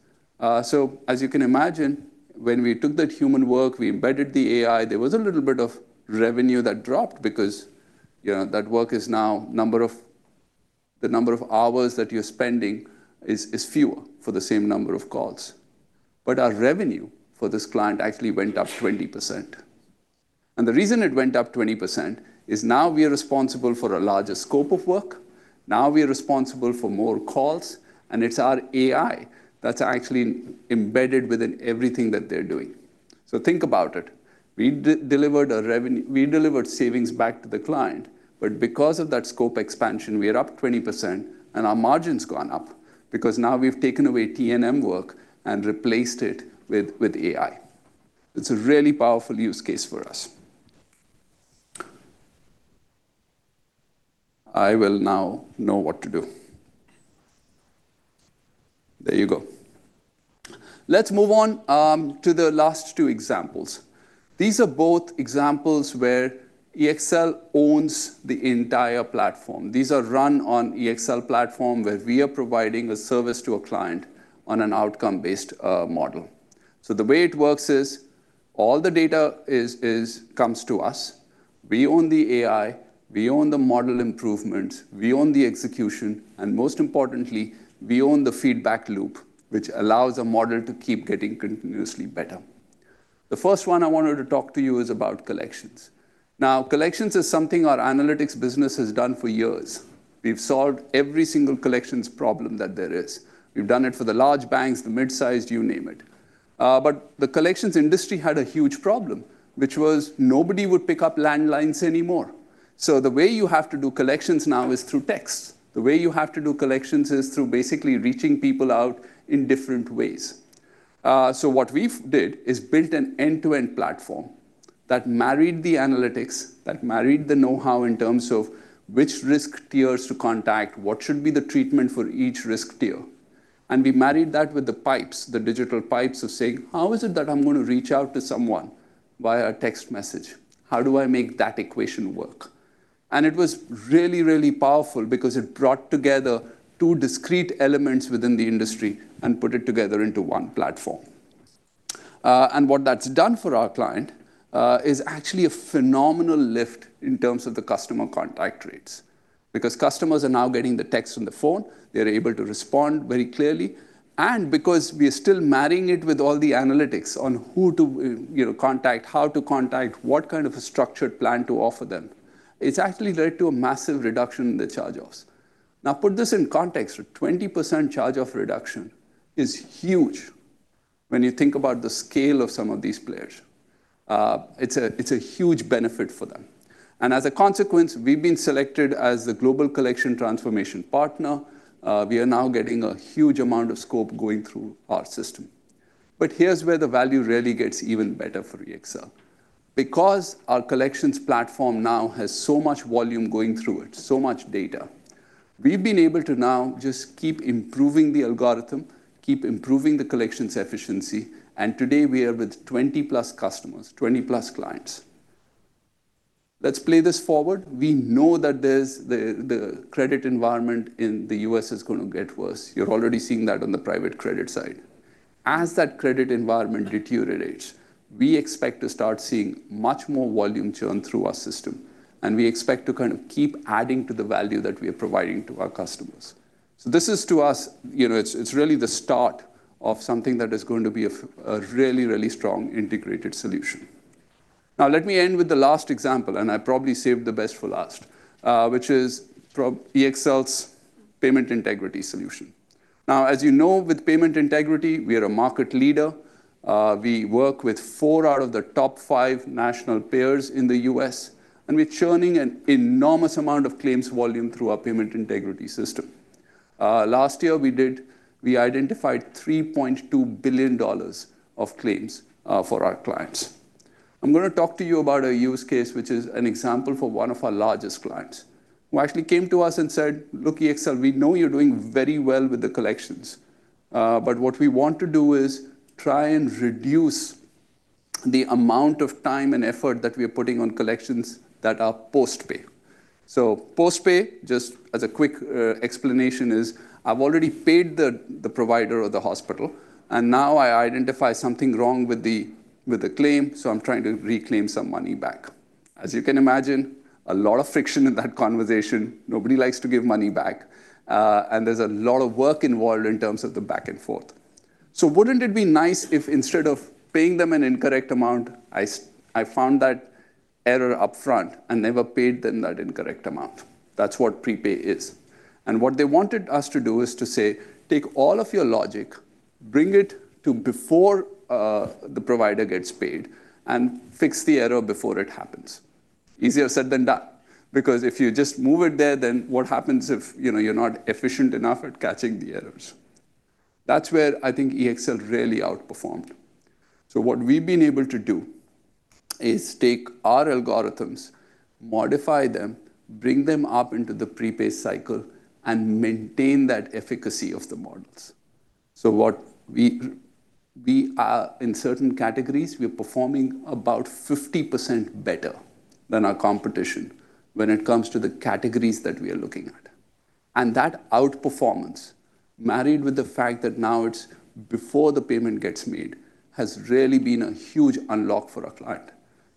As you can imagine, when we took that human work, we embedded the AI, there was a little bit of revenue that dropped because, you know, that work is now the number of hours that you're spending is fewer for the same number of calls. Our revenue for this client actually went up 20%. The reason it went up 20% is now we are responsible for a larger scope of work, now we are responsible for more calls, and it's our AI that's actually embedded within everything that they're doing. Think about it. We delivered savings back to the client, but because of that scope expansion, we are up 20% and our margin's gone up because now we've taken away T&M work and replaced it with AI. It's a really powerful use case for us. I will now know what to do. There you go. Let's move on to the last two examples. These are both examples where EXL owns the entire platform. These are run on EXL platform where we are providing a service to a client on an outcome-based model. The way it works is all the data is, comes to us. We own the AI, we own the model improvements, we own the execution, and most importantly, we own the feedback loop, which allows a model to keep getting continuously better. The first one I wanted to talk to you is about collections. Collections is something our analytics business has done for years. We've solved every single collections problem that there is. We've done it for the large banks, the mid-sized, you name it. The collections industry had a huge problem, which was nobody would pick up landlines anymore. The way you have to do collections now is through text. The way you have to do collections is through basically reaching people out in different ways. What we've did is built an end-to-end platform that married the analytics, that married the know-how in terms of which risk tiers to contact, what should be the treatment for each risk tier. We married that with the pipes, the digital pipes of saying, "How is it that I'm gonna reach out to someone via text message? How do I make that equation work?" It was really, really powerful because it brought together two discrete elements within the industry and put it together into one platform. What that's done for our client is actually a phenomenal lift in terms of the customer contact rates. Customers are now getting the text on the phone, they're able to respond very clearly. Because we are still marrying it with all the analytics on who to, you know, contact, how to contact, what kind of a structured plan to offer them, it's actually led to a massive reduction in the charge-offs. Now, put this in context. A 20% charge-off reduction is huge when you think about the scale of some of these players. It's a, it's a huge benefit for them. As a consequence, we've been selected as the global collection transformation partner. We are now getting a huge amount of scope going through our system. Here's where the value really gets even better for EXL. Our collections platform now has so much volume going through it, so much data, we've been able to now just keep improving the algorithm, keep improving the collections efficiency, and today we are with 20+ customers, 20+ clients. Let's play this forward. We know that the credit environment in the U.S. is gonna get worse. You're already seeing that on the private credit side. As that credit environment deteriorates, we expect to start seeing much more volume churn through our system, and we expect to kind of keep adding to the value that we are providing to our customers. This is to us, you know, it's really the start of something that is going to be a really strong integrated solution. Let me end with the last example, and I probably saved the best for last, which is EXL's Payment Integrity solution. As you know, with Payment Integrity, we are a market leader. We work with four out of the top five national payers in the U.S., and we're churning an enormous amount of claims volume through our Payment Integrity system. Last year, we identified $3.2 billion of claims for our clients. I'm gonna talk to you about a use case which is an example for one of our largest clients who actually came to us and said, "Look, EXL, we know you're doing very well with the collections. What we want to do is try and reduce the amount of time and effort that we're putting on collections that are post-pay. Post-pay, just as a quick explanation, is I've already paid the provider or the hospital, and now I identify something wrong with the claim, so I'm trying to reclaim some money back. As you can imagine, a lot of friction in that conversation. Nobody likes to give money back. There's a lot of work involved in terms of the back and forth. Wouldn't it be nice if instead of paying them an incorrect amount, I found that error upfront and never paid them that incorrect amount? That's what prepay is. What they wanted us to do is to say, "Take all of your logic, bring it to before the provider gets paid, and fix the error before it happens." Easier said than done because if you just move it there, then what happens if, you know, you're not efficient enough at catching the errors? That's where I think EXL really outperformed. What we've been able to do is take our algorithms, modify them, bring them up into the prepay cycle, and maintain that efficacy of the models. What we are in certain categories, we're performing about 50% better than our competition when it comes to the categories that we are looking at. That outperformance, married with the fact that now it's before the payment gets made, has really been a huge unlock for our client.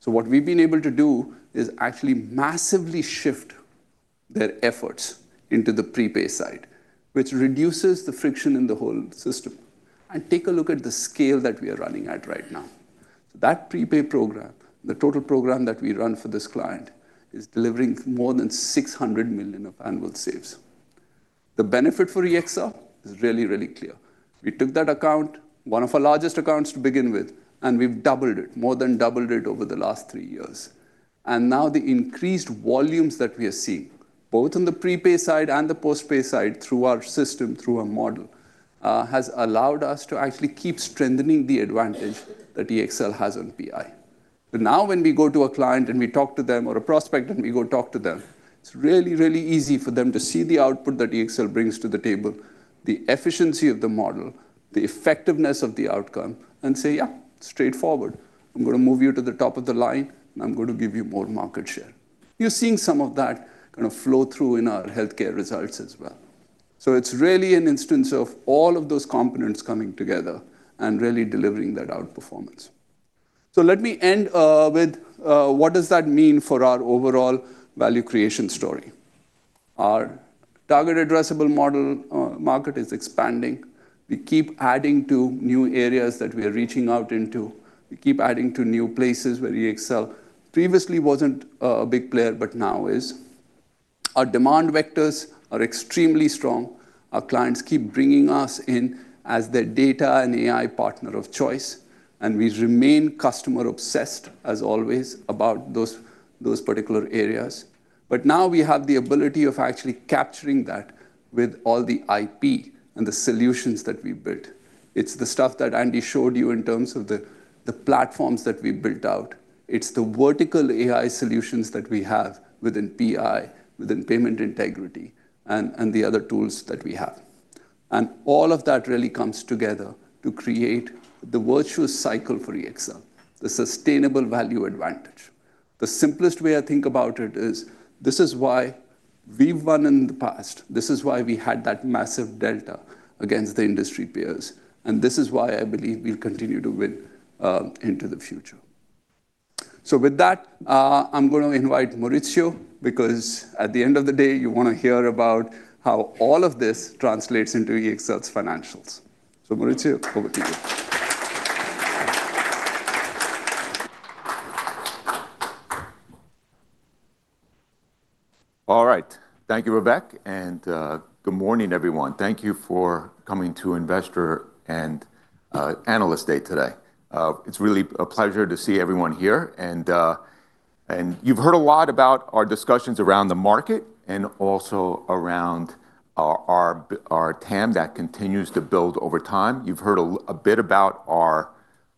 What we've been able to do is actually massively shift their efforts into the prepay side, which reduces the friction in the whole system. Take a look at the scale that we are running at right now. That prepay program, the total program that we run for this client, is delivering more than $600 million of annual saves. The benefit for EXL is really, really clear. We took that account, one of our largest accounts to begin with, and we've doubled it, more than doubled it over the last three years. Now the increased volumes that we are seeing, both on the prepay side and the post-pay side through our system, through our model, has allowed us to actually keep strengthening the advantage that EXL has on PI. Now when we go to a client and we talk to them or a prospect and we go talk to them, it's really, really easy for them to see the output that EXL brings to the table, the efficiency of the model, the effectiveness of the outcome, and say, "Yeah, straightforward. I'm gonna move you to the top of the line, and I'm gonna give you more market share." You're seeing some of that kind of flow through in our healthcare results as well. It's really an instance of all of those components coming together and really delivering that outperformance. Let me end with what does that mean for our overall value creation story? Our target addressable model market is expanding. We keep adding to new areas that we are reaching out into. We keep adding to new places where EXL previously wasn't a big player, but now is. Our demand vectors are extremely strong. Our clients keep bringing us in as their data and AI partner of choice, and we remain customer-obsessed as always about those particular areas. Now we have the ability of actually capturing that with all the IP and the solutions that we built. It's the stuff that Andy showed you in terms of the platforms that we built out. It's the vertical AI solutions that we have within PI, within Payment Integrity, and the other tools that we have. All of that really comes together to create the virtuous cycle for EXL, the sustainable value advantage. The simplest way I think about it is this is why we've won in the past. This is why we had that massive delta against the industry peers, and this is why I believe we'll continue to win into the future. With that, I'm gonna invite Maurizio because at the end of the day, you wanna hear about how all of this translates into EXL's financials. Maurizio, over to you. All right. Thank you, Vivek. Good morning, everyone. Thank you for coming to Investor and Analyst Day today. It's really a pleasure to see everyone here. You've heard a lot about our discussions around the market, also around our TAM that continues to build over time. You've heard a bit about our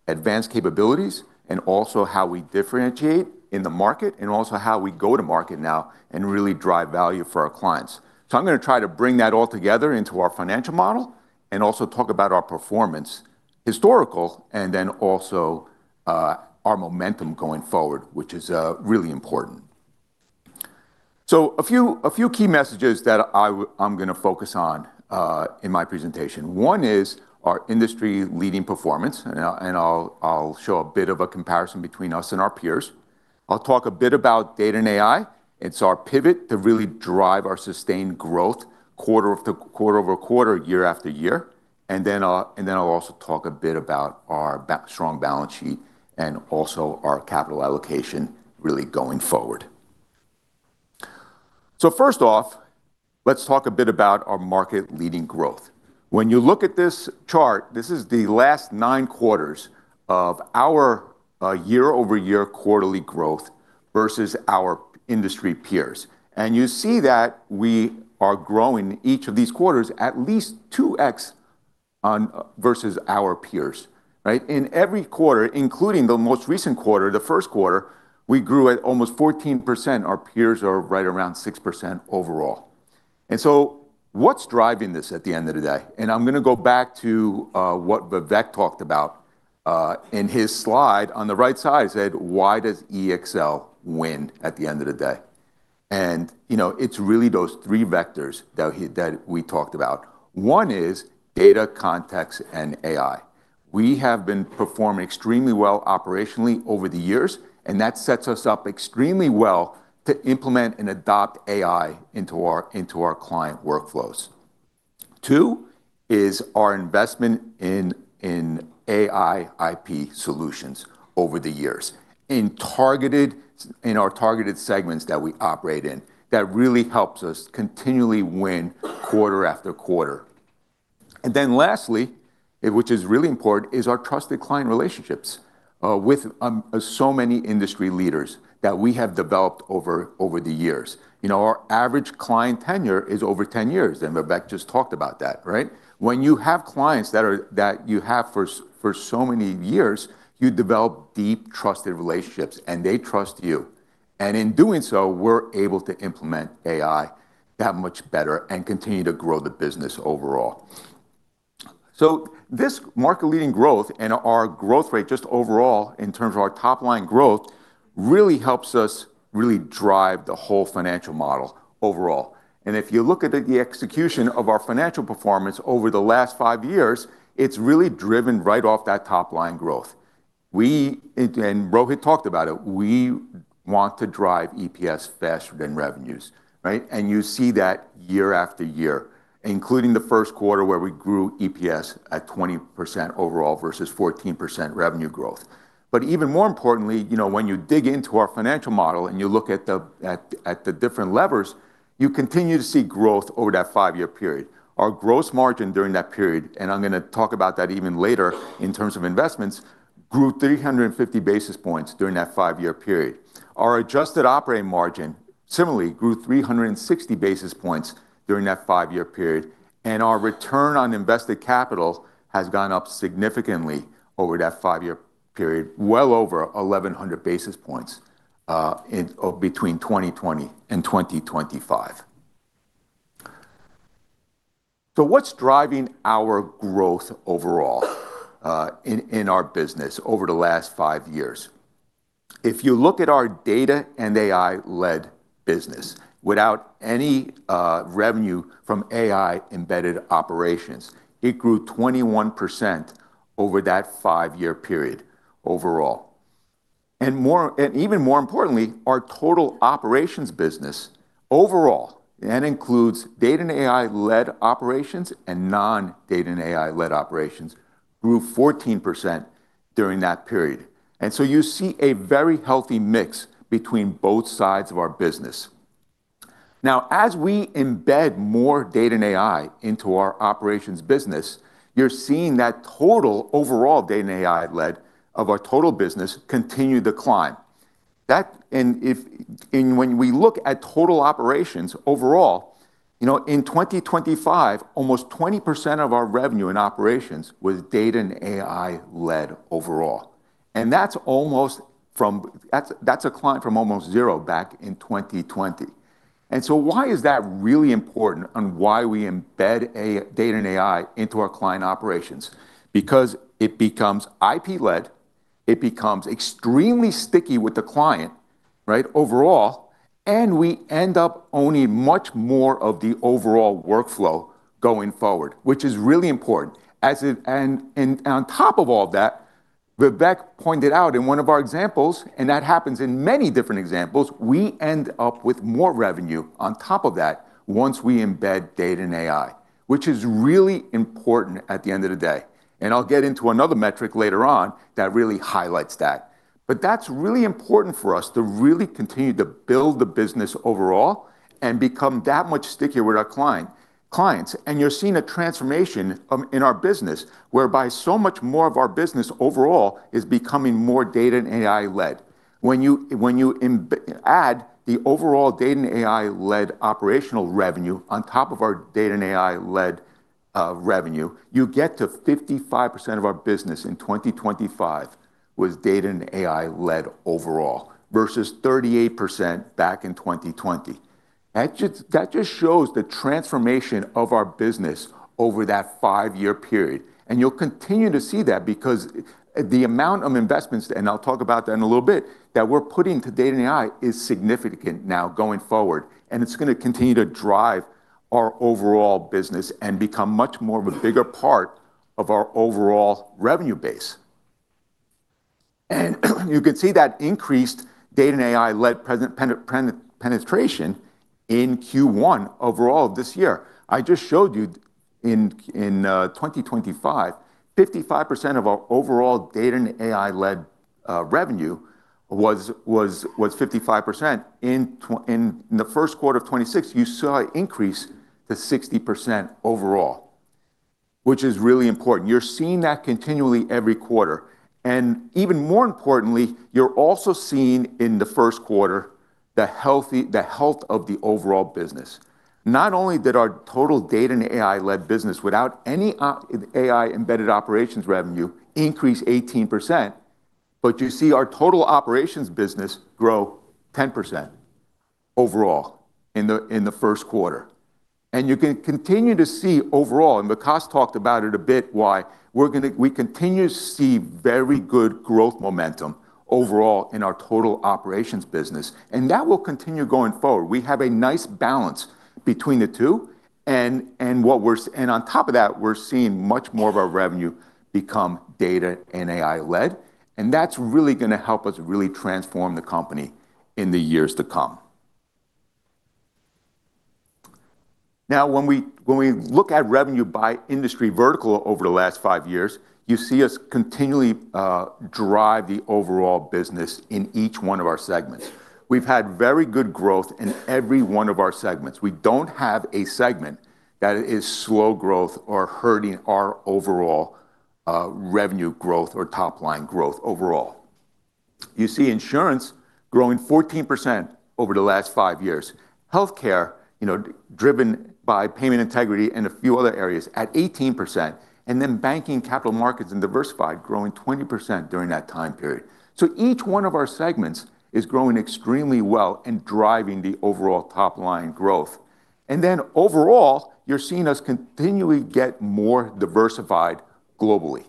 advanced capabilities, also how we differentiate in the market, also how we go to market now, really drive value for our clients. I'm gonna try to bring that all together into our financial model, also talk about our performance, historical, then also our momentum going forward, which is really important. A few key messages that I'm gonna focus on in my presentation. One is our industry-leading performance, and I'll show a bit of a comparison between us and our peers. I'll talk a bit about data and AI. Our pivot to really drive our sustained growth quarter-over-quarter, year-after-year. Then I'll also talk a bit about our strong balance sheet and also our capital allocation really going forward. First off, let's talk a bit about our market-leading growth. When you look at this chart, this is the last 9 quarters of our year-over-year quarterly growth versus our industry peers. You see that we are growing each of these quarters at least 2x versus our peers, right? In every quarter, including the most recent quarter, the first quarter, we grew at almost 14%. Our peers are right around 6% overall. What's driving this at the end of the day? I'm gonna go back to what Vivek talked about in his slide. On the right side, it said, "Why does EXL win at the end of the day?" It's really those three vectors that we talked about. One is data context and AI. We have been performing extremely well operationally over the years, and that sets us up extremely well to implement and adopt AI into our client workflows. Two is our investment in AI IP solutions over the years in our targeted segments that we operate in. That really helps us continually win quarter after quarter. Lastly, which is really important, is our trusted client relationships with so many industry leaders that we have developed over the year You know, our average client tenure is over 10 years, and Vivek just talked about that, right? When you have clients that you have for so many years, you develop deep, trusted relationships, and they trust you. In doing so, we're able to implement AI that much better and continue to grow the business overall. This market-leading growth and our growth rate just overall in terms of our top-line growth really helps us drive the whole financial model overall. If you look at the execution of our financial performance over the last five years, it's really driven right off that top-line growth. Rohit talked about it, we want to drive EPS faster than revenues, right? You see that year after year, including the first quarter, where we grew EPS at 20% overall versus 14% revenue growth. Even more importantly, you know, when you dig into our financial model and you look at the different levers, you continue to see growth over that five-year period. Our gross margin during that period, and I'm gonna talk about that even later in terms of investments, grew 350 basis points during that five-year period. Our adjusted operating margin similarly grew 360 basis points during that five-year period, and our return on invested capital has gone up significantly over that five-year period, well over 1,100 basis points between 2020 and 2025. What's driving our growth overall in our business over the last five years? If you look at our data and AI-led business, without any revenue from AI-embedded operations, it grew 21% over that 5-year period overall. More importantly, our total operations business overall, that includes data and AI-led operations and non-data and AI-led operations, grew 14% during that period. You see a very healthy mix between both sides of our business. Now, as we embed more data and AI into our operations business, you're seeing that total overall data and AI-led of our total business continue to climb. When we look at total operations overall, you know, in 2025, almost 20% of our revenue and operations was data and AI-led overall, and that's a climb from almost zero back in 2020. Why is that really important and why we embed AI data and AI into our client operations? Because it becomes IP-led, it becomes extremely sticky with the client, right, overall, and we end up owning much more of the overall workflow going forward, which is really important. On top of all that, Vivek pointed out in one of our examples, and that happens in many different examples, we end up with more revenue on top of that once we embed data and AI, which is really important at the end of the day, and I'll get into another metric later on that really highlights that. That's really important for us to really continue to build the business overall and become that much stickier with our clients. You're seeing a transformation in our business whereby so much more of our business overall is becoming more data and AI-led. When you add the overall data and AI-led operational revenue on top of our data and AI-led revenue, you get to 55% of our business in 2025 was data and AI-led overall versus 38% back in 2020. That just shows the transformation of our business over that 5-year period. You'll continue to see that because the amount of investments, and I'll talk about that in a little bit, that we're putting to data and AI is significant now going forward, and it's gonna continue to drive our overall business and become much more of a bigger part of our overall revenue base. You can see that increased data and AI-led present penetration in Q1 overall this year. I just showed you in 2025, 55% of our overall data and AI-led revenue was 55%. In the first quarter of 2026, you saw it increase to 60% overall, which is really important. You're seeing that continually every quarter. Even more importantly, you're also seeing in the first quarter the health of the overall business. Not only did our total data and AI-led business, without any AI-embedded operations revenue, increase 18%, but you see our total operations business grow 10% overall in the first quarter. You can continue to see overall, Vikas talked about it a bit why we continue to see very good growth momentum overall in our total operations business, and that will continue going forward. We have a nice balance between the two, and what on top of that, we're seeing much more of our revenue become data and AI-led, and that's really going to help us really transform the company in the years to come. When we look at revenue by industry vertical over the last 5 years, you see us continually drive the overall business in each one of our segments. We've had very good growth in every one of our segments. We don't have a segment that is slow growth or hurting our overall revenue growth or top-line growth overall. You see insurance growing 14% over the last 5 years. Healthcare, you know, driven by Payment Integrity and a few other areas at 18%, banking, capital markets and diversified growing 20% during that time period. Each one of our segments is growing extremely well and driving the overall top-line growth. Overall, you're seeing us continually get more diversified globally.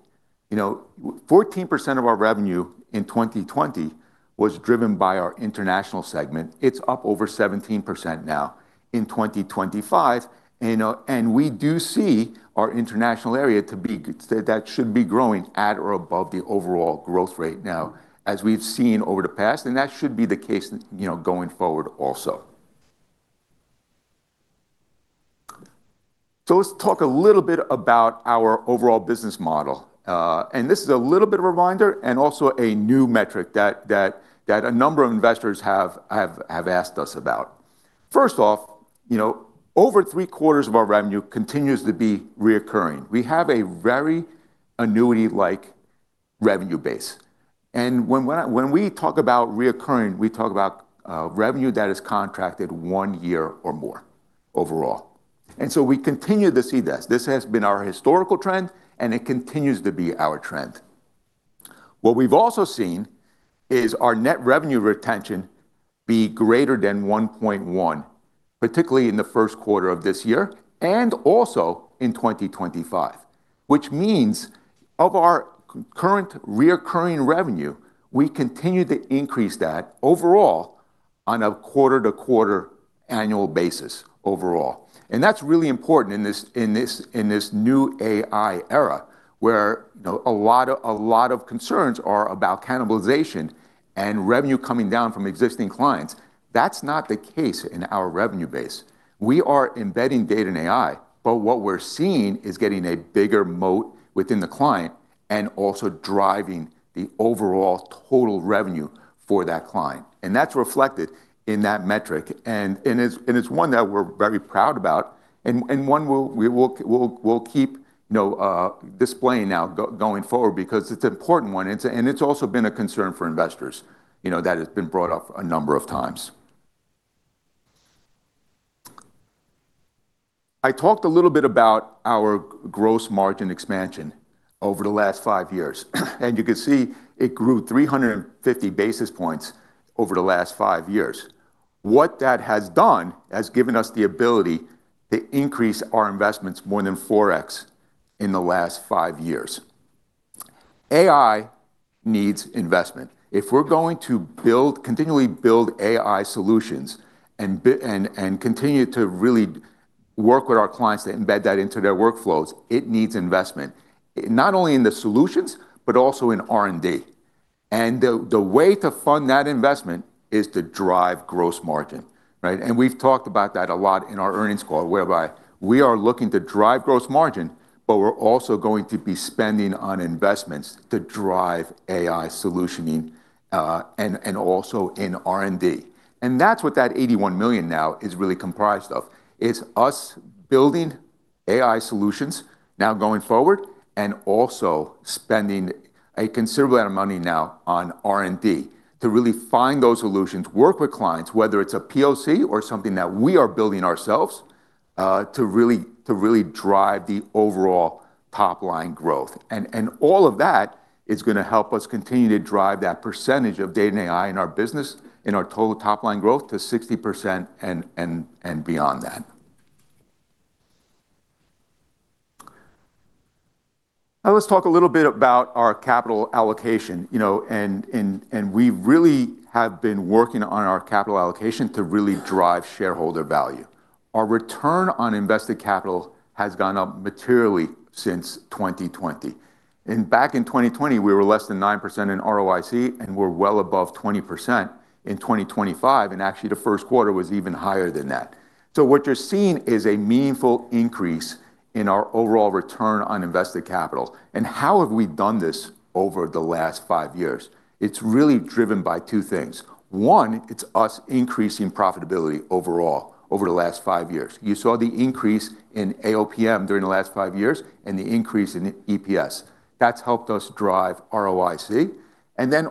You know, 14% of our revenue in 2020 was driven by our international segment. It's up over 17% now in 2025, and we do see our international area to be that should be growing at or above the overall growth rate now as we've seen over the past, and that should be the case, you know, going forward also. Let's talk a little bit about our overall business model. This is a little bit of a reminder and also a new metric that a number of investors have asked us about. First off, you know, over 3/4 of our revenue continues to be recurring. We have a very annuity-like revenue base. When we talk about recurring, we talk about revenue that is contracted 1 year or more overall. We continue to see this. This has been our historical trend, and it continues to be our trend. What we've also seen is our net revenue retention be greater than 1.1, particularly in the first quarter of this year and also in 2025, which means of our current recurring revenue, we continue to increase that overall on a quarter-over-quarter annual basis overall. That's really important in this new AI era, where, you know, a lot of concerns are about cannibalization and revenue coming down from existing clients. That's not the case in our revenue base. We are embedding data and AI, but what we're seeing is getting a bigger moat within the client and also driving the overall total revenue for that client, and that's reflected in that metric. It's one that we're very proud about and one we'll keep, you know, displaying now going forward because it's an important one. It's also been a concern for investors, you know, that has been brought up a number of times. I talked a little bit about our gross margin expansion over the last five years, and you can see it grew 350 basis points over the last five years. What that has done has given us the ability to increase our investments more than 4x in the last five years. AI needs investment. If we're going to continually build AI solutions and continue to really work with our clients to embed that into their workflows, it needs investment, not only in the solutions but also in R&D. The way to fund that investment is to drive gross margin, right? We've talked about that a lot in our earnings call, whereby we are looking to drive gross margin, but we're also going to be spending on investments to drive AI solutioning, and also in R&D. That's what that $81 million now is really comprised of. It's us building AI solutions now going forward and also spending a considerable amount of money now on R&D to really find those solutions, work with clients, whether it's a POC or something that we are building ourselves, to really drive the overall top-line growth. All of that is going to help us continue to drive that percentage of data and AI in our business, in our total top-line growth to 60% and beyond that. Now let's talk a little bit about our capital allocation. You know, and we really have been working on our capital allocation to really drive shareholder value. Our return on invested capital has gone up materially since 2020. Back in 2020, we were less than 9% in ROIC, and we're well above 20% in 2025. Actually, the first quarter was even higher than that. What you're seeing is a meaningful increase in our overall return on invested capital. How have we done this over the last five years? It's really driven by two things. One, it's us increasing profitability overall over the last five years. You saw the increase in AOPM during the last five years and the increase in EPS. That's helped us drive ROIC.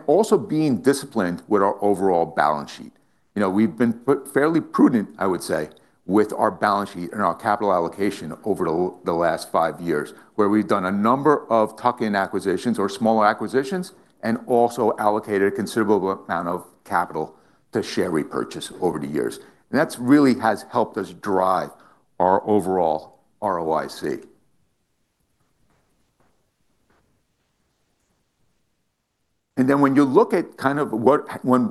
Also being disciplined with our overall balance sheet. You know, we've been fairly prudent, I would say, with our balance sheet and our capital allocation over the last five years, where we've done a number of tuck-in acquisitions or smaller acquisitions, and also allocated a considerable amount of capital to share repurchase over the years. That's really has helped us drive our overall ROIC. When you look at kind of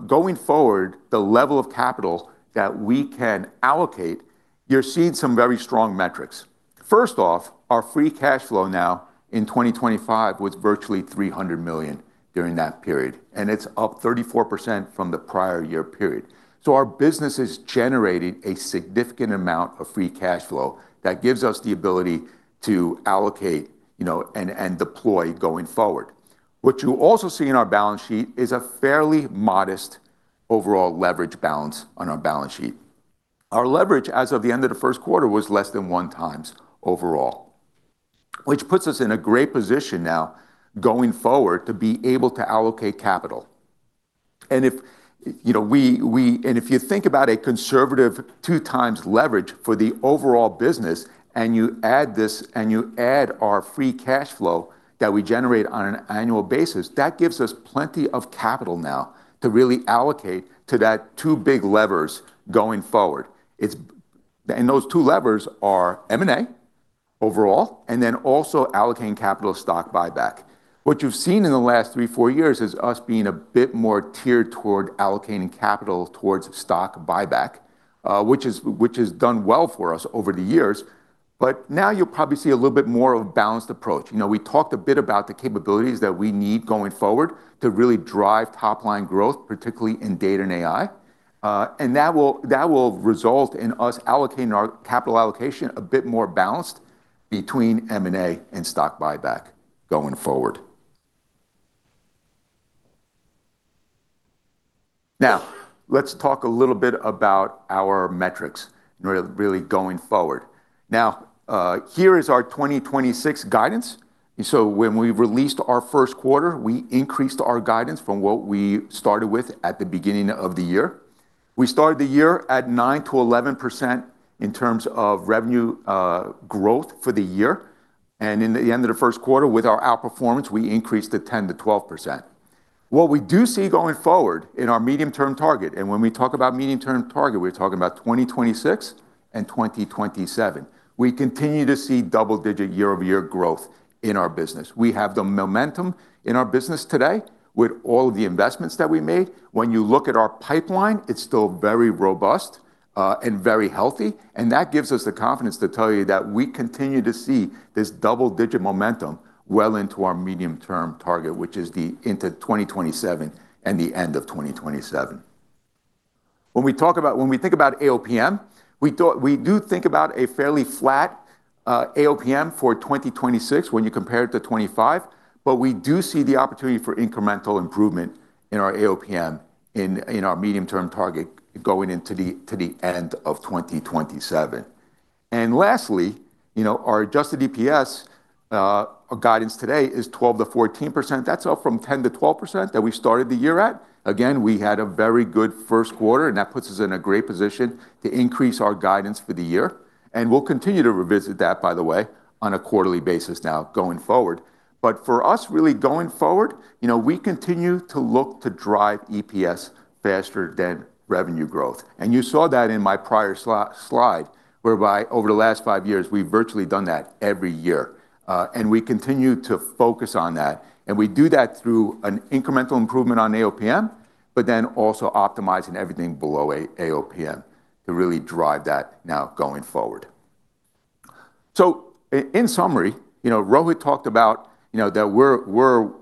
going forward, the level of capital that we can allocate, you're seeing some very strong metrics. First off, our free cash flow now in 2025 was virtually $300 million during that period, and it's up 34% from the prior year period. Our business is generating a significant amount of free cash flow that gives us the ability to allocate, you know, and deploy going forward. What you also see in our balance sheet is a fairly modest overall leverage balance on our balance sheet. Our leverage as of the end of the first quarter was less than 1x overall, which puts us in a great position now going forward to be able to allocate capital. If you know, if you think about a conservative 2x leverage for the overall business, and you add this, and you add our free cash flow that we generate on an annual basis, that gives us plenty of capital now to really allocate to that two big levers going forward. Those two levers are M&A overall, and then also allocating capital stock buyback. What you've seen in the last three, four years is us being a bit more tiered toward allocating capital towards stock buyback, which has done well for us over the years. Now you'll probably see a little bit more of a balanced approach. You know, we talked a bit about the capabilities that we need going forward to really drive top-line growth, particularly in data and AI. That will result in us allocating our capital allocation a bit more balanced between M&A and stock buyback going forward. Let's talk a little bit about our metrics. Here is our 2026 guidance. When we released our first quarter, we increased our guidance from what we started with at the beginning of the year. We started the year at 9%-11% in terms of revenue growth for the year. In the end of the first quarter, with our outperformance, we increased to 10%-12%. What we do see going forward in our medium-term target, and when we talk about medium-term target, we're talking about 2026 and 2027. We continue to see double-digit year-over-year growth in our business. We have the momentum in our business today with all of the investments that we made. When you look at our pipeline, it's still very robust and very healthy, and that gives us the confidence to tell you that we continue to see this double-digit momentum well into our medium-term target, which is the into 2027 and the end of 2027. When we think about AOPM, we do think about a fairly flat AOPM for 2026 when you compare it to 2025, but we do see the opportunity for incremental improvement in our AOPM in our medium-term target going into the end of 2027. Lastly, you know, our adjusted EPS guidance today is 12%-14%. That's up from 10%-12% that we started the year at. Again, we had a very good first quarter, that puts us in a great position to increase our guidance for the year. We'll continue to revisit that, by the way, on a quarterly basis now going forward. For us really going forward, you know, we continue to look to drive EPS faster than revenue growth. You saw that in my prior slide, whereby over the last five years, we've virtually done that every year. We continue to focus on that, we do that through an incremental improvement on AOPM, also optimizing everything below AOPM to really drive that now going forward. In summary, you know, Rohit talked about, you know, that we're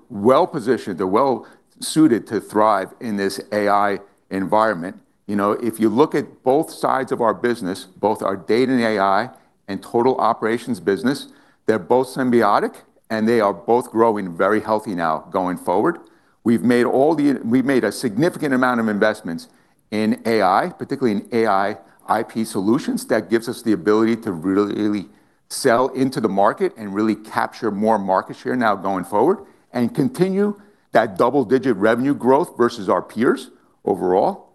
well-positioned or well suited to thrive in this AI environment. You know, if you look at both sides of our business, both our data and AI and total operations business, they're both symbiotic, they are both growing very healthy now going forward. We've made a significant amount of investments in AI, particularly in AI IP solutions, that gives us the ability to really sell into the market and really capture more market share now going forward and continue that double-digit revenue growth versus our peers overall.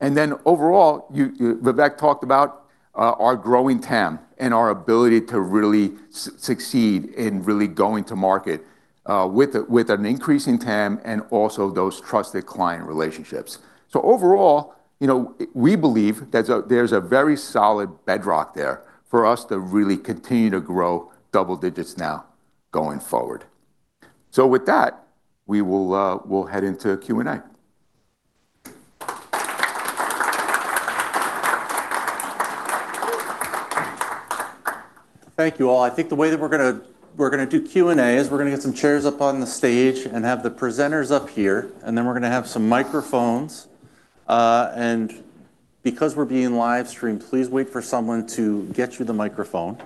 Overall, Vivek talked about our growing TAM and our ability to really succeed in really going to market with an increasing TAM and also those trusted client relationships. Overall, you know, we believe there's a very solid bedrock there for us to really continue to grow double digits now going forward. With that, we will head into Q&A. Thank you all. I think the way that we're gonna do Q&A is we're gonna get some chairs up on the stage and have the presenters up here, and then we're gonna have some microphones. Because we're being live streamed, please wait for someone to get you the microphone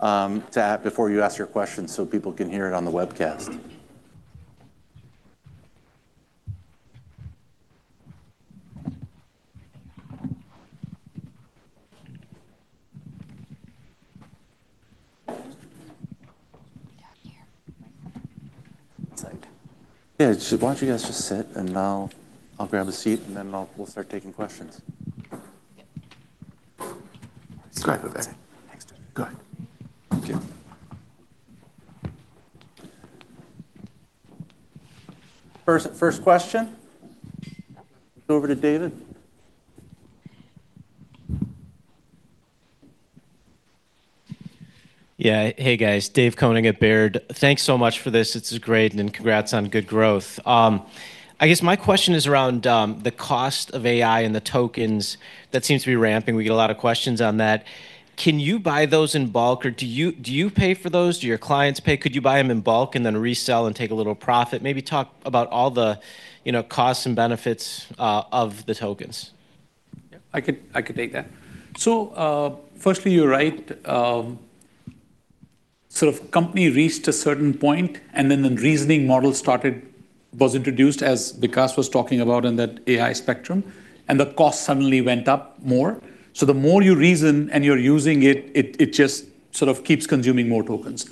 to have before you ask your question so people can hear it on the webcast. Inside. Yeah, just why don't you guys just sit, and I'll grab a seat, and then we'll start taking questions. Yeah. It's great with that. Next to it. Go ahead. Thank you. First question. Over to David. Yeah. Hey, guys, David Koning at Baird. Thanks so much for this. It's great, and congrats on good growth. I guess my question is around the cost of AI and the tokens that seems to be ramping. We get a lot of questions on that. Can you buy those in bulk, or do you pay for those? Do your clients pay? Could you buy them in bulk and then resell and take a little profit? Maybe talk about all the, you know, costs and benefits of the tokens. I could take that. Firstly, you're right. Sort of company reached a certain point, then the reasoning model was introduced as Vikas was talking about in that AI spectrum, the cost suddenly went up more. The more you reason and you're using it just sort of keeps consuming more tokens.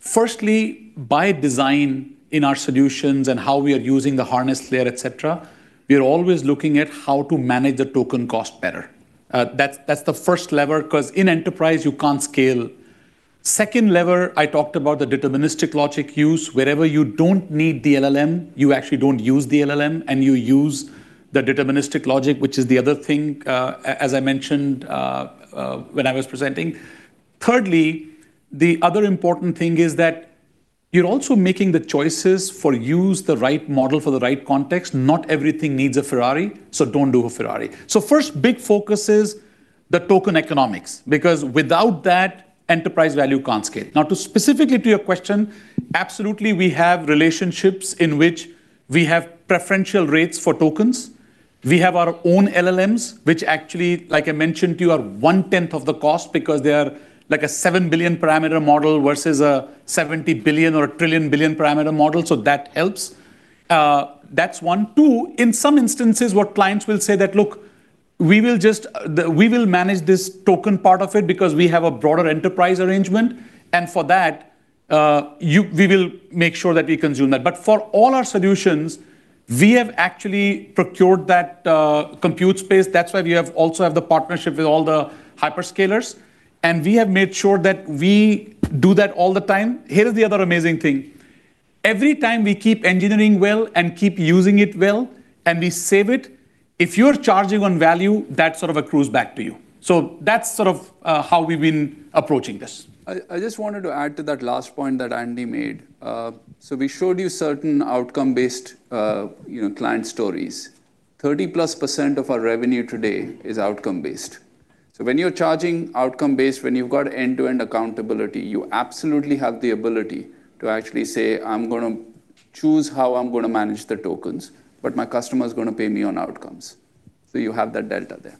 Firstly, by design in our solutions and how we are using the harness layer, et cetera, we are always looking at how to manage the token cost better. That's the first lever 'cause in enterprise you can't scale. Second lever, I talked about the deterministic logic use. Wherever you don't need the LLM, you actually don't use the LLM, you use the deterministic logic, which is the other thing as I mentioned when I was presenting. Thirdly, the other important thing is that you're also making the choices for use the right model for the right context. Not everything needs a Ferrari, so don't do a Ferrari. First big focus is the token economics because without that, enterprise value can't scale. Specifically to your question, absolutely, we have relationships in which we have preferential rates for tokens. We have our own LLMs, which actually, like I mentioned to you, are 1/10 of the cost because they are like a 7 billion parameter model versus a 70 billion or a trillion billion parameter model, so that helps. That's one. Two, in some instances, what clients will say that, "Look, we will manage this token part of it because we have a broader enterprise arrangement, and for that, we will make sure that we consume that." For all our solutions, we have actually procured that compute space. That's why we also have the partnership with all the hyperscalers, and we have made sure that we do that all the time. Here is the other amazing thing. Every time we keep engineering well and keep using it well, and we save it, if you're charging on value, that sort of accrues back to you. That's sort of how we've been approaching this. I just wanted to add to that last point that Andy made. We showed you certain outcome-based, you know, client stories. 30%+ of our revenue today is outcome based. When you're charging outcome based, when you've got end-to-end accountability, you absolutely have the ability to actually say, "I'm gonna choose how I'm gonna manage the tokens, but my customer's gonna pay me on outcomes." You have that delta there.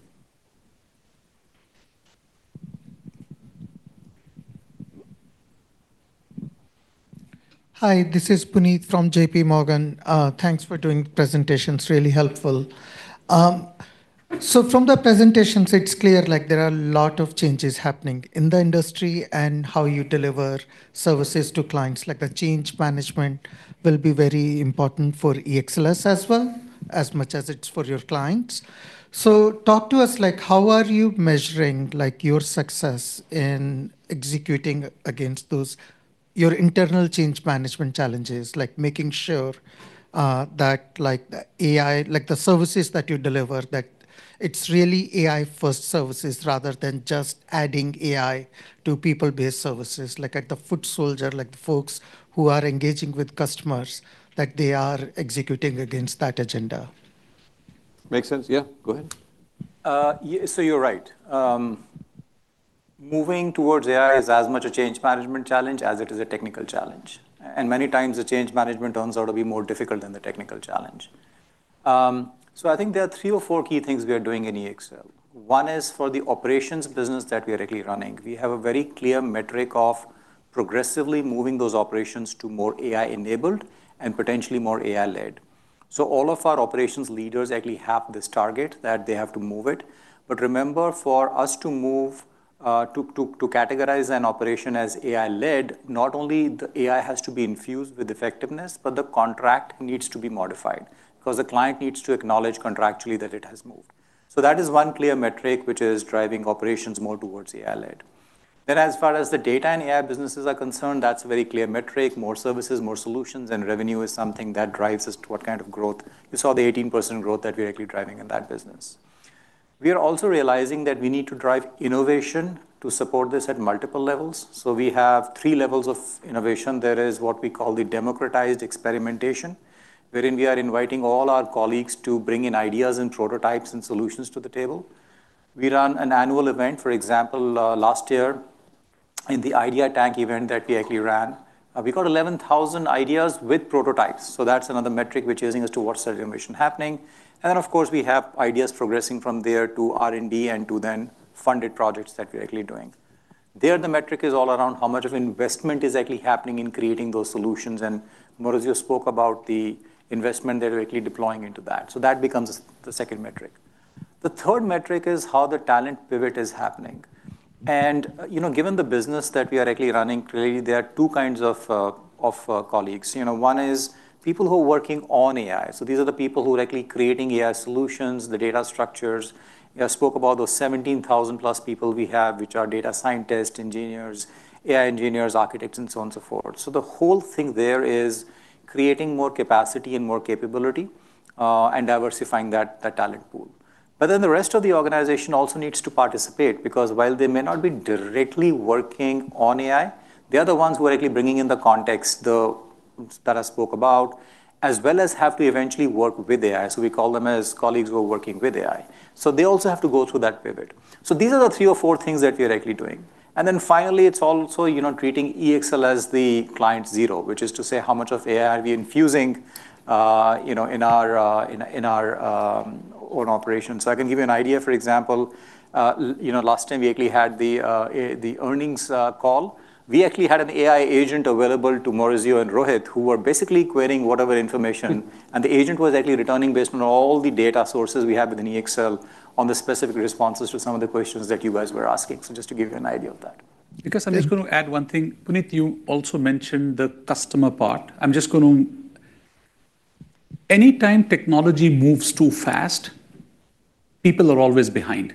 Hi, this is Puneet from JPMorgan. Thanks for doing the presentations. Really helpful. From the presentations, it's clear there are a lot of changes happening in the industry and how you deliver services to clients. The change management will be very important for EXL as well, as much as it's for your clients. Talk to us, how are you measuring your success in executing against your internal change management challenges, making sure that the services that you deliver, that it's really AI-first services rather than just adding AI to people-based services, like at the foot soldier, the folks who are engaging with customers, that they are executing against that agenda. Makes sense. Yeah, go ahead. You're right. Moving towards AI is as much a change management challenge as it is a technical challenge, and many times the change management turns out to be more difficult than the technical challenge. I think there are three or four key things we are doing in EXL. One is for the operations business that we are actually running. We have a very clear metric of progressively moving those operations to more AI-enabled and potentially more AI-led. All of our operations leaders actually have this target that they have to move it. Remember, for us to move to categorize an operation as AI-led, not only the AI has to be infused with effectiveness, but the contract needs to be modified 'cause the client needs to acknowledge contractually that it has moved. That is one clear metric which is driving operations more towards AI-led. As far as the data and AI businesses are concerned, that's a very clear metric. More services, more solutions, and revenue is something that drives us to what kind of growth. You saw the 18% growth that we're actually driving in that business. We are also realizing that we need to drive innovation to support this at multiple levels, so we have three levels of innovation. There is what we call the democratized experimentation, wherein we are inviting all our colleagues to bring in ideas and prototypes and solutions to the table. We run an annual event. For example, last year, in the Idea Tank event that we actually ran, we got 11,000 ideas with prototypes, so that's another metric which is using as to what sort of innovation happening. Of course, we have ideas progressing from there to R&D and to then funded projects that we're actually doing. There, the metric is all around how much of investment is actually happening in creating those solutions, and Maurizio spoke about the investment they're actually deploying into that. That becomes the second metric. The third metric is how the talent pivot is happening. You know, given the business that we are actually running, clearly there are two kinds of colleagues. You know, one is people who are working on AI. These are the people who are actually creating AI solutions, the data structures. I spoke about those 17,000+ people we have, which are data scientists, engineers, AI engineers, architects, and so on, so forth. The whole thing there is creating more capacity and more capability and diversifying that talent pool. The rest of the organization also needs to participate because while they may not be directly working on AI, they are the ones who are actually bringing in the context that I spoke about, as well as have to eventually work with AI. We call them as colleagues who are working with AI. They also have to go through that pivot. These are the three or four things that we're actually doing. Finally, it's also, you know, treating EXL as the client zero, which is to say how much of AI are we infusing, you know, in our own operations. I can give you an idea, for example, you know, last time we actually had the earnings call, we actually had an AI agent available to Maurizio and Rohit who were basically querying whatever information, and the agent was actually returning based on all the data sources we have within EXL on the specific responses to some of the questions that you guys were asking. Just to give you an idea of that. I'm just gonna add one thing. Puneet, you also mentioned the customer part. Anytime technology moves too fast, people are always behind.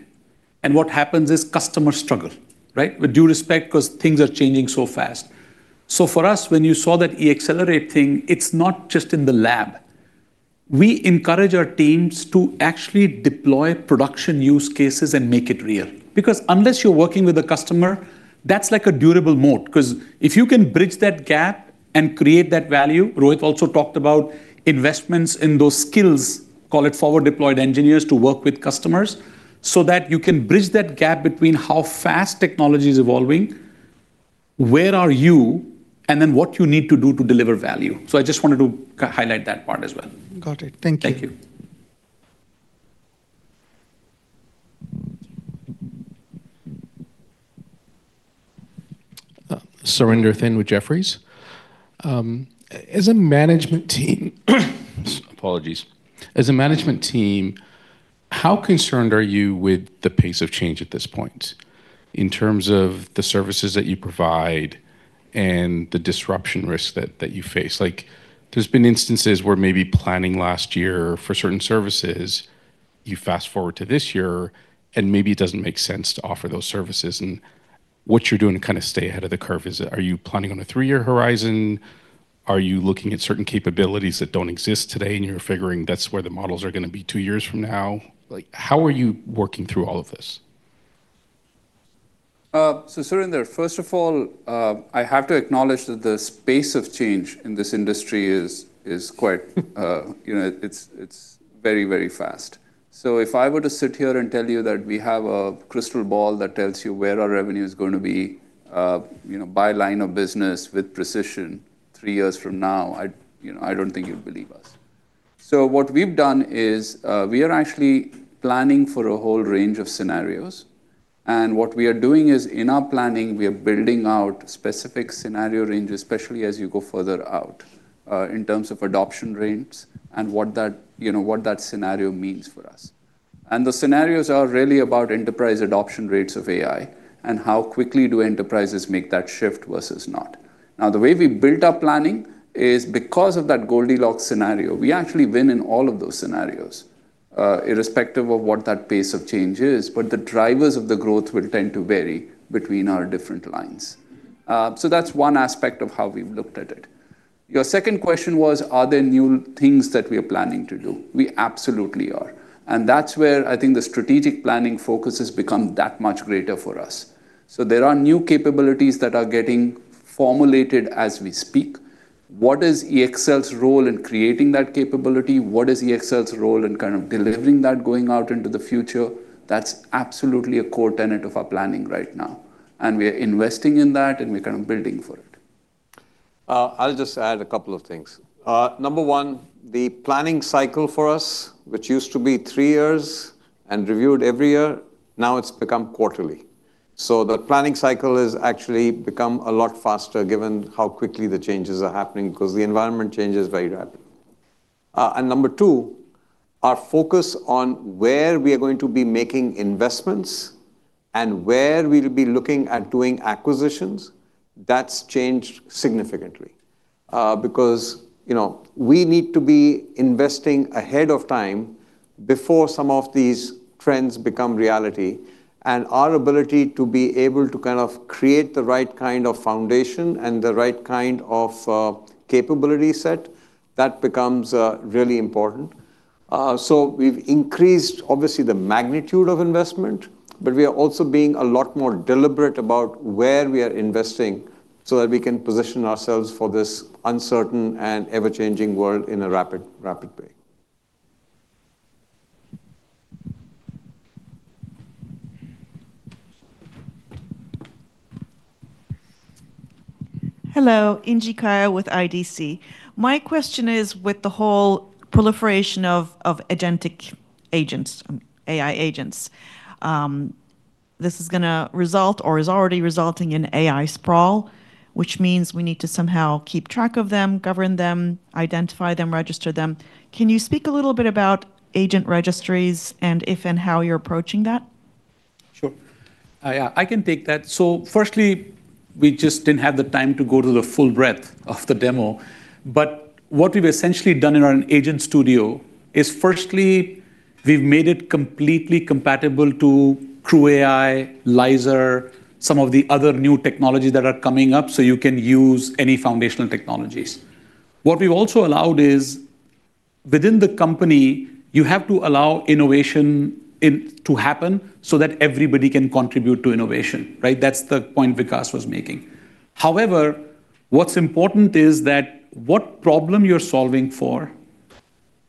What happens is customers struggle, right? With due respect, because things are changing so fast. For us, when you saw that EXLerate thing, it's not just in the lab. We encourage our teams to actually deploy production use cases and make it real. Unless you're working with a customer, that's like a durable moat because if you can bridge that gap and create that value, Rohit also talked about investments in those skills, call it forward deployed engineers to work with customers, so that you can bridge that gap between how fast technology is evolving, where are you, and then what you need to do to deliver value. I just wanted to highlight that part as well. Got it. Thank you. Thank you. Surinder Thind, Jefferies. As a management team, apologies. As a management team, how concerned are you with the pace of change at this point in terms of the services that you provide and the disruption risks that you face? Like, there's been instances where maybe planning last year for certain services, you fast-forward to this year, and maybe it doesn't make sense to offer those services. What you're doing to kind of stay ahead of the curve is, are you planning on a three-year horizon? Are you looking at certain capabilities that don't exist today, and you're figuring that's where the models are gonna be two years from now? Like, how are you working through all of this? Surinder, first of all, I have to acknowledge that the space of change in this industry is quite, you know, it's very, very fast. If I were to sit here and tell you that we have a crystal ball that tells you where our revenue is gonna be, you know, by line of business with precision three years from now, I'd, you know, I don't think you'd believe us. What we've done is, we are actually planning for a whole range of scenarios. What we are doing is, in our planning, we are building out specific scenario ranges, especially as you go further out, in terms of adoption rates and what that, you know, what that scenario means for us. The scenarios are really about enterprise adoption rates of AI and how quickly do enterprises make that shift versus not. The way we built our planning is because of that Goldilocks scenario. We actually win in all of those scenarios, irrespective of what that pace of change is, but the drivers of the growth will tend to vary between our different lines. That's one aspect of how we've looked at it. Your second question was, are there new things that we are planning to do? We absolutely are. That's where I think the strategic planning focus has become that much greater for us. There are new capabilities that are getting formulated as we speak. What is EXL's role in creating that capability? What is EXL's role in kind of delivering that going out into the future? That's absolutely a core tenet of our planning right now, and we are investing in that, and we're kind of building for it. I'll just add a couple of things. Number one, the planning cycle for us, which used to be three years and reviewed every year, now it's become quarterly. The planning cycle has actually become a lot faster given how quickly the changes are happening because the environment changes very rapidly. Number two, our focus on where we are going to be making investments and where we'll be looking at doing acquisitions, that's changed significantly. You know, we need to be investing ahead of time before some of these trends become reality, and our ability to be able to kind of create the right kind of foundation and the right kind of capability set, that becomes really important. We've increased obviously the magnitude of investment, but we are also being a lot more deliberate about where we are investing so that we can position ourselves for this uncertain and ever-changing world in a rapid way. Hello. Inci Kaya with IDC. My question is with the whole proliferation of agentic agents, AI agents. This is gonna result or is already resulting in AI sprawl, which means we need to somehow keep track of them, govern them, identify them, register them. Can you speak a little bit about agent registries and if and how you're approaching that? Sure. Yeah, I can take that. Firstly, we just didn't have the time to go to the full breadth of the demo. What we've essentially done in our agent studio is firstly, we've made it completely compatible to TRUE, Laser, some of the other new technologies that are coming up, so you can use any foundational technologies. What we've also allowed is, within the company, you have to allow innovation to happen so that everybody can contribute to innovation, right? That's the point Vikas was making. What's important is that what problem you're solving for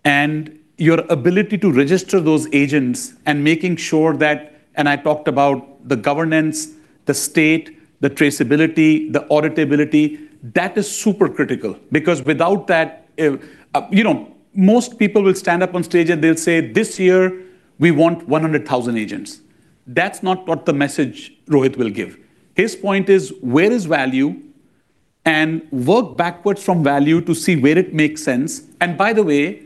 and your ability to register those agents and making sure that, and I talked about the governance, the state, the traceability, the auditability, that is super critical because without that, you know, most people will stand up on stage and they'll say, "This year we want 100,000 agents." That's not what the message Rohit will give. His point is where is value, work backwards from value to see where it makes sense. By the way,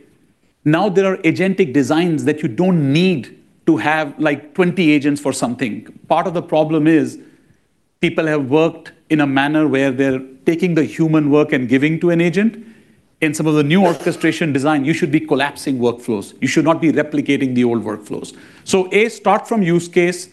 now there are agentic designs that you don't need to have like 20 agents for something. Part of the problem is people have worked in a manner where they're taking the human work and giving to an agent. In some of the new orchestration design, you should be collapsing workflows. You should not be replicating the old workflows. A, start from use case.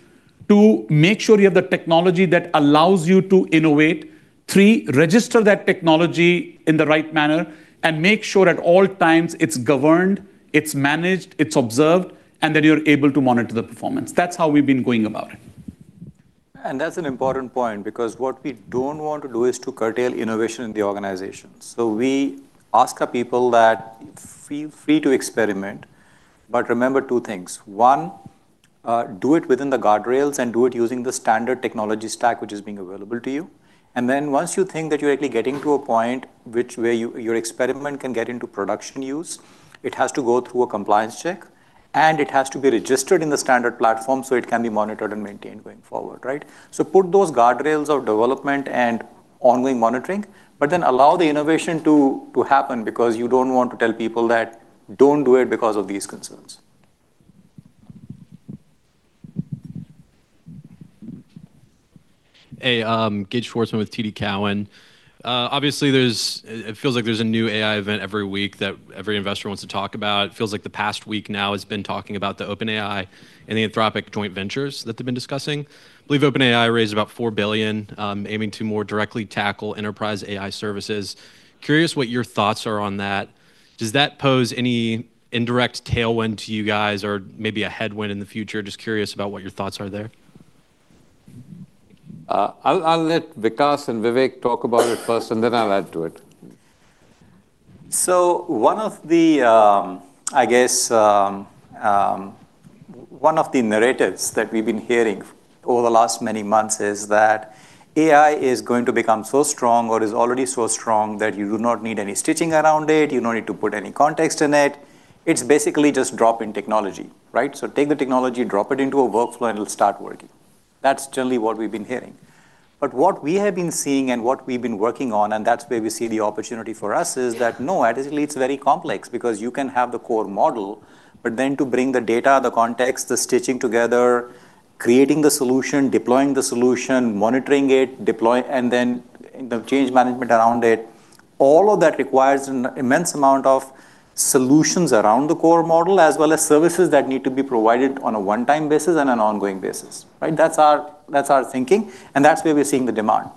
Two, make sure you have the technology that allows you to innovate. Three, register that technology in the right manner and make sure at all times it's governed, it's managed, it's observed, and that you're able to monitor the performance. That's how we've been going about it. That's an important point because what we don't want to do is to curtail innovation in the organization. We ask our people that, feel free to experiment, but remember two things. One, do it within the guardrails and do it using the standard technology stack which is being available to you. Once you think that you're actually getting to a point which where your experiment can get into production use, it has to go through a compliance check, and it has to be registered in the standard platform so it can be monitored and maintained going forward, right. Put those guardrails of development and ongoing monitoring, but then allow the innovation to happen because you don't want to tell people that, "Don't do it because of these concerns. Hey, Gage Schwartzman with TD Cowen. Obviously, it feels like there's a new AI event every week that every investor wants to talk about. It feels like the past week now has been talking about the OpenAI and the Anthropic joint ventures that they've been discussing. I believe OpenAI raised about $4 billion, aiming to more directly tackle enterprise AI services. Curious what your thoughts are on that? Does that pose any indirect tailwind to you guys or maybe a headwind in the future? Just curious about what your thoughts are there? I'll let Vikas and Vivek talk about it first, and then I'll add to it. One of the, I guess, one of the narratives that we've been hearing over the last many months is that AI is going to become so strong or is already so strong that you do not need any stitching around it, you no need to put any context in it. It's basically just drop-in technology, right? Take the technology, drop it into a workflow, and it'll start working. That's generally what we've been hearing. What we have been seeing and what we've been working on, and that's where we see the opportunity for us, is that, no, actually it's very complex because you can have the core model, but then to bring the data, the context, the stitching together, creating the solution, deploying the solution, monitoring it, and then the change management around it, all of that requires an immense amount of solutions around the core model, as well as services that need to be provided on a one-time basis and an ongoing basis, right? That's our thinking, and that's where we're seeing the demand.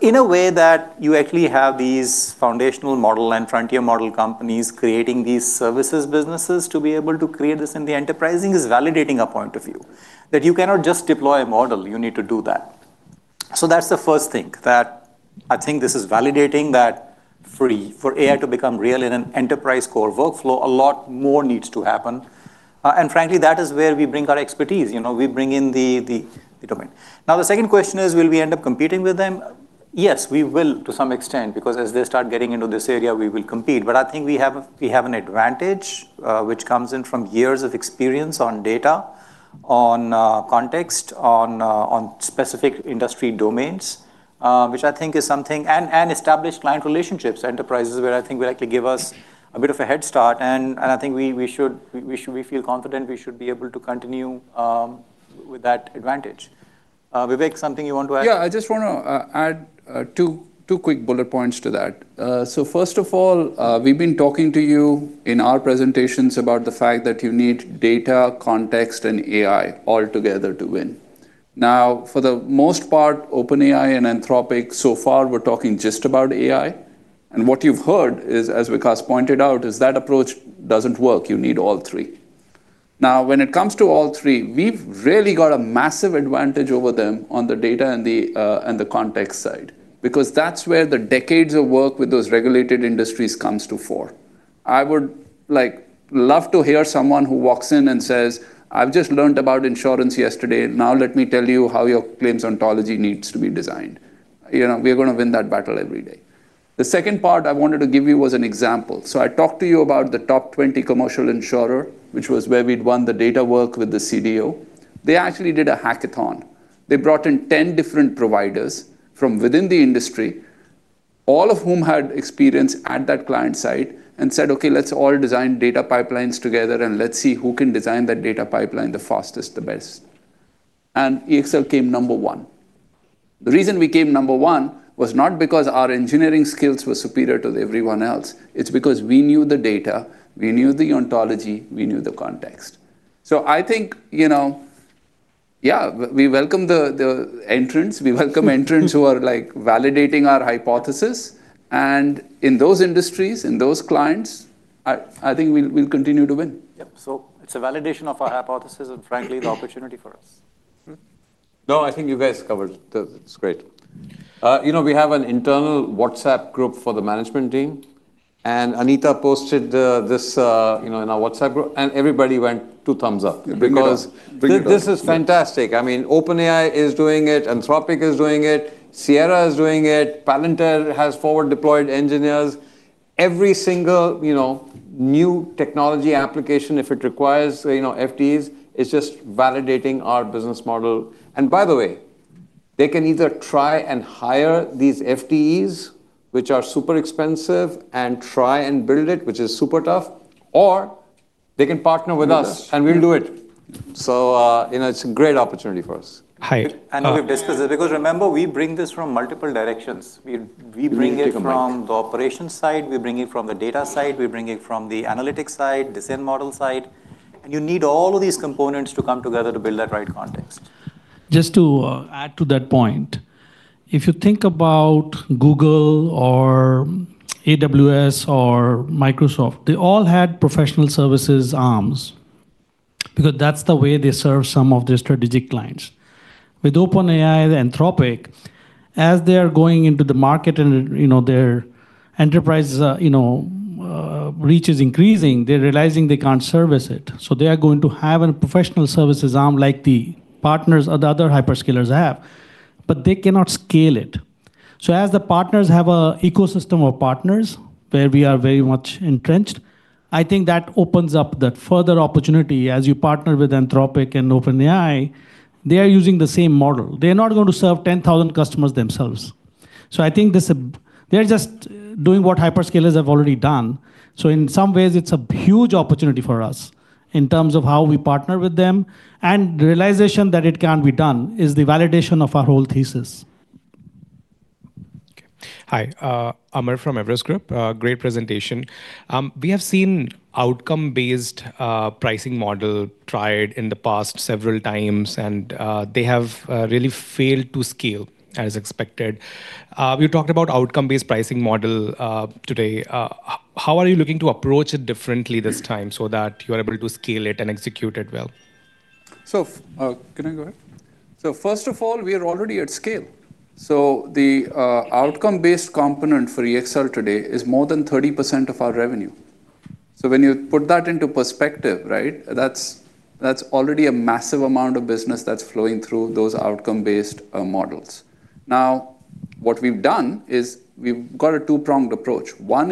In a way that you actually have these foundational model and frontier model companies creating these services businesses to be able to create this in the enterprise is validating our point of view that you cannot just deploy a model. You need to do that. That's the first thing, that I think this is validating that for AI to become real in an enterprise core workflow, a lot more needs to happen. Frankly, that is where we bring our expertise. You know, we bring in the domain. The second question is, will we end up competing with them? Yes, we will to some extent because as they start getting into this area, we will compete. I think we have an advantage, which comes in from years of experience on data, on context, on specific industry domains, which I think is something. Established client relationships, enterprises where I think will actually give us a bit of a head start. I think we should feel confident we should be able to continue with that advantage. Vivek, something you want to add? I just want to add two quick bullet points to that. First of all, we've been talking to you in our presentations about the fact that you need data, context, and AI all together to win. For the most part, OpenAI and Anthropic so far were talking just about AI. What you've heard is, as Vikas pointed out, is that approach doesn't work. You need all three. When it comes to all three, we've really got a massive advantage over them on the data and the context side because that's where the decades of work with those regulated industries comes to fore. I would love to hear someone who walks in and says, "I've just learned about insurance yesterday. Now let me tell you how your claims ontology needs to be designed. You know, we're gonna win that battle every day. The second part I wanted to give you was an example. I talked to you about the top 20 commercial insurer, which was where we'd won the data work with the CDO. They actually did a hackathon. They brought in 10 different providers from within the industry, all of whom had experience at that client site, and said, "Okay, let's all design data pipelines together, and let's see who can design that data pipeline the fastest, the best." EXL came number one. The reason we came number one was not because our engineering skills were superior to everyone else, it's because we knew the data, we knew the ontology, we knew the context. I think, you know, yeah, we welcome the entrants. We welcome entrants who are, like, validating our hypothesis. In those industries, in those clients, I think we'll continue to win. Yep. It's a validation of our hypothesis and frankly, the opportunity for us. No, I think you guys covered. It's great. You know, we have an internal WhatsApp group for the management team, and Anita posted this, you know, in our WhatsApp group and everybody went two thumbs up. Big thumbs. Big thumbs Because this is fantastic. I mean, OpenAI is doing it, Anthropic is doing it, Sierra is doing it, Palantir has forward deployed engineers. Every single, you know, new technology application, if it requires, you know, FDEs, is just validating our business model. By the way, they can either try and hire these FDEs, which are super expensive, and try and build it, which is super tough, or they can partner with us. With us and we'll do it. you know, it's a great opportunity for us. We've discussed it because remember, we bring this from multiple directions. We bring it from- You need to take a mic. the operations side, we bring it from the data side, we bring it from the analytics side, the same model side. You need all of these components to come together to build that right context. Just to add to that point. If you think about Google or AWS or Microsoft, they all had professional services arms because that's the way they serve some of their strategic clients. With OpenAI, Anthropic, as they are going into the market and, you know, their enterprises, you know, reach is increasing, they are realizing they cannot service it. They are going to have a professional services arm like the partners or the other hyperscalers have, but they cannot scale it. As the partners have a ecosystem of partners where we are very much entrenched, I think that opens up that further opportunity as you partner with Anthropic and OpenAI, they are using the same model. They are not going to serve 10,000 customers themselves. They are just doing what hyperscalers have already done. In some ways, it's a huge opportunity for us in terms of how we partner with them, and the realization that it can be done is the validation of our whole thesis. Okay. Hi. Amar from Everest Group. Great presentation. We have seen outcome-based pricing model tried in the past several times and they have really failed to scale as expected. We talked about outcome-based pricing model today. How are you looking to approach it differently this time so that you are able to scale it and execute it well? Can I go ahead? First of all, we are already at scale. The outcome-based component for EXL today is more than 30% of our revenue. When you put that into perspective, right? That's already a massive amount of business that's flowing through those outcome-based models. Now, what we've done is we've got a two-pronged approach. One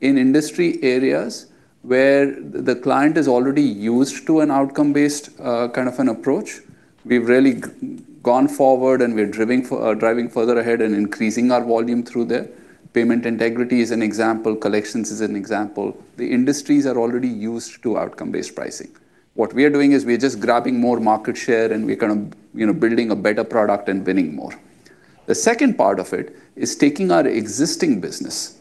is in industry areas where the client is already used to an outcome-based kind of an approach. We've really gone forward, and we're driving further ahead and increasing our volume through there. Payment Integrity is an example, collections is an example. The industries are already used to outcome-based pricing. What we are doing is we are just grabbing more market share, and we're kind of, you know, building a better product and winning more. The second part of it is taking our existing business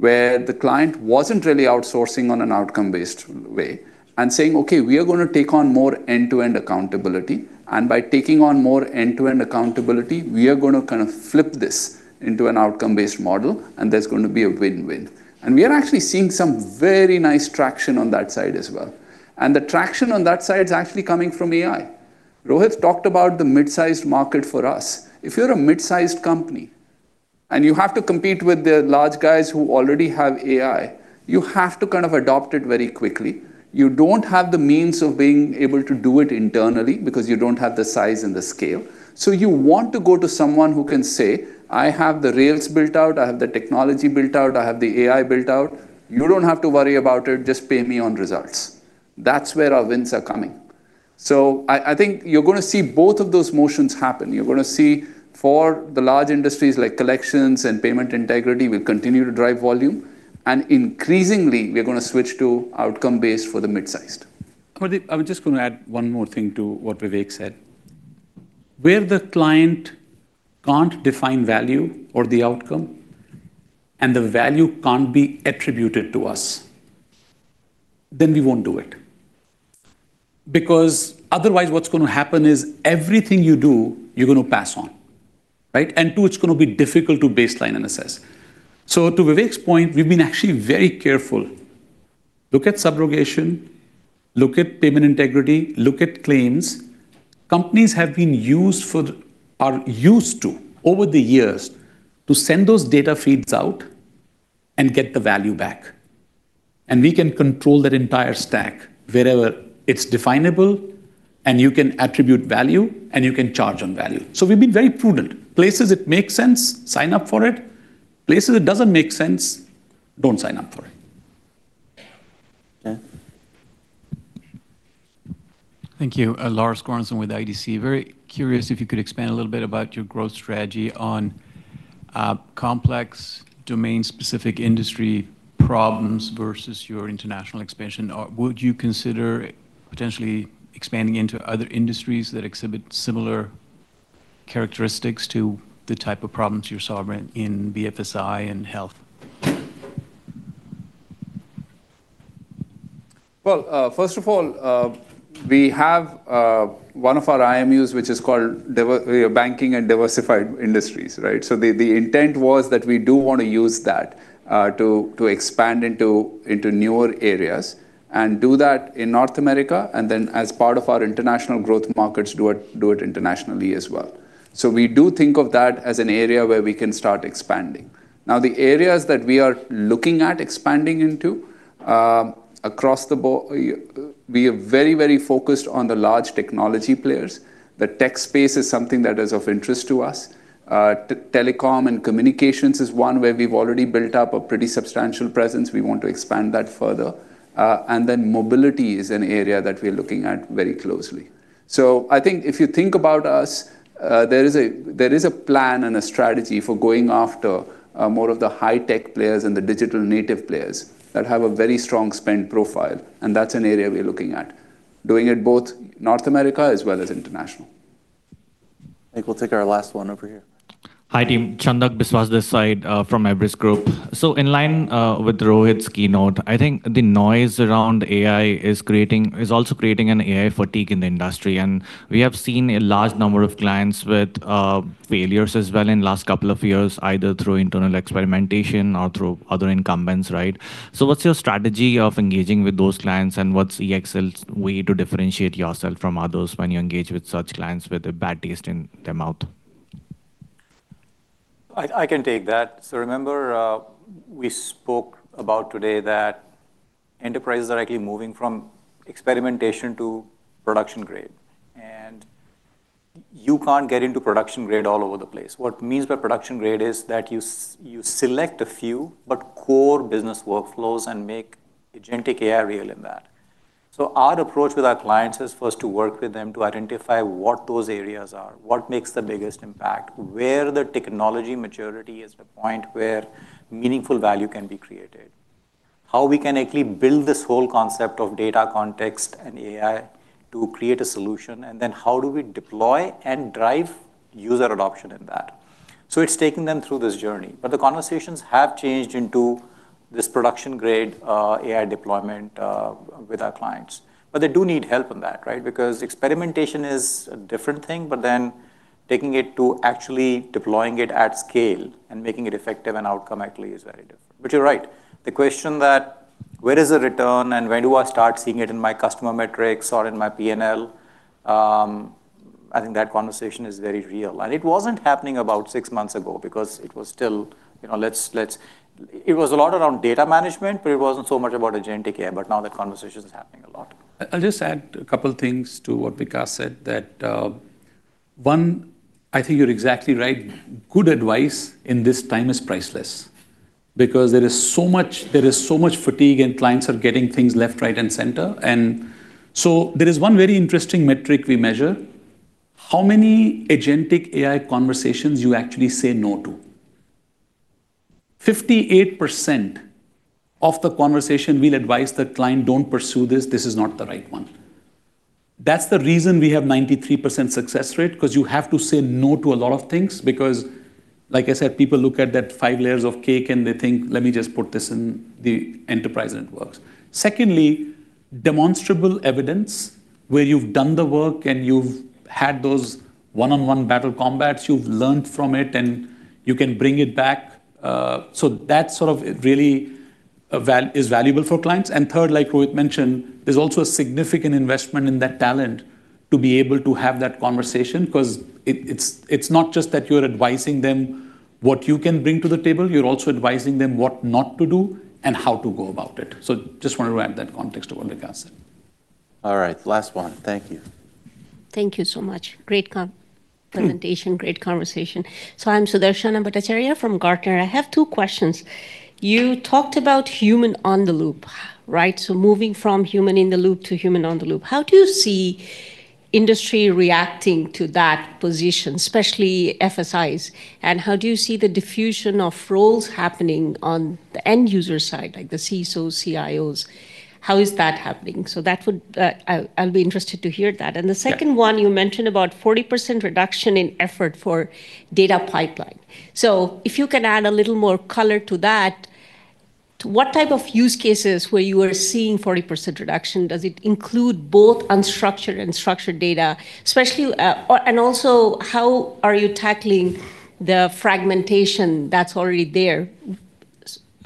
where the client wasn't really outsourcing on an outcome-based way and saying, "Okay, we are gonna take on more end-to-end accountability, and by taking on more end-to-end accountability, we are gonna kind of flip this into an outcome-based model, and there's gonna be a win-win." We are actually seeing some very nice traction on that side as well. The traction on that side is actually coming from AI. Rohit talked about the mid-sized market for us. If you're a mid-sized company and you have to compete with the large guys who already have AI, you have to kind of adopt it very quickly. You don't have the means of being able to do it internally because you don't have the size and the scale. You want to go to someone who can say, "I have the rails built out, I have the technology built out, I have the AI built out. You don't have to worry about it. Just pay me on results." That's where our wins are coming. I think you're gonna see both of those motions happen. You're gonna see for the large industries like collections and Payment Integrity, we'll continue to drive volume, and increasingly, we are gonna switch to outcome-based for the mid-sized. I was just gonna add one more thing to what Vivek said. Where the client can't define value or the outcome and the value can't be attributed to us, then we won't do it. Otherwise, what's gonna happen is everything you do, you're gonna pass on, right? Two, it's gonna be difficult to baseline and assess. To Vivek's point, we've been actually very careful. Look at subrogation, look at Payment Integrity, look at claims. Companies are used to, over the years, to send those data feeds out and get the value back. We can control that entire stack wherever it's definable, and you can attribute value, and you can charge on value. We've been very prudent. Places it makes sense, sign up for it. Places it doesn't make sense, don't sign up for it. Lars? Thank you. Lars Goransson with IDC. Very curious if you could expand a little bit about your growth strategy on complex domain-specific industry problems versus your international expansion. Or would you consider potentially expanding into other industries that exhibit similar characteristics to the type of problems you're solving in BFSI and health? Well, first of all, we have one of our IMUs, which is called banking and diversified industries, right? The intent was that we do wanna use that to expand into newer areas, and do that in North America, and then as part of our international growth markets, do it internationally as well. We do think of that as an area where we can start expanding. The areas that we are looking at expanding into, across the board, we are very focused on the large technology players. The tech space is something that is of interest to us. Telecom and communications is one where we've already built up a pretty substantial presence. We want to expand that further. Mobility is an area that we're looking at very closely. I think if you think about us, there is a plan and a strategy for going after more of the high-tech players and the digital native players that have a very strong spend profile, and that's an area we are looking at, doing it both North America as well as international. I think we'll take our last one over here. Hi, team. Chhandak Biswas this side, from Everest Group. In line with Rohit's keynote, I think the noise around AI is also creating an AI fatigue in the industry. We have seen a large number of clients with failures as well in last couple of years, either through internal experimentation or through other incumbents, right? What's your strategy of engaging with those clients, and what's EXL's way to differentiate yourself from others when you engage with such clients with a bad taste in their mouth? I can take that. Remember, we spoke about today that enterprises are actually moving from experimentation to production grade, and you can't get into production grade all over the place. What means by production grade is that you select a few, but core business workflows and make agentic AI real in that. Our approach with our clients is first to work with them to identify what those areas are, what makes the biggest impact, where the technology maturity is the point where meaningful value can be created, how we can actually build this whole concept of data context and AI to create a solution, and then how do we deploy and drive user adoption in that. It's taken them through this journey. The conversations have changed into this production grade AI deployment with our clients. They do need help in that, right? Because experimentation is a different thing, but then taking it to actually deploying it at scale and making it effective and outcome actually is very different. You're right. The question that where is the return and when do I start seeing it in my customer metrics or in my P&L, I think that conversation is very real. It wasn't happening about six months ago because it was still, you know, it was a lot around data management, but it wasn't so much about agentic AI, but now the conversation is happening a lot. I'll just add a couple things to what Vikas said. One, I think you're exactly right. Good advice in this time is priceless because there is so much fatigue, clients are getting things left, right, and center. There is one very interesting metric we measure, how many agentic AI conversations you actually say no to. 58% of the conversation we'll advise the client, "Don't pursue this. This is not the right one." That's the reason we have 93% success rate, 'cause you have to say no to a lot of things because, like I said, people look at that five layers of cake and they think, "Let me just put this in the enterprise and it works." Secondly, demonstrable evidence where you've done the work and you've had those one-on-one battle combats, you've learned from it, and you can bring it back. That sort of really is valuable for clients. Third, like Rohit mentioned, there's also a significant investment in that talent to be able to have that conversation 'cause it's not just that you're advising them what you can bring to the table, you're also advising them what not to do and how to go about it. Just want to add that context to what Vikas said. All right. Last one. Thank you. Thank you so much. presentation. Great conversation. I'm Sudarshana Bhattacharya from Gartner. I have two questions. You talked about human on the loop, right? Moving from human in the loop to human on the loop. How do you see industry reacting to that position, especially FSIs? How do you see the diffusion of roles happening on the end user side, like the CISOs, CIOs? How is that happening? That would, I'll be interested to hear that. The second one, you mentioned about 40% reduction in effort for data pipeline. If you can add a little more color to that, to what type of use cases where you are seeing 40% reduction? Does it include both unstructured and structured data? Especially, or, and also how are you tackling the fragmentation that's already there? Yeah.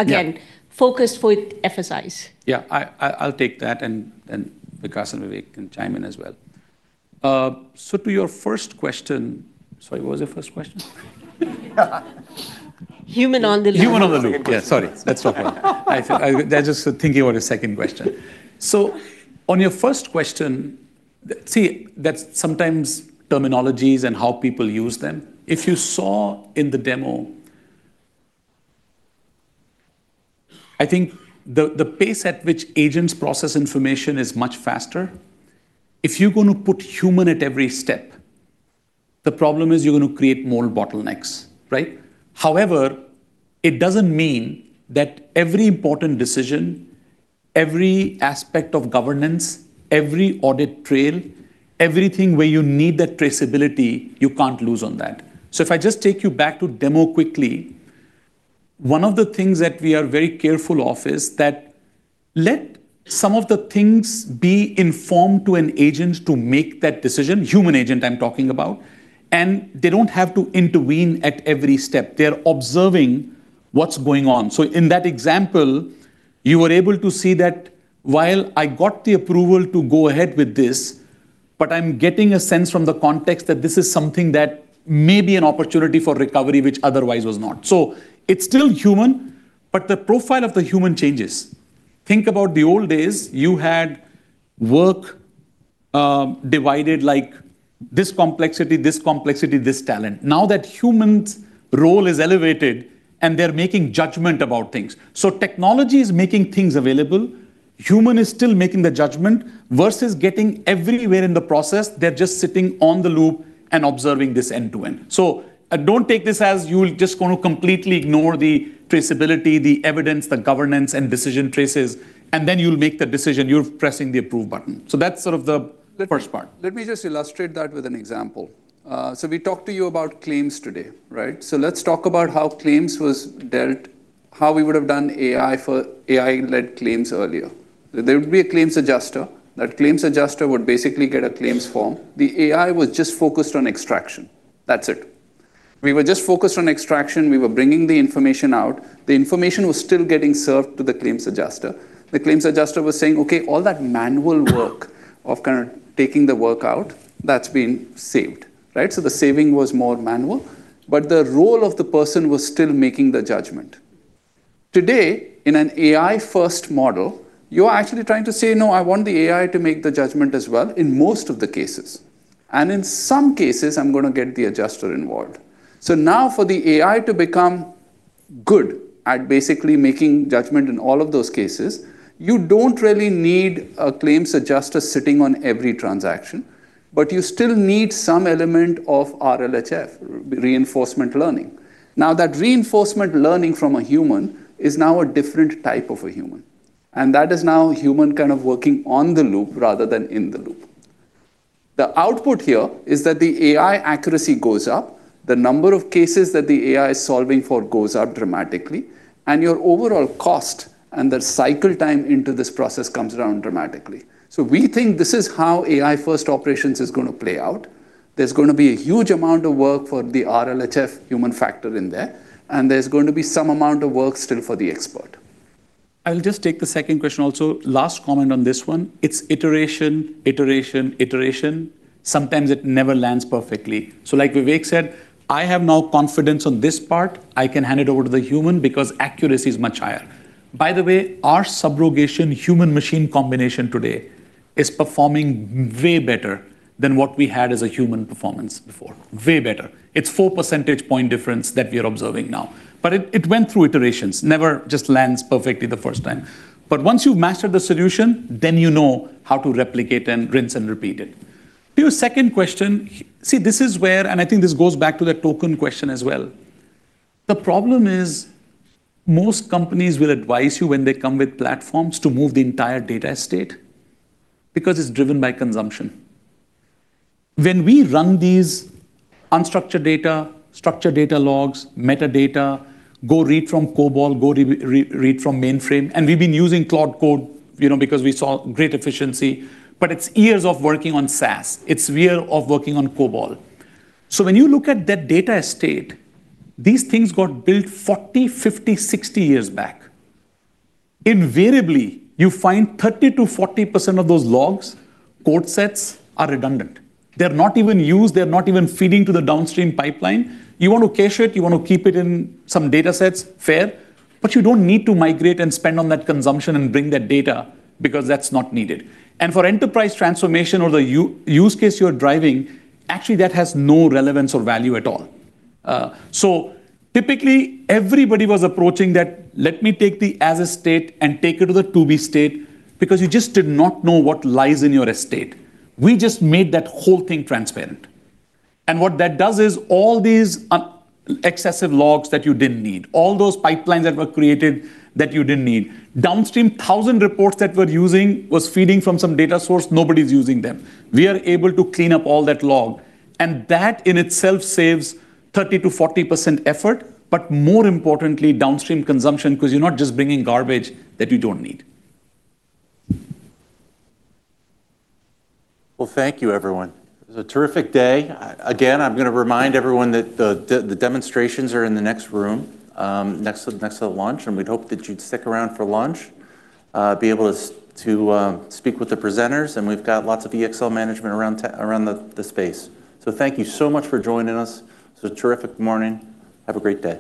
Again, focused with FSIs. Yeah, I'll take that and Vikas and Vivek can chime in as well. To your first question Sorry, what was your first question? Human on the loop. Human on the loop. Yeah, sorry. That's what They're just thinking about a second question. On your first question, see, that's sometimes terminologies and how people use them. If you saw in the demo, I think the pace at which agents process information is much faster. If you're gonna put human at every step, the problem is you're gonna create more bottlenecks, right? It doesn't mean that every important decision, every aspect of governance, every audit trail, everything where you need that traceability, you can't lose on that. If I just take you back to demo quickly, one of the things that we are very careful of is that let some of the things be informed to an agent to make that decision, human agent I'm talking about, and they don't have to intervene at every step. They're observing what's going on. In that example, you were able to see that while I got the approval to go ahead with this, but I'm getting a sense from the context that this is something that may be an opportunity for recovery, which otherwise was not. It's still human, but the profile of the human changes. Think about the old days, you had work, divided like this complexity, this complexity, this talent. Now that humans' role is elevated, and they're making judgment about things. Technology is making things available. Human is still making the judgment versus getting everywhere in the process. They're just sitting on the loop and observing this end to end. Don't take this as you're just going to completely ignore the traceability, the evidence, the governance and decision traces, and then you'll make the decision, you're pressing the approve button. That's sort of the first part. Let me just illustrate that with an example. We talked to you about claims today, right? Let's talk about how claims was dealt, how we would have done AI for AI-led claims earlier. There would be a claims adjuster. That claims adjuster would basically get a claims form. The AI was just focused on extraction. That's it. We were just focused on extraction. We were bringing the information out. The information was still getting served to the claims adjuster. The claims adjuster was saying, "Okay, all that manual work of kind of taking the work out, that's been saved." Right? The saving was more manual, but the role of the person was still making the judgment. Today, in an AI-first model, you're actually trying to say, "No, I want the AI to make the judgment as well in most of the cases. In some cases, I'm gonna get the adjuster involved." Now for the AI to become good at basically making judgment in all of those cases, you don't really need a claims adjuster sitting on every transaction, but you still need some element of RLHF, reinforcement learning. That reinforcement learning from a human is now a different type of a human, and that is now human kind of working on the loop rather than in the loop. The output here is that the AI accuracy goes up, the number of cases that the AI is solving for goes up dramatically, and your overall cost and the cycle time into this process comes down dramatically. We think this is how AI-first operations is gonna play out. There's gonna be a huge amount of work for the RLHF human factor in there, and there's going to be some amount of work still for the expert. I'll just take the second question also. Last comment on this one. It's iteration, iteration. Sometimes it never lands perfectly. Like Vivek said, I have now confidence on this part. I can hand it over to the human because accuracy is much higher. By the way, our subrogation human machine combination today is performing way better than what we had as a human performance before. Way better. It's 4 percentage point difference that we are observing now. It went through iterations. Never just lands perfectly the first time. Once you master the solution, then you know how to replicate and rinse and repeat it. To your second question, see, this is where, and I think this goes back to the token question as well. The problem is most companies will advise you when they come with platforms to move the entire data estate because it's driven by consumption. When we run these unstructured data, structured data logs, metadata, go read from COBOL, go read from mainframe, and we've been using Claude Code, you know, because we saw great efficiency, but it's years of working on SaaS. It's year of working on COBOL. When you look at that data estate, these things got built 40, 50, 60 years back. Invariably, you find 30%-40% of those logs, code sets are redundant. They're not even used. They're not even feeding to the downstream pipeline. You want to cache it, you want to keep it in some datasets, fair, but you don't need to migrate and spend on that consumption and bring that data because that's not needed. For enterprise transformation or the use case you're driving, actually, that has no relevance or value at all. Typically, everybody was approaching that, "Let me take the as a state and take it to the to-be state," because you just did not know what lies in your estate. We just made that whole thing transparent. What that does is all these excessive logs that you didn't need, all those pipelines that were created that you didn't need, downstream 1,000 reports that we're using was feeding from some data source, nobody's using them. We are able to clean up all that log, and that in itself saves 30%-40% effort, but more importantly, downstream consumption because you're not just bringing garbage that you don't need. Well, thank you everyone. It was a terrific day. Again, I'm gonna remind everyone that the demonstrations are in the next room, next to the lunch, we'd hope that you'd stick around for lunch, be able to speak with the presenters, and we've got lots of EXL management around the space. Thank you so much for joining us. It was a terrific morning. Have a great day.